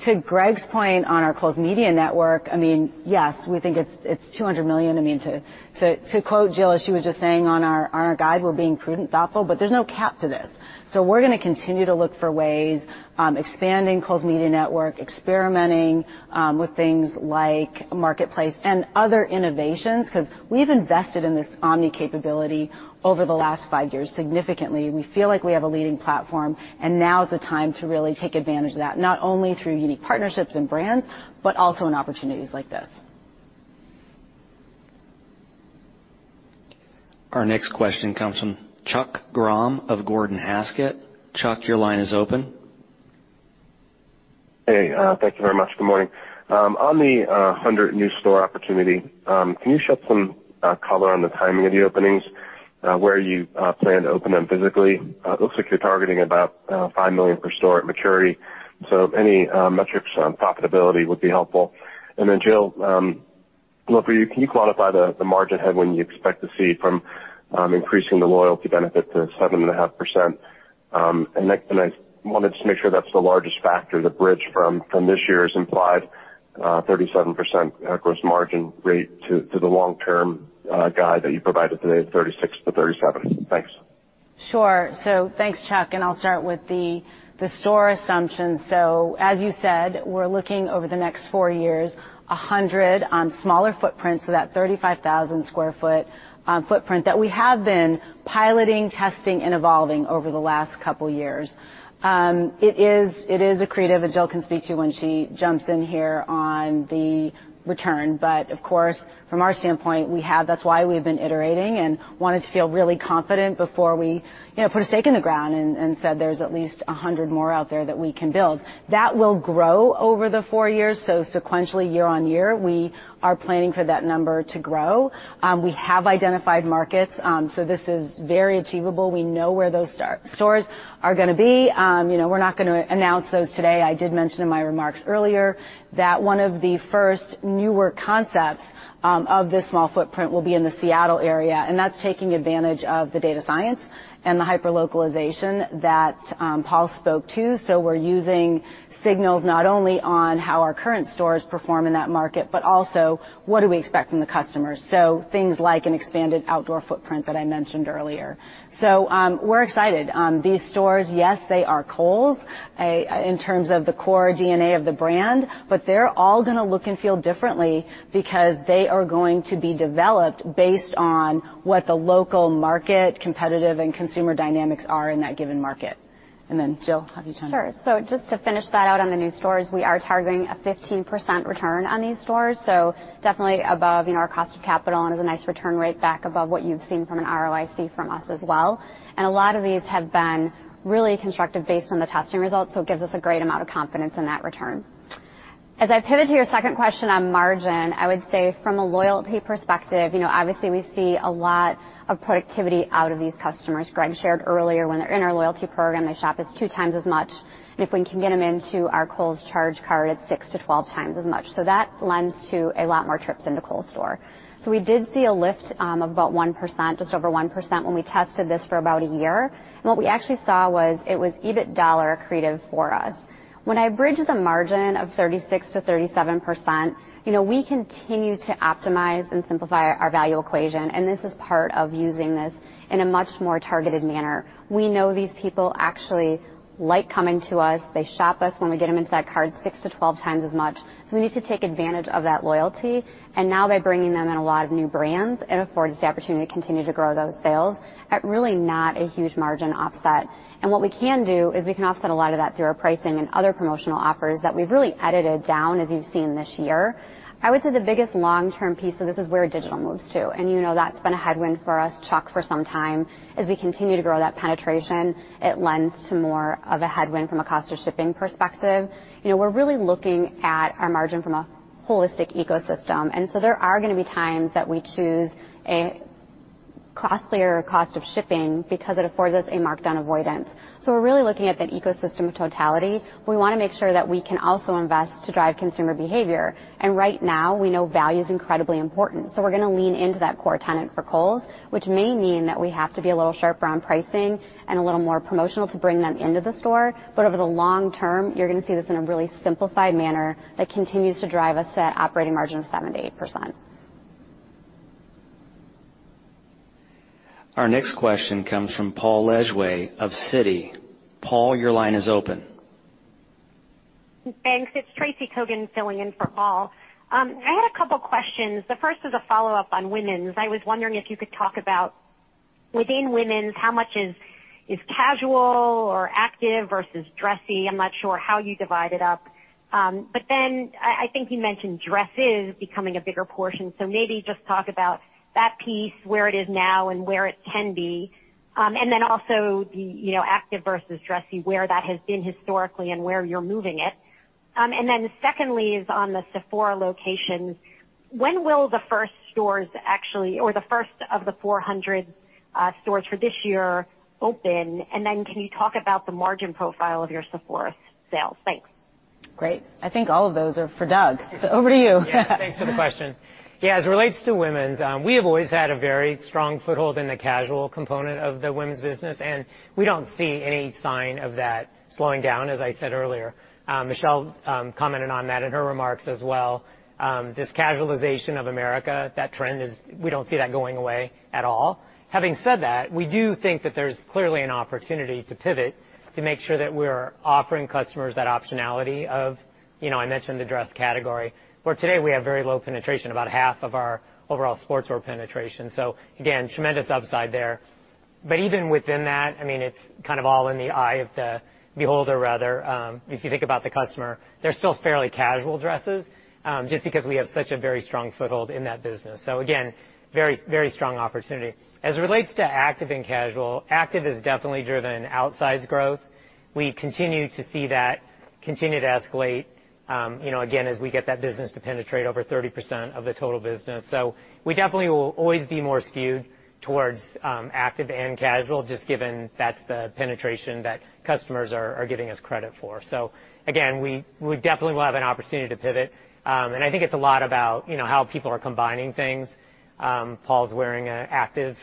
to Greg's point on our Kohl's Media Network, I mean, yes, we think it's $200 million. I mean to quote Jill, as she was just saying on our guide, we're being prudent, thoughtful, but there's no cap to this. We're gonna continue to look for ways expanding Kohl's Media Network, experimenting with things like Marketplace and other innovations, 'cause we've invested in this omni capability over the last five years significantly. We feel like we have a leading platform and now is the time to really take advantage of that, not only through unique partnerships and brands, but also in opportunities like this. Our next question comes from Chuck Grom of Gordon Haskett. Chuck, your line is open. Hey, thank you very much. Good morning. On the 100 new store opportunity, can you shed some color on the timing of the openings, where you plan to open them physically? It looks like you're targeting about $5 million per store at maturity. So any metrics on profitability would be helpful. Then Jill, for you, can you quantify the margin headwind you expect to see from increasing the loyalty benefit to 7.5%? I wanted to make sure that's the largest factor to bridge from this year's implied 37% gross margin rate to the long-term guide that you provided today of 36%-37%. Thanks. Sure. Thanks, Chuck, and I'll start with the store assumption. As you said, we're looking over the next 4 years, 100 on smaller footprints, so that 35,000 sq ft footprint that we have been piloting, testing, and evolving over the last couple years. It is accretive, and Jill can speak to when she jumps in here on the return. Of course, from our standpoint, that's why we've been iterating and wanted to feel really confident before we you know put a stake in the ground and said there's at least 100 more out there that we can build. That will grow over the four years, so sequentially year-on-year, we are planning for that number to grow. We have identified markets, so this is very achievable. We know where those stores are gonna be. You know, we're not gonna announce those today. I did mention in my remarks earlier that one of the first newer concepts of this small footprint will be in the Seattle area, and that's taking advantage of the data science and the hyper-localization that Paul spoke to. We're using signals not only on how our current stores perform in that market, but also what we expect from the customers, things like an expanded outdoor footprint that I mentioned earlier. We're excited. These stores, yes, they are Kohl's, in terms of the core DNA of the brand, but they're all gonna look and feel differently because they are going to be developed based on what the local market, competitive and consumer dynamics are in that given market. Jill, have you time? Sure. Just to finish that out on the new stores, we are targeting a 15% return on these stores. Definitely above, you know, our cost of capital and is a nice return rate back above what you've seen from an ROIC from us as well. A lot of these have been really constructive based on the testing results, so it gives us a great amount of confidence in that return. As I pivot to your second question on margin, I would say from a loyalty perspective, you know, obviously, we see a lot of productivity out of these customers. Greg shared earlier when they're in our loyalty program, they shop us 2x as much, and if we can get them into our Kohl's charge card, it's 6x-12x as much. That lends to a lot more trips into Kohl's store. We did see a lift of about 1%, just over 1% when we tested this for about a year. What we actually saw was it was EBIT dollar accretive for us. When I bridge the margin of 36%-37%, you know, we continue to optimize and simplify our value equation, and this is part of using this in a much more targeted manner. We know these people actually like coming to us. They shop us when we get them into that card 6x-12x as much. We need to take advantage of that loyalty. Now by bringing them in a lot of new brands, it affords the opportunity to continue to grow those sales at really not a huge margin offset. What we can do is we can offset a lot of that through our pricing and other promotional offers that we've really edited down as you've seen this year. I would say the biggest long-term piece of this is where digital moves to, and you know that's been a headwind for us, Chuck, for some time. As we continue to grow that penetration, it lends to more of a headwind from a cost of shipping perspective. You know, we're really looking at our margin from a holistic ecosystem, and so there are gonna be times that we choose a costlier cost of shipping because it affords us a markdown avoidance. We're really looking at that ecosystem of totality. We wanna make sure that we can also invest to drive consumer behavior. Right now, we know value is incredibly important. We're gonna lean into that core tenet for Kohl's, which may mean that we have to be a little sharper on pricing and a little more promotional to bring them into the store. Over the long term, you're gonna see this in a really simplified manner that continues to drive us to that operating margin of 7%-8%. Our next question comes from Paul Lejuez of Citi. Paul, your line is open. Thanks. It's Tracy Kogan filling in for Paul. I had a couple questions. The first is a follow-up on women's. I was wondering if you could talk about within women's, how much is casual or active versus dressy. I'm not sure how you divide it up. But then I think you mentioned dresses becoming a bigger portion. So maybe just talk about that piece, where it is now and where it can be. And then also the, you know, active versus dressy, where that has been historically and where you're moving it. And then secondly is on the Sephora locations. When will the first stores actually or the first of the 400, stores for this year open? And then can you talk about the margin profile of your Sephora sales? Thanks. Great. I think all of those are for Doug. Over to you. Yeah. Thanks for the question. Yeah. As it relates to women's, we have always had a very strong foothold in the casual component of the women's business, and we don't see any sign of that slowing down, as I said earlier. Michelle commented on that in her remarks as well. This casualization of America, that trend, we don't see that going away at all. Having said that, we do think that there's clearly an opportunity to pivot to make sure that we're offering customers that optionality of, you know, I mentioned the dress category, where today we have very low penetration, about half of our overall sportswear penetration. So again, tremendous upside there. But even within that, I mean, it's kind of all in the eye of the beholder, rather, if you think about the customer. They're still fairly casual dresses, just because we have such a very strong foothold in that business. Again, very, very strong opportunity. As it relates to active and casual, active has definitely driven outsized growth. We continue to see that continue to escalate, you know, again, as we get that business to penetrate over 30% of the total business. We definitely will always be more skewed towards, active and casual, just given that's the penetration that customers are giving us credit for. Again, we definitely will have an opportunity to pivot. I think it's a lot about, you know, how people are combining things. Paul's wearing an active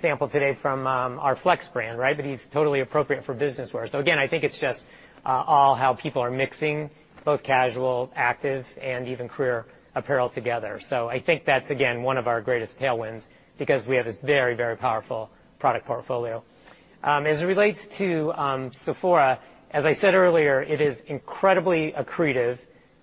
sample today from our FLX brand, right? But he's totally appropriate for business wear. Again, I think it's just all how people are mixing both casual, active, and even career apparel together. I think that's, again, one of our greatest tailwinds because we have this very, very powerful product portfolio. As it relates to Sephora, as I said earlier, it is incredibly accretive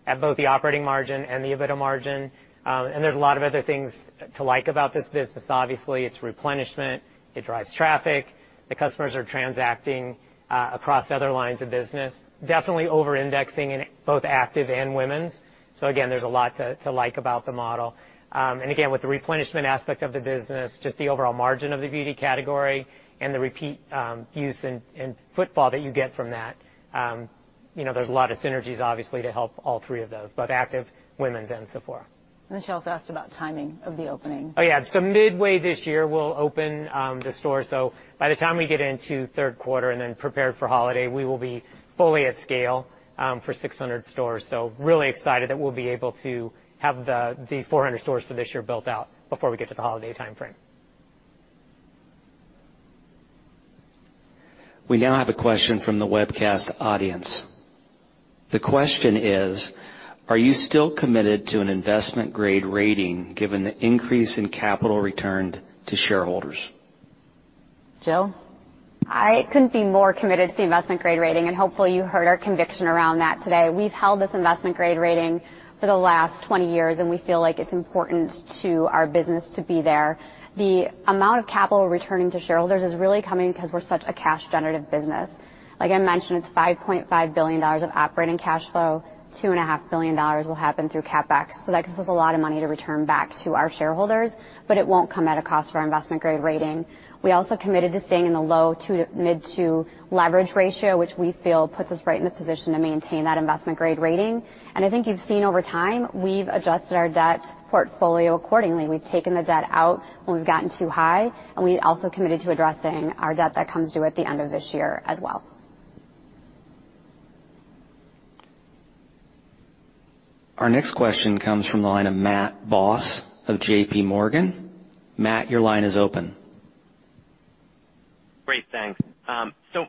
at both the operating margin and the EBITDA margin. There's a lot of other things to like about this business. Obviously, it's replenishment, it drives traffic. The customers are transacting across other lines of business, definitely over-indexing in both active and women's. Again, there's a lot to like about the model. With the replenishment aspect of the business, just the overall margin of the beauty category and the repeat use and footfall that you get from that, you know, there's a lot of synergies, obviously, to help all three of those, both active, women's, and Sephora. Michelle also asked about timing of the opening. Oh, yeah. Midway this year, we'll open the store. By the time we get into third quarter and then prepared for holiday, we will be fully at scale for 600 stores. Really excited that we'll be able to have the 400 stores for this year built out before we get to the holiday timeframe. We now have a question from the webcast audience. The question is, are you still committed to an investment-grade rating given the increase in capital returned to shareholders? Jill? I couldn't be more committed to the investment grade rating, and hopefully, you heard our conviction around that today. We've held this investment grade rating for the last 20 years, and we feel like it's important to our business to be there. The amount of capital returning to shareholders is really coming because we're such a cash-generative business. Like I mentioned, it's $5.5 billion of operating cash flow. $2.5 billion will happen through CapEx. That gives us a lot of money to return back to our shareholders, but it won't come at a cost for our investment grade rating. We also committed to staying in the low- to mid-two leverage ratio, which we feel puts us right in the position to maintain that investment grade rating. I think you've seen over time, we've adjusted our debt portfolio accordingly. We've taken the debt out when we've gotten too high, and we also committed to addressing our debt that comes due at the end of this year as well. Our next question comes from the line of Matt Boss of JPMorgan. Matt, your line is open. Great. Thanks.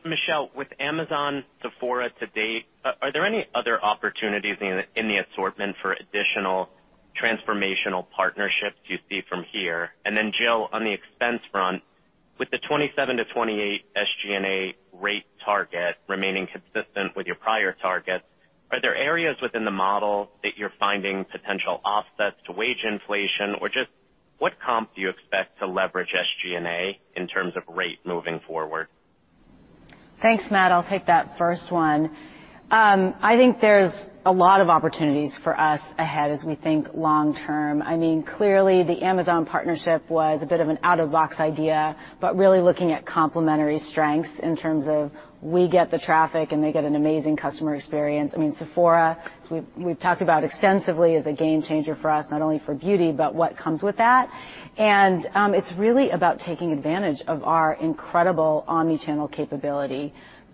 Michelle, with Amazon, Sephora to date, are there any other opportunities in the assortment for additional transformational partnerships you see from here? Jill, on the expense front, with the 27%-28% SG&A rate target remaining consistent with your prior targets, are there areas within the model that you're finding potential offsets to wage inflation? Or just what comp do you expect to leverage SG&A in terms of rate moving forward? Thanks, Matt. I'll take that first one. I think there's a lot of opportunities for us ahead as we think long term. I mean, clearly the Amazon partnership was a bit of an out-of-the-box idea, but really looking at complementary strengths in terms of we get the traffic and they get an amazing customer experience. I mean, Sephora, as we've talked about extensively, is a game changer for us, not only for beauty, but what comes with that. It's really about taking advantage of our incredible omni-channel capability.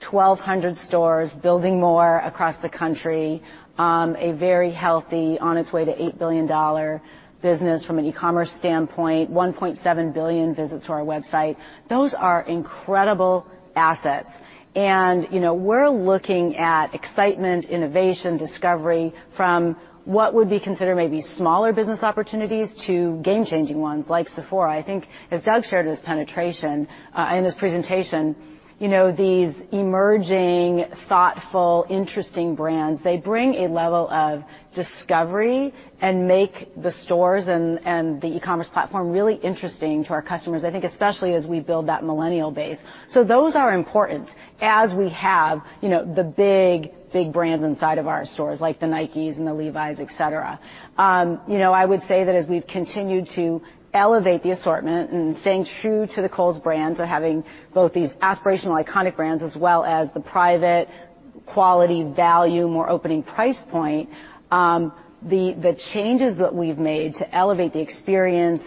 1,200 stores, building more across the country, a very healthy one on its way to $8 billion business from an e-commerce standpoint, 1.7 billion visits to our website. Those are incredible assets. You know, we're looking at excitement, innovation, discovery from what would be considered maybe smaller business opportunities to game changing ones like Sephora. I think as Doug shared his penetration in his presentation, you know, these emerging, thoughtful, interesting brands, they bring a level of discovery and make the stores and the e-commerce platform really interesting to our customers, I think especially as we build that Millennial base. Those are important as we have, you know, the big brands inside of our stores, like the Nikes and the Levi's, et cetera. You know, I would say that as we've continued to elevate the assortment and staying true to the Kohl's brands or having both these aspirational iconic brands as well as the private quality value, more opening price point, the changes that we've made to elevate the experience,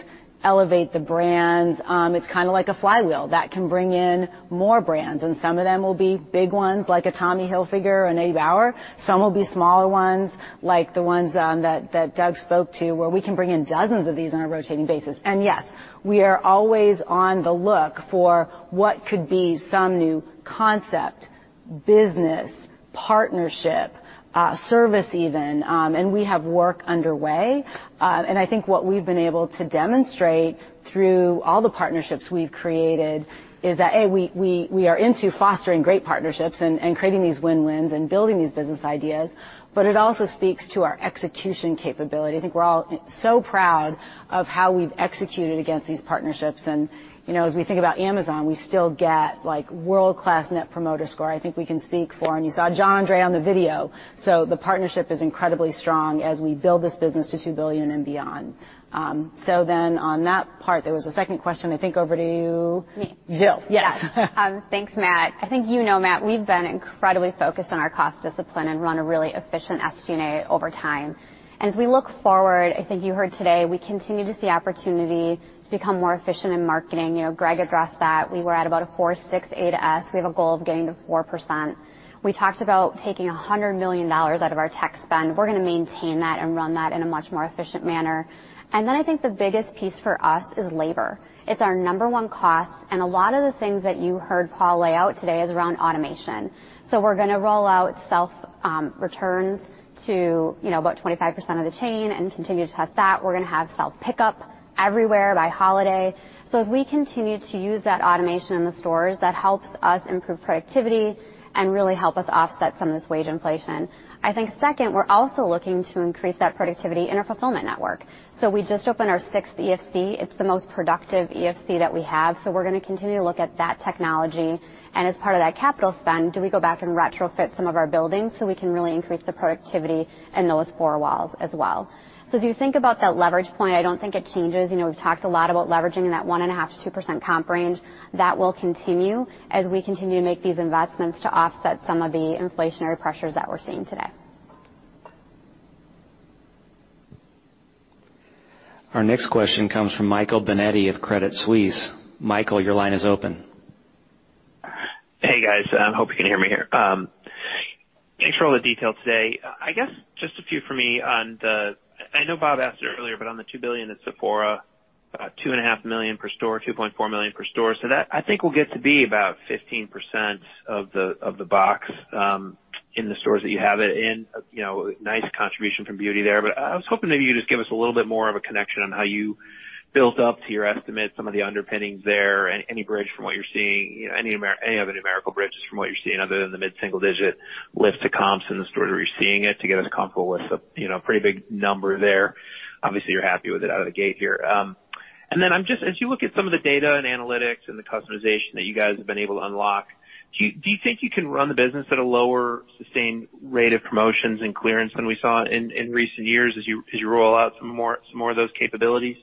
elevate the brands, it's kind of like a flywheel that can bring in more brands, and some of them will be big ones like a Tommy Hilfiger or an Eddie Bauer. Some will be smaller ones like the ones that Doug spoke to, where we can bring in dozens of these on a rotating basis. Yes, we are always on the lookout for what could be some new concept, business, partnership, service even. We have work underway. I think what we've been able to demonstrate through all the partnerships we've created is that, A, we are into fostering great partnerships and creating these win-wins and building these business ideas, but it also speaks to our execution capability. I think we're all so proud of how we've executed against these partnerships. You know, as we think about Amazon, we still get, like, world-class Net Promoter Score. I think we can speak for, and you saw Jean-André Rougeot on the video. The partnership is incredibly strong as we build this business to $2 billion and beyond. On that part, there was a second question, I think, over to- Me. Jill. Yes. Yes. Thanks, Matt. I think you know, Matt, we've been incredibly focused on our cost discipline and run a really efficient SG&A over time. As we look forward, I think you heard today, we continue to see opportunity to become more efficient in marketing. You know, Greg addressed that. We were at about a 4.6 A/S. We have a goal of getting to 4%. We talked about taking $100 million out of our tech spend. We're gonna maintain that and run that in a much more efficient manner. Then I think the biggest piece for us is labor. It's our number one cost, and a lot of the things that you heard Paul lay out today is around automation. We're gonna roll out self returns to, you know, about 25% of the chain and continue to test that. We're gonna have self-pickup everywhere by holiday. As we continue to use that automation in the stores, that helps us improve productivity and really help us offset some of this wage inflation. I think second, we're also looking to increase that productivity in our fulfillment network. We just opened our sixth EFC. It's the most productive EFC that we have, so we're gonna continue to look at that technology. As part of that capital spend, do we go back and retrofit some of our buildings so we can really increase the productivity in those four walls as well? As you think about that leverage point, I don't think it changes. You know, we've talked a lot about leveraging in that 1.5%-2% comp range. That will continue as we continue to make these investments to offset some of the inflationary pressures that we're seeing today. Our next question comes from Michael Binetti of Credit Suisse. Michael, your line is open. Hey, guys. Hope you can hear me here. Thanks for all the detail today. I guess just a few for me. I know Bob asked it earlier, but on the $2 billion in Sephora, $2.5 million per store, $2.4 million per store. That, I think, will get to be about 15% of the box, in the sores that you have it in. You know, nice contribution from beauty there. I was hoping maybe you'd just give us a little bit more of a connection on how you built up to your estimate, some of the underpinnings there, any bridge from what you're seeing, any of the numerical bridges from what you're seeing other than the mid-single digit lift to comps in the stores where you're seeing it to get us comfortable with the, you know, pretty big number there. Obviously, you're happy with it out of the gate here. As you look at some of the data and analytics and the customization that you guys have been able to unlock, do you think you can run the business at a lower sustained rate of promotions and clearance than we saw in recent years as you roll out some more of those capabilities?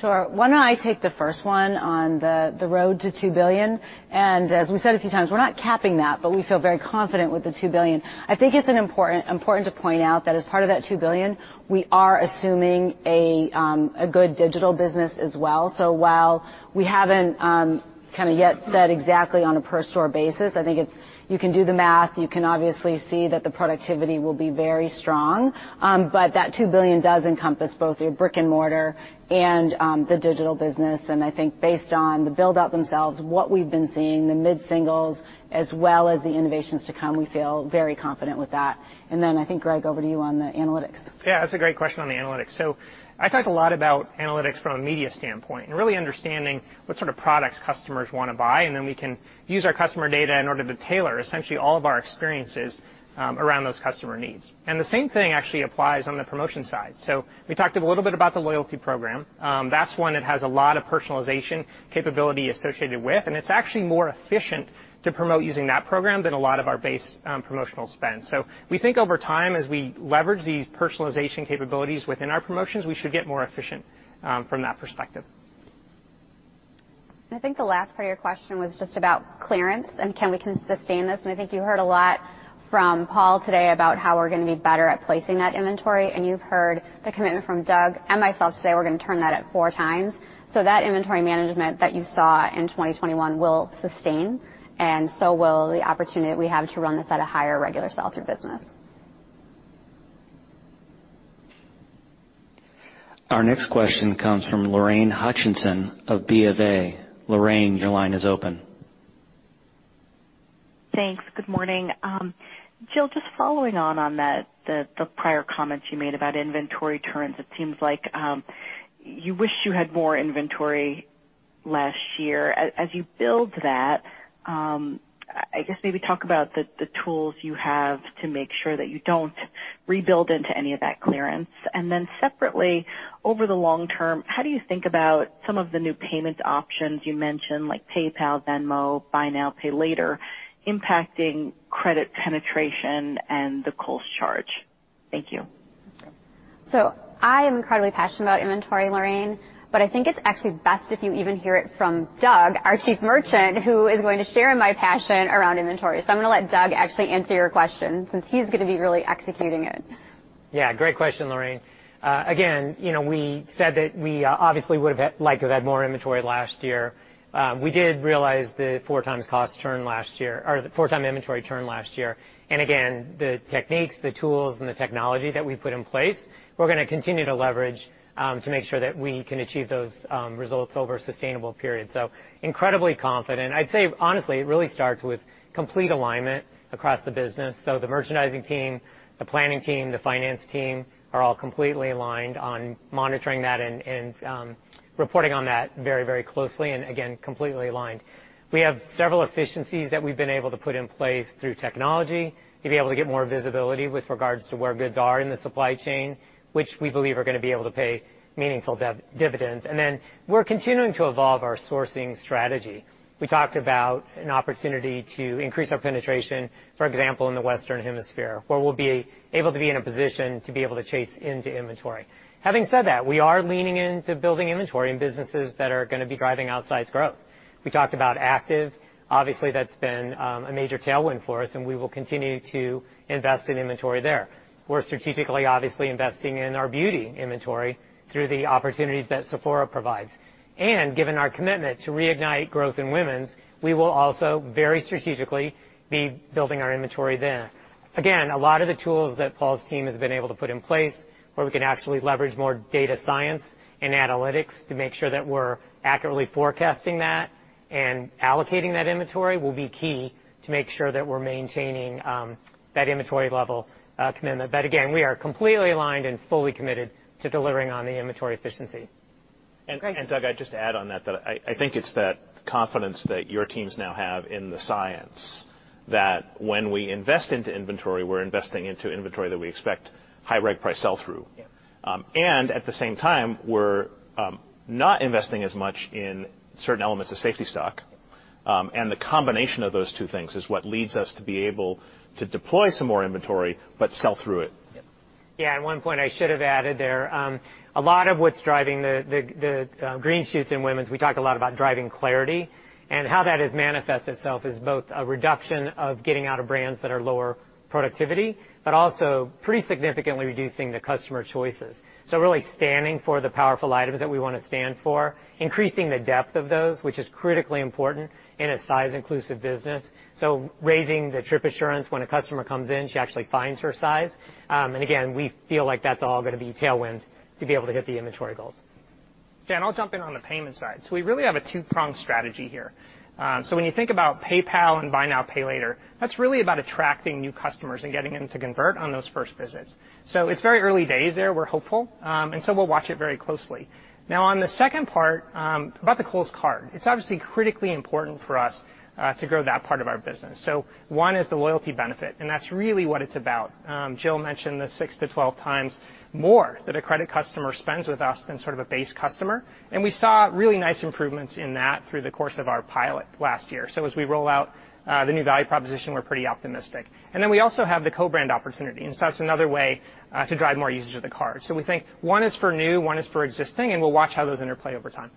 Sure. Why don't I take the first one on the road to $2 billion. As we said a few times, we're not capping that, but we feel very confident with the $2 billion. I think it's important to point out that as part of that $2 billion, we are assuming a good digital business as well. While we haven't kind of yet said exactly on a per store basis, I think it's you can do the math, you can obviously see that the productivity will be very strong. But that $2 billion does encompass both your brick-and-mortar and the digital business. I think based on the build-out themselves, what we've been seeing, the mid-singles as well as the innovations to come, we feel very confident with that. I think, Greg, over to you on the analytics. Yeah, that's a great question on the analytics. I talk a lot about analytics from a media standpoint and really understanding what sort of products customers wanna buy, and then we can use our customer data in order to tailor essentially all of our experiences, around those customer needs. The same thing actually applies on the promotion side. We talked a little bit about the loyalty program. That's one that has a lot of personalization capability associated with, and it's actually more efficient to promote using that program than a lot of our base, promotional spend. We think over time, as we leverage these personalization capabilities within our promotions, we should get more efficient, from that perspective. I think the last part of your question was just about clearance and can we sustain this. I think you heard a lot from Paul today about how we're gonna be better at placing that inventory, and you've heard the commitment from Doug and myself today, we're gonna turn that at 4x. That inventory management that you saw in 2021 will sustain, and so will the opportunity that we have to run this at a higher regular sell-through business. Our next question comes from Lorraine Hutchinson of BofA. Lorraine, your line is open. Thanks. Good morning. Jill, just following on that, the prior comments you made about inventory turns, it seems like you wish you had more inventory last year. As you build that, I guess maybe talk about the tools you have to make sure that you don't rebuild into any of that clearance. Then separately, over the long term, how do you think about some of the new payment options you mentioned, like PayPal, Venmo, buy now, pay later, impacting credit penetration and the Kohl's charge? Thank you. I am incredibly passionate about inventory, Lorraine, but I think it's actually best if you even hear it from Doug, our Chief Merchandising Officer, who is going to share in my passion around inventory. I'm gonna let Doug actually answer your question since he's gonna be really executing it. Yeah, great question, Lorraine. Again, you know, we said that we obviously would have liked to have had more inventory last year. We did realize the 4x inventory turn last year or the 4x inventory turn last year. Again, the techniques, the tools, and the technology that we put in place, we're gonna continue to leverage to make sure that we can achieve those results over a sustainable period. Incredibly confident. I'd say, honestly, it really starts with complete alignment across the business. The merchandising team, the planning team, the finance team are all completely aligned on monitoring that and reporting on that very, very closely, and again, completely aligned. We have several efficiencies that we've been able to put in place through technology to be able to get more visibility with regards to where goods are in the supply chain, which we believe are gonna be able to pay meaningful dividends. Then we're continuing to evolve our sourcing strategy. We talked about an opportunity to increase our penetration, for example, in the Western Hemisphere, where we'll be able to be in a position to be able to chase into inventory. Having said that, we are leaning into building inventory in businesses that are gonna be driving outsized growth. We talked about active. Obviously, that's been a major tailwind for us, and we will continue to invest in inventory there. We're strategically, obviously, investing in our beauty inventory through the opportunities that Sephora provides. Given our commitment to reignite growth in women's, we will also very strategically be building our inventory there. Again, a lot of the tools that Paul's team has been able to put in place where we can actually leverage more data science and analytics to make sure that we're accurately forecasting that and allocating that inventory will be key to make sure that we're maintaining, that inventory level, commitment. Again, we are completely aligned and fully committed to delivering on the inventory efficiency. Greg. Doug, I'd just add on that I think it's that confidence that your teams now have in the science that when we invest into inventory, we're investing into inventory that we expect high reg price sell-through. Yeah. At the same time, we're not investing as much in certain elements of safety stock. The combination of those two things is what leads us to be able to deploy some more inventory but sell through it. Yeah, one point I should have added there. A lot of what's driving the green shoots in women's. We talk a lot about driving clarity and how that has manifested itself is both a reduction of getting out of brands that are lower productivity, but also pretty significantly reducing the customer choices. Really standing for the powerful items that we wanna stand for, increasing the depth of those, which is critically important in a size inclusive business. Raising the trip assurance when a customer comes in, she actually finds her size. Again, we feel like that's all gonna be tailwind to be able to hit the inventory goals. Dan, I'll jump in on the payment side. We really have a two-pronged strategy here. When you think about PayPal and buy now, pay later, that's really about attracting new customers and getting them to convert on those first visits. It's very early days there. We're hopeful. We'll watch it very closely. Now, on the second part, about the Kohl's card, it's obviously critically important for us to grow that part of our business. One is the loyalty benefit, and that's really what it's about. Jill mentioned the 6x-12x more that a credit customer spends with us than sort of a base customer. We saw really nice improvements in that through the course of our pilot last year. As we roll out the new value proposition, we're pretty optimistic. We also have the co-brand opportunity, and so that's another way to drive more usage of the card. We think one is for new, one is for existing, and we'll watch how those interplay over time.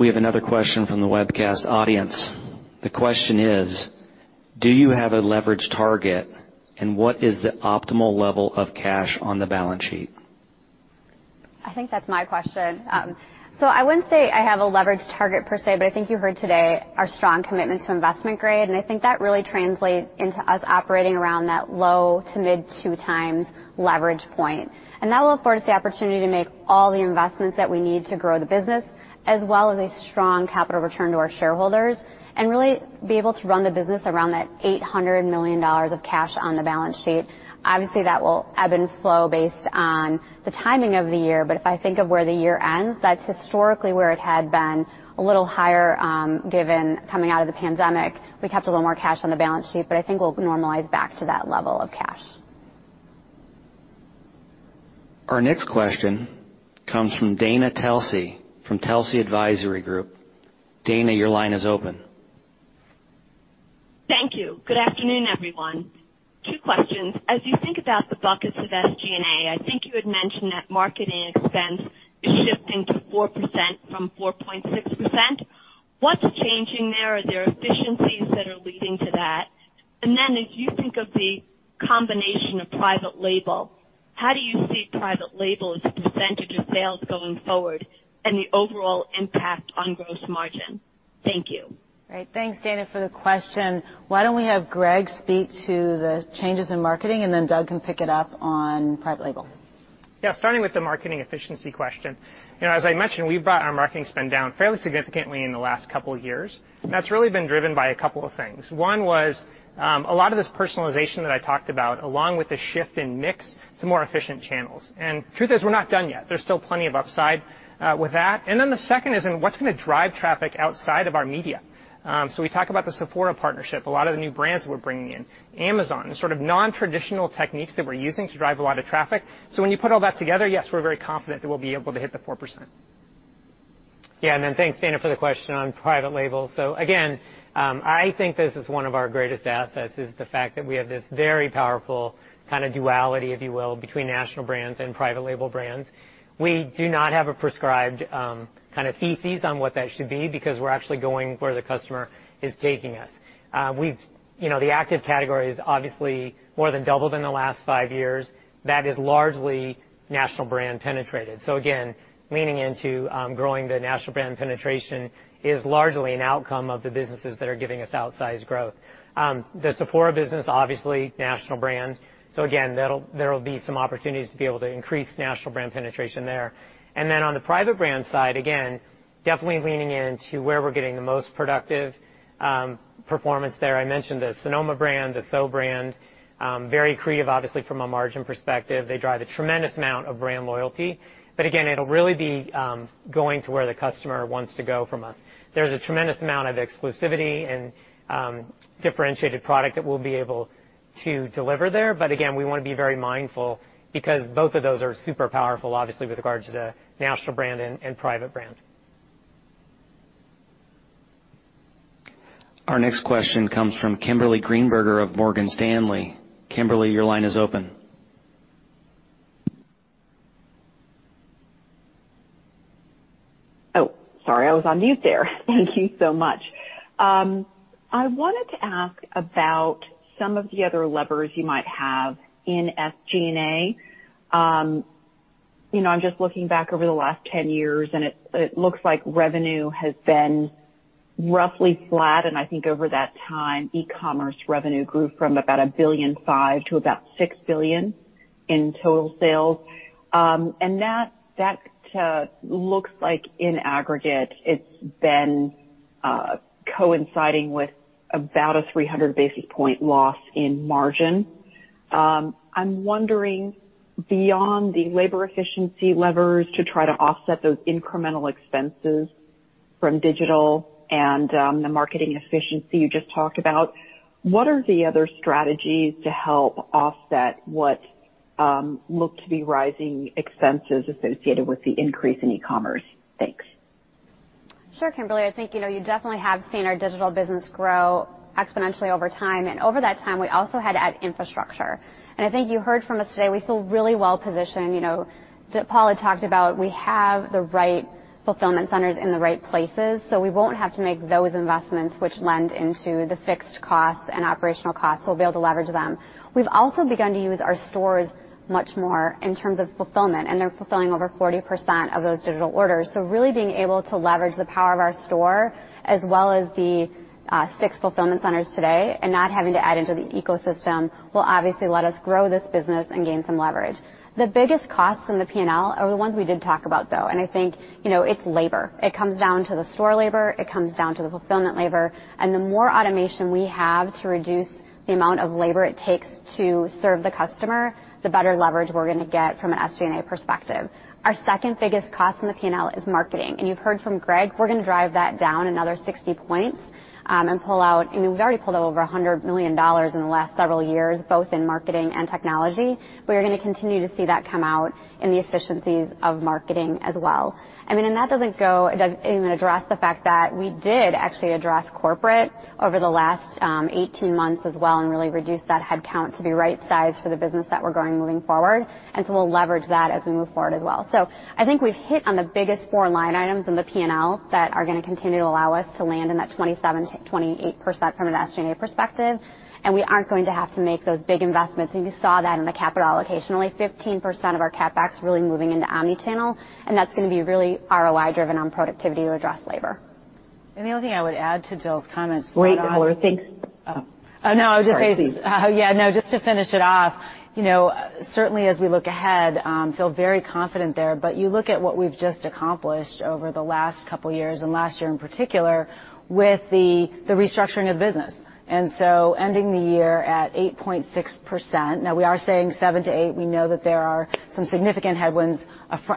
We have another question from the webcast audience. The question is: Do you have a leverage target, and what is the optimal level of cash on the balance sheet? I think that's my question. So I wouldn't say I have a leverage target per se, but I think you heard today our strong commitment to investment grade, and I think that really translates into us operating around that low- to mid-2x leverage point. That will afford us the opportunity to make all the investments that we need to grow the business, as well as a strong capital return to our shareholders and really be able to run the business around that $800 million of cash on the balance sheet. Obviously, that will ebb and flow based on the timing of the year. If I think of where the year ends, that's historically where it had been a little higher, given coming out of the pandemic, we kept a little more cash on the balance sheet, but I think we'll normalize back to that level of cash. Our next question comes from Dana Telsey, from Telsey Advisory Group. Dana, your line is open. Thank you. Good afternoon, everyone. Two questions. As you think about the buckets of SG&A, I think you had mentioned that marketing expense is shifting to 4% from 4.6%. What's changing there? Are there efficiencies that are leading to that? And then as you think of the combination of private label, how do you see private label as a percentage of sales going forward and the overall impact on gross margin? Thank you. Great. Thanks, Dana, for the question. Why don't we have Greg speak to the changes in marketing, and then Doug can pick it up on private label? Yeah, starting with the marketing efficiency question. You know, as I mentioned, we've brought our marketing spend down fairly significantly in the last couple of years. That's really been driven by a couple of things. One was a lot of this personalization that I talked about, along with the shift in mix to more efficient channels. Truth is we're not done yet. There's still plenty of upside with that. Then the second is in what's gonna drive traffic outside of our media. We talk about the Sephora partnership, a lot of the new brands we're bringing in, Amazon, sort of non-traditional techniques that we're using to drive a lot of traffic. When you put all that together, yes, we're very confident that we'll be able to hit the 4%. Yeah, thanks, Dana, for the question on private label. Again, I think this is one of our greatest assets is the fact that we have this very powerful kinda duality, if you will, between national brands and private label brands. We do not have a prescribed kinda thesis on what that should be because we're actually going where the customer is taking us. You know, the active category is obviously more than doubled in the last five years. That is largely national brand penetrated. Again, leaning into growing the national brand penetration is largely an outcome of the businesses that are giving us outsized growth. The Sephora business, obviously national brand. Again, there will be some opportunities to be able to increase national brand penetration there. Then on the private brand side, again, definitely leaning into where we're getting the most productive performance there. I mentioned the Sonoma brand, the SO brand, very accretive, obviously from a margin perspective. They drive a tremendous amount of brand loyalty. But again, it'll really be going to where the customer wants to go from us. There's a tremendous amount of exclusivity and differentiated product that we'll be able to deliver there. But again, we wanna be very mindful because both of those are super powerful, obviously, with regards to national brand and private brand. Our next question comes from Kimberly Greenberger of Morgan Stanley. Kimberly, your line is open. Oh, sorry, I was on mute there. Thank you so much. I wanted to ask about some of the other levers you might have in SG&A. You know, I'm just looking back over the last 10 years, and it looks like revenue has been roughly flat, and I think over that time, e-commerce revenue grew from about $1.5 billion to about $6 billion in total sales. And that looks like in aggregate, it's been coinciding with about a 300 basis points loss in margin. I'm wondering, beyond the labor efficiency levers to try to offset those incremental expenses from digital and the marketing efficiency you just talked about, what are the other strategies to help offset what look to be rising expenses associated with the increase in e-commerce? Thanks. Sure, Kimberly. I think, you know, you definitely have seen our digital business grow exponentially over time. Over that time, we also had to add infrastructure. I think you heard from us today, we feel really well positioned. You know, Paul talked about we have the right fulfillment centers in the right places, so we won't have to make those investments which lend into the fixed costs and operational costs. We'll be able to leverage them. We've also begun to use our stores much more in terms of fulfillment, and they're fulfilling over 40% of those digital orders. Really being able to leverage the power of our store as well as the six fulfillment centers today and not having to add into the ecosystem will obviously let us grow this business and gain some leverage. The biggest costs from the P&L are the ones we did talk about, though, and I think, you know, it's labor. It comes down to the store labor, it comes down to the fulfillment labor. The more automation we have to reduce the amount of labor it takes to serve the customer, the better leverage we're gonna get from an SG&A perspective. Our second biggest cost in the P&L is marketing. You've heard from Greg, we're gonna drive that down another 60 points, and pull out. I mean, we've already pulled out over $100 million in the last several years, both in marketing and technology. We're gonna continue to see that come out in the efficiencies of marketing as well. I mean, that doesn't even address the fact that we did actually address corporate over the last 18 months as well and really reduce that headcount to be right-sized for the business that we're growing moving forward. We'll leverage that as we move forward as well. I think we've hit on the biggest four line items in the P&L that are gonna continue to allow us to land in that 27%-28% from an SG&A perspective, and we aren't going to have to make those big investments. You saw that in the capital allocation, only 15% of our CapEx really moving into omni-channel, and that's gonna be really ROI-driven on productivity to address labor. The only thing I would add to Jill's comments. Wait, Laura. Thanks. Oh, no, I was just saying. Sorry. Please. Yeah, no, just to finish it off. You know, certainly as we look ahead, feel very confident there. You look at what we've just accomplished over the last couple years and last year in particular with the restructuring of the business, and so ending the year at 8.6%. Now we are saying 7%-8%. We know that there are some significant headwinds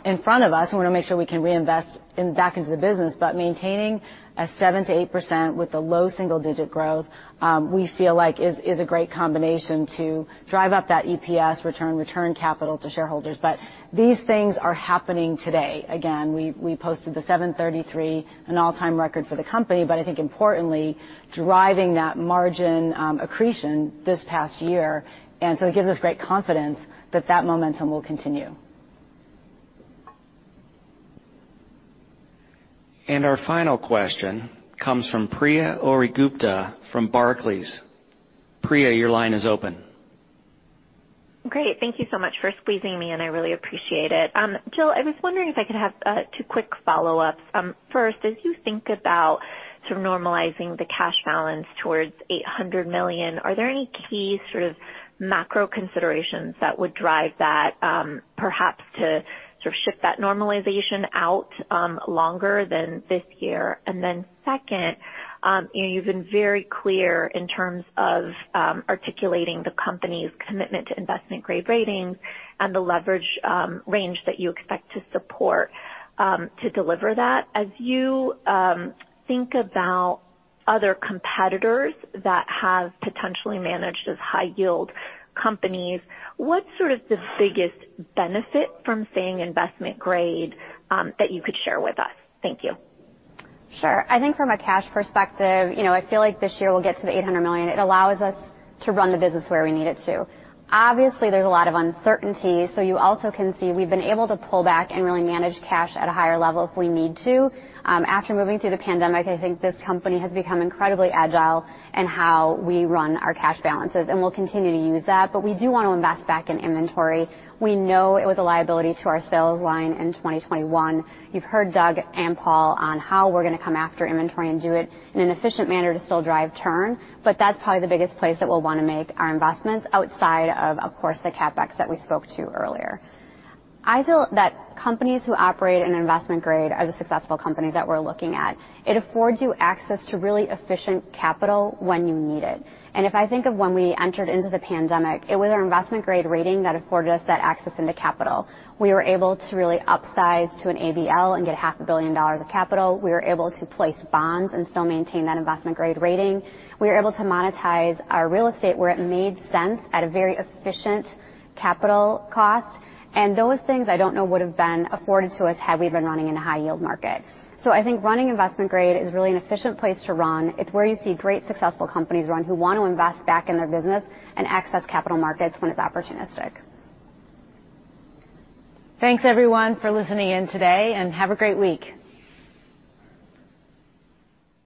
in front of us and want to make sure we can reinvest back into the business. Maintaining a 7%-8% with the low single-digit growth, we feel like is a great combination to drive up that EPS return capital to shareholders. These things are happening today. Again, we posted the $7.33, an all-time record for the company, but I think importantly driving that margin accretion this past year. It gives us great confidence that momentum will continue. Our final question comes from Priya Ohri-Gupta from Barclays. Priya, your line is open. Great. Thank you so much for squeezing me in. I really appreciate it. Jill, I was wondering if I could have two quick follow-ups. First, as you think about sort of normalizing the cash balance towards $800 million, are there any key sort of macro considerations that would drive that, perhaps to sort of shift that normalization out longer than this year? Second, you know, you've been very clear in terms of articulating the company's commitment to investment-grade ratings and the leverage range that you expect to support to deliver that. As you think about other competitors that have potentially managed as high-yield companies, what's sort of the biggest benefit from staying investment-grade that you could share with us? Thank you. Sure. I think from a cash perspective, you know, I feel like this year we'll get to the $800 million. It allows us to run the business where we need it to. Obviously, there's a lot of uncertainty, so you also can see we've been able to pull back and really manage cash at a higher level if we need to. After moving through the pandemic, I think this company has become incredibly agile in how we run our cash balances, and we'll continue to use that. But we do wanna invest back in inventory. We know it was a liability to our sales line in 2021. You've heard Doug and Paul on how we're gonna come after inventory and do it in an efficient manner to still drive turn. That's probably the biggest place that we'll wanna make our investments outside of course, the CapEx that we spoke to earlier. I feel that companies who operate in investment grade are the successful companies that we're looking at. It affords you access to really efficient capital when you need it. If I think of when we entered into the pandemic, it was our investment grade rating that afforded us that access into capital. We were able to really upsize to an ABL and get $500 million of capital. We were able to place bonds and still maintain that investment grade rating. We were able to monetize our real estate where it made sense at a very efficient capital cost. Those things I don't know would have been afforded to us had we been running in a high yield market. I think running investment grade is really an efficient place to run. It's where you see great successful companies run who want to invest back in their business and access capital markets when it's opportunistic. Thanks, everyone, for listening in today, and have a great week.